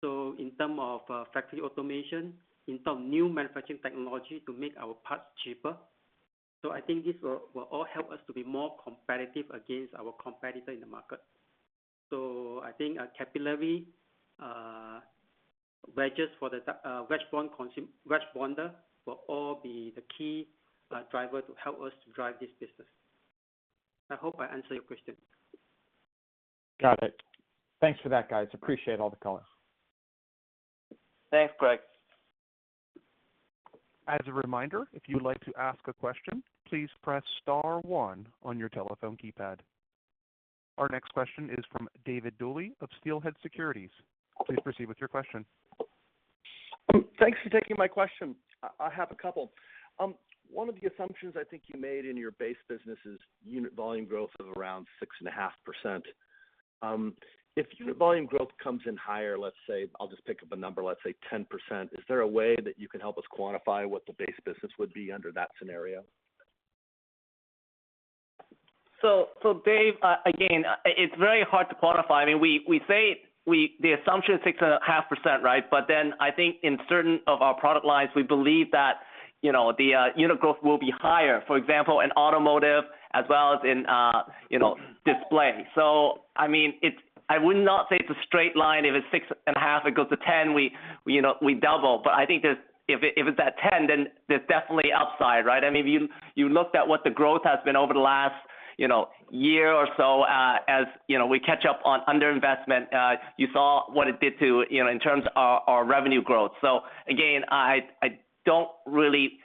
In term of factory automation, in term new manufacturing technology to make our parts cheaper. I think this will all help us to be more competitive against our competitor in the market. I think our capillary wedges for the wedge bonder will all be the key driver to help us to drive this business. I hope I answer your question. Got it. Thanks for that, guys. Appreciate all the color. Thanks, Craig. Our next question is from David Duley of Steelhead Securities. Please proceed with your question. Thanks for taking my question. I have a couple. One of the assumptions I think you made in your base business is unit volume growth of around 6.5%. If unit volume growth comes in higher, let's say, I'll just pick up a number, let's say 10%, is there a way that you can help us quantify what the base business would be under that scenario? Dave, again, it's very hard to quantify. I mean, we say the assumption is 6.5%, right? I think in certain of our product lines, we believe that the unit growth will be higher. For example, in automotive as well as in display. I would not say it's a straight line. If it's 6.5, it goes to 10, we double. I think if it's at 10, then there's definitely upside, right? I mean, if you looked at what the growth has been over the last year or so, as we catch up on under-investment, you saw what it did in terms of our revenue growth. Again, I don't really.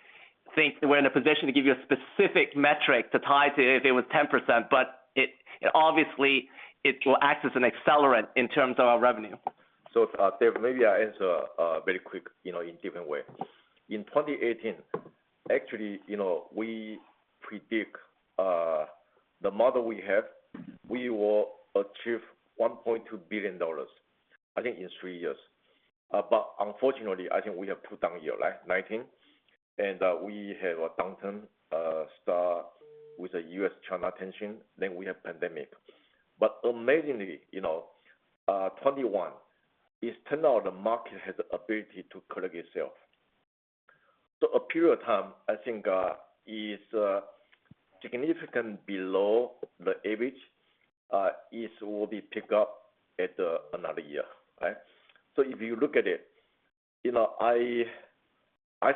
think that we're in a position to give you a specific metric to tie to if it was 10%, but obviously, it will act as an accelerant in terms of our revenue. Dave, maybe I answer very quick, in different way. In 2018, actually, we predict the model we have, we will achieve $1.2 billion, I think in three years. Unfortunately, I think we have put down year, 2019, and we have a downturn start with the U.S.-China tension, we have pandemic. Amazingly, 2021, it turned out the market has the ability to correct itself. A period of time, I think, is significant below the average. It will be pick up at another year. Right? If you look at it, I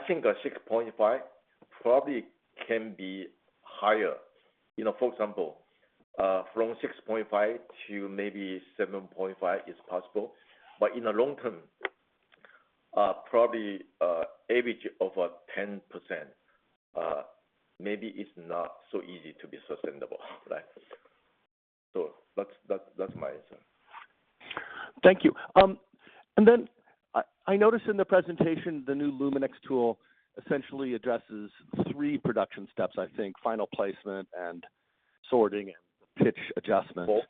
think 6.5 probably can be higher. For example, from 6.5 to maybe 7.5 is possible, in the long term, probably average of 10%, maybe it's not so easy to be sustainable. Right? That's my answer. Thank you. I noticed in the presentation, the new LUMINEX tool essentially addresses three production steps, I think. Final placement and sorting and pitch adjustment. Four.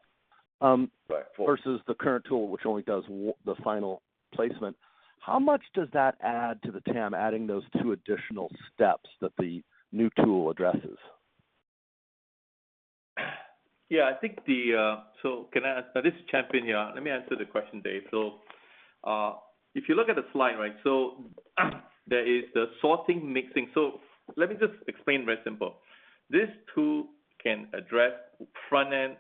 Right, four. Versus the current tool, which only does the final placement. How much does that add to the TAM, adding those two additional steps that the new tool addresses? This is Chan Pin here. Let me answer the question, Dave. If you look at the slide, there is the sorting, mixing. Let me just explain very simple. This tool can address front-end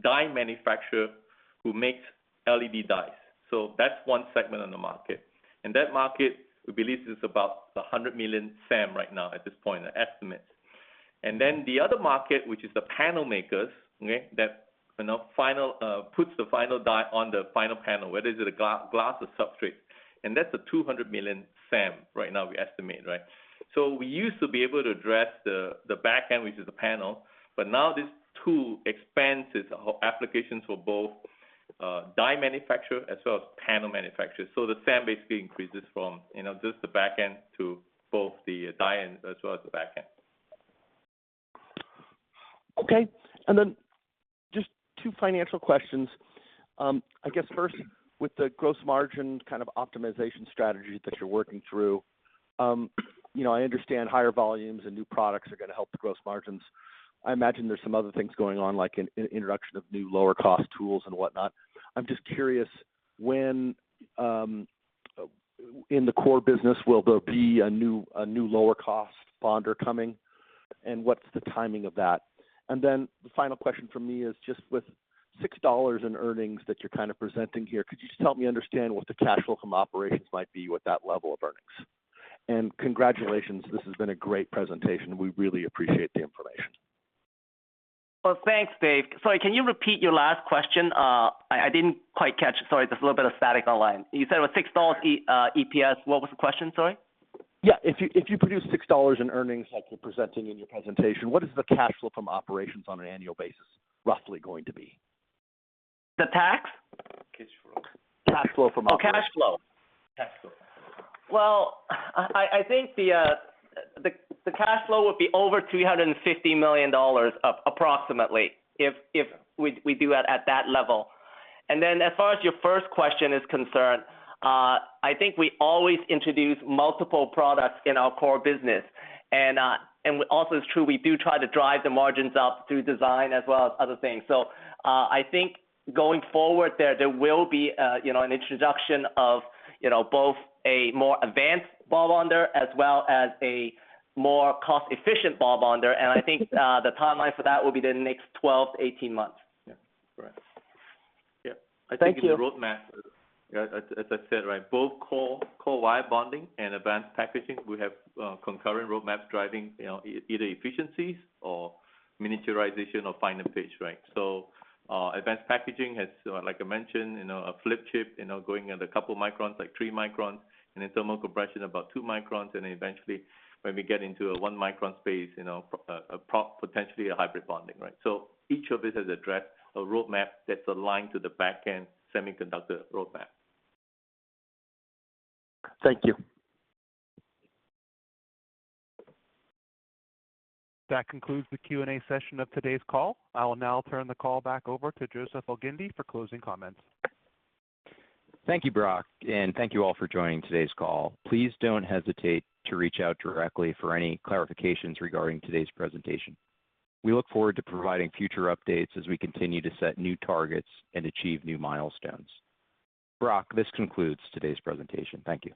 die manufacturer who makes LED dies. That's one segment on the market. In that market, we believe this is about $100 million SAM right now at this point, an estimate. The other market, which is the panel makers, that puts the final die on the final panel, whether it is a glass or substrate, and that's a $200 million SAM right now, we estimate. We used to be able to address the back end, which is the panel, but now this tool expands its applications for both die manufacturer as well as panel manufacturer. The SAM basically increases from just the back end to both the die end as well as the back end. Okay. Just two financial questions. I guess first, with the gross margin kind of optimization strategy that you're working through. I understand higher volumes and new products are going to help the gross margins. I imagine there's some other things going on, like an introduction of new lower cost tools and whatnot. I'm just curious, when in the core business will there be a new lower cost bonder coming, and what's the timing of that? The final question from me is just with $6 in earnings that you're kind of presenting here, could you just help me understand what the cash flow from operations might be with that level of earnings? Congratulations, this has been a great presentation. We really appreciate the information. Well, thanks, Dave. Sorry, can you repeat your last question? I didn't quite catch. Sorry, there's a little bit of static online. You said it was $6 EPS. What was the question? Sorry. Yeah. If you produce $6 in earnings like you're presenting in your presentation, what is the cash flow from operations on an annual basis roughly going to be? The tax? Cash flow. Cash flow from operations. Oh, cash flow. Cash flow. Well, I think the cash flow would be over $350 million approximately, if we do at that level. As far as your first question is concerned, I think we always introduce multiple products in our core business. It's true, we do try to drive the margins up through design as well as other things. I think going forward there will be an introduction of both a more advanced ball bonder as well as a more cost-efficient ball bonder, and I think the timeline for that will be the next 12 to 18 months. Yeah. Correct. Yeah. Thank you. I think in the roadmap, as I said, both core wire bonding and advanced packaging, we have concurrent roadmaps driving either efficiencies or miniaturization or finer pitch. Advanced packaging has, like I mentioned, a flip chip, going at a couple microns, like 3 microns, then thermal compression about 2 microns. Eventually, when we get into a 1-micron space, potentially a hybrid bonding. Each of it has addressed a roadmap that's aligned to the back-end semiconductor roadmap. Thank you. That concludes the Q&A session of today's call. I will now turn the call back over to Joseph Elgindy for closing comments. Thank you, Brock, and thank you all for joining today's call. Please don't hesitate to reach out directly for any clarifications regarding today's presentation. We look forward to providing future updates as we continue to set new targets and achieve new milestones. Brock, this concludes today's presentation. Thank you.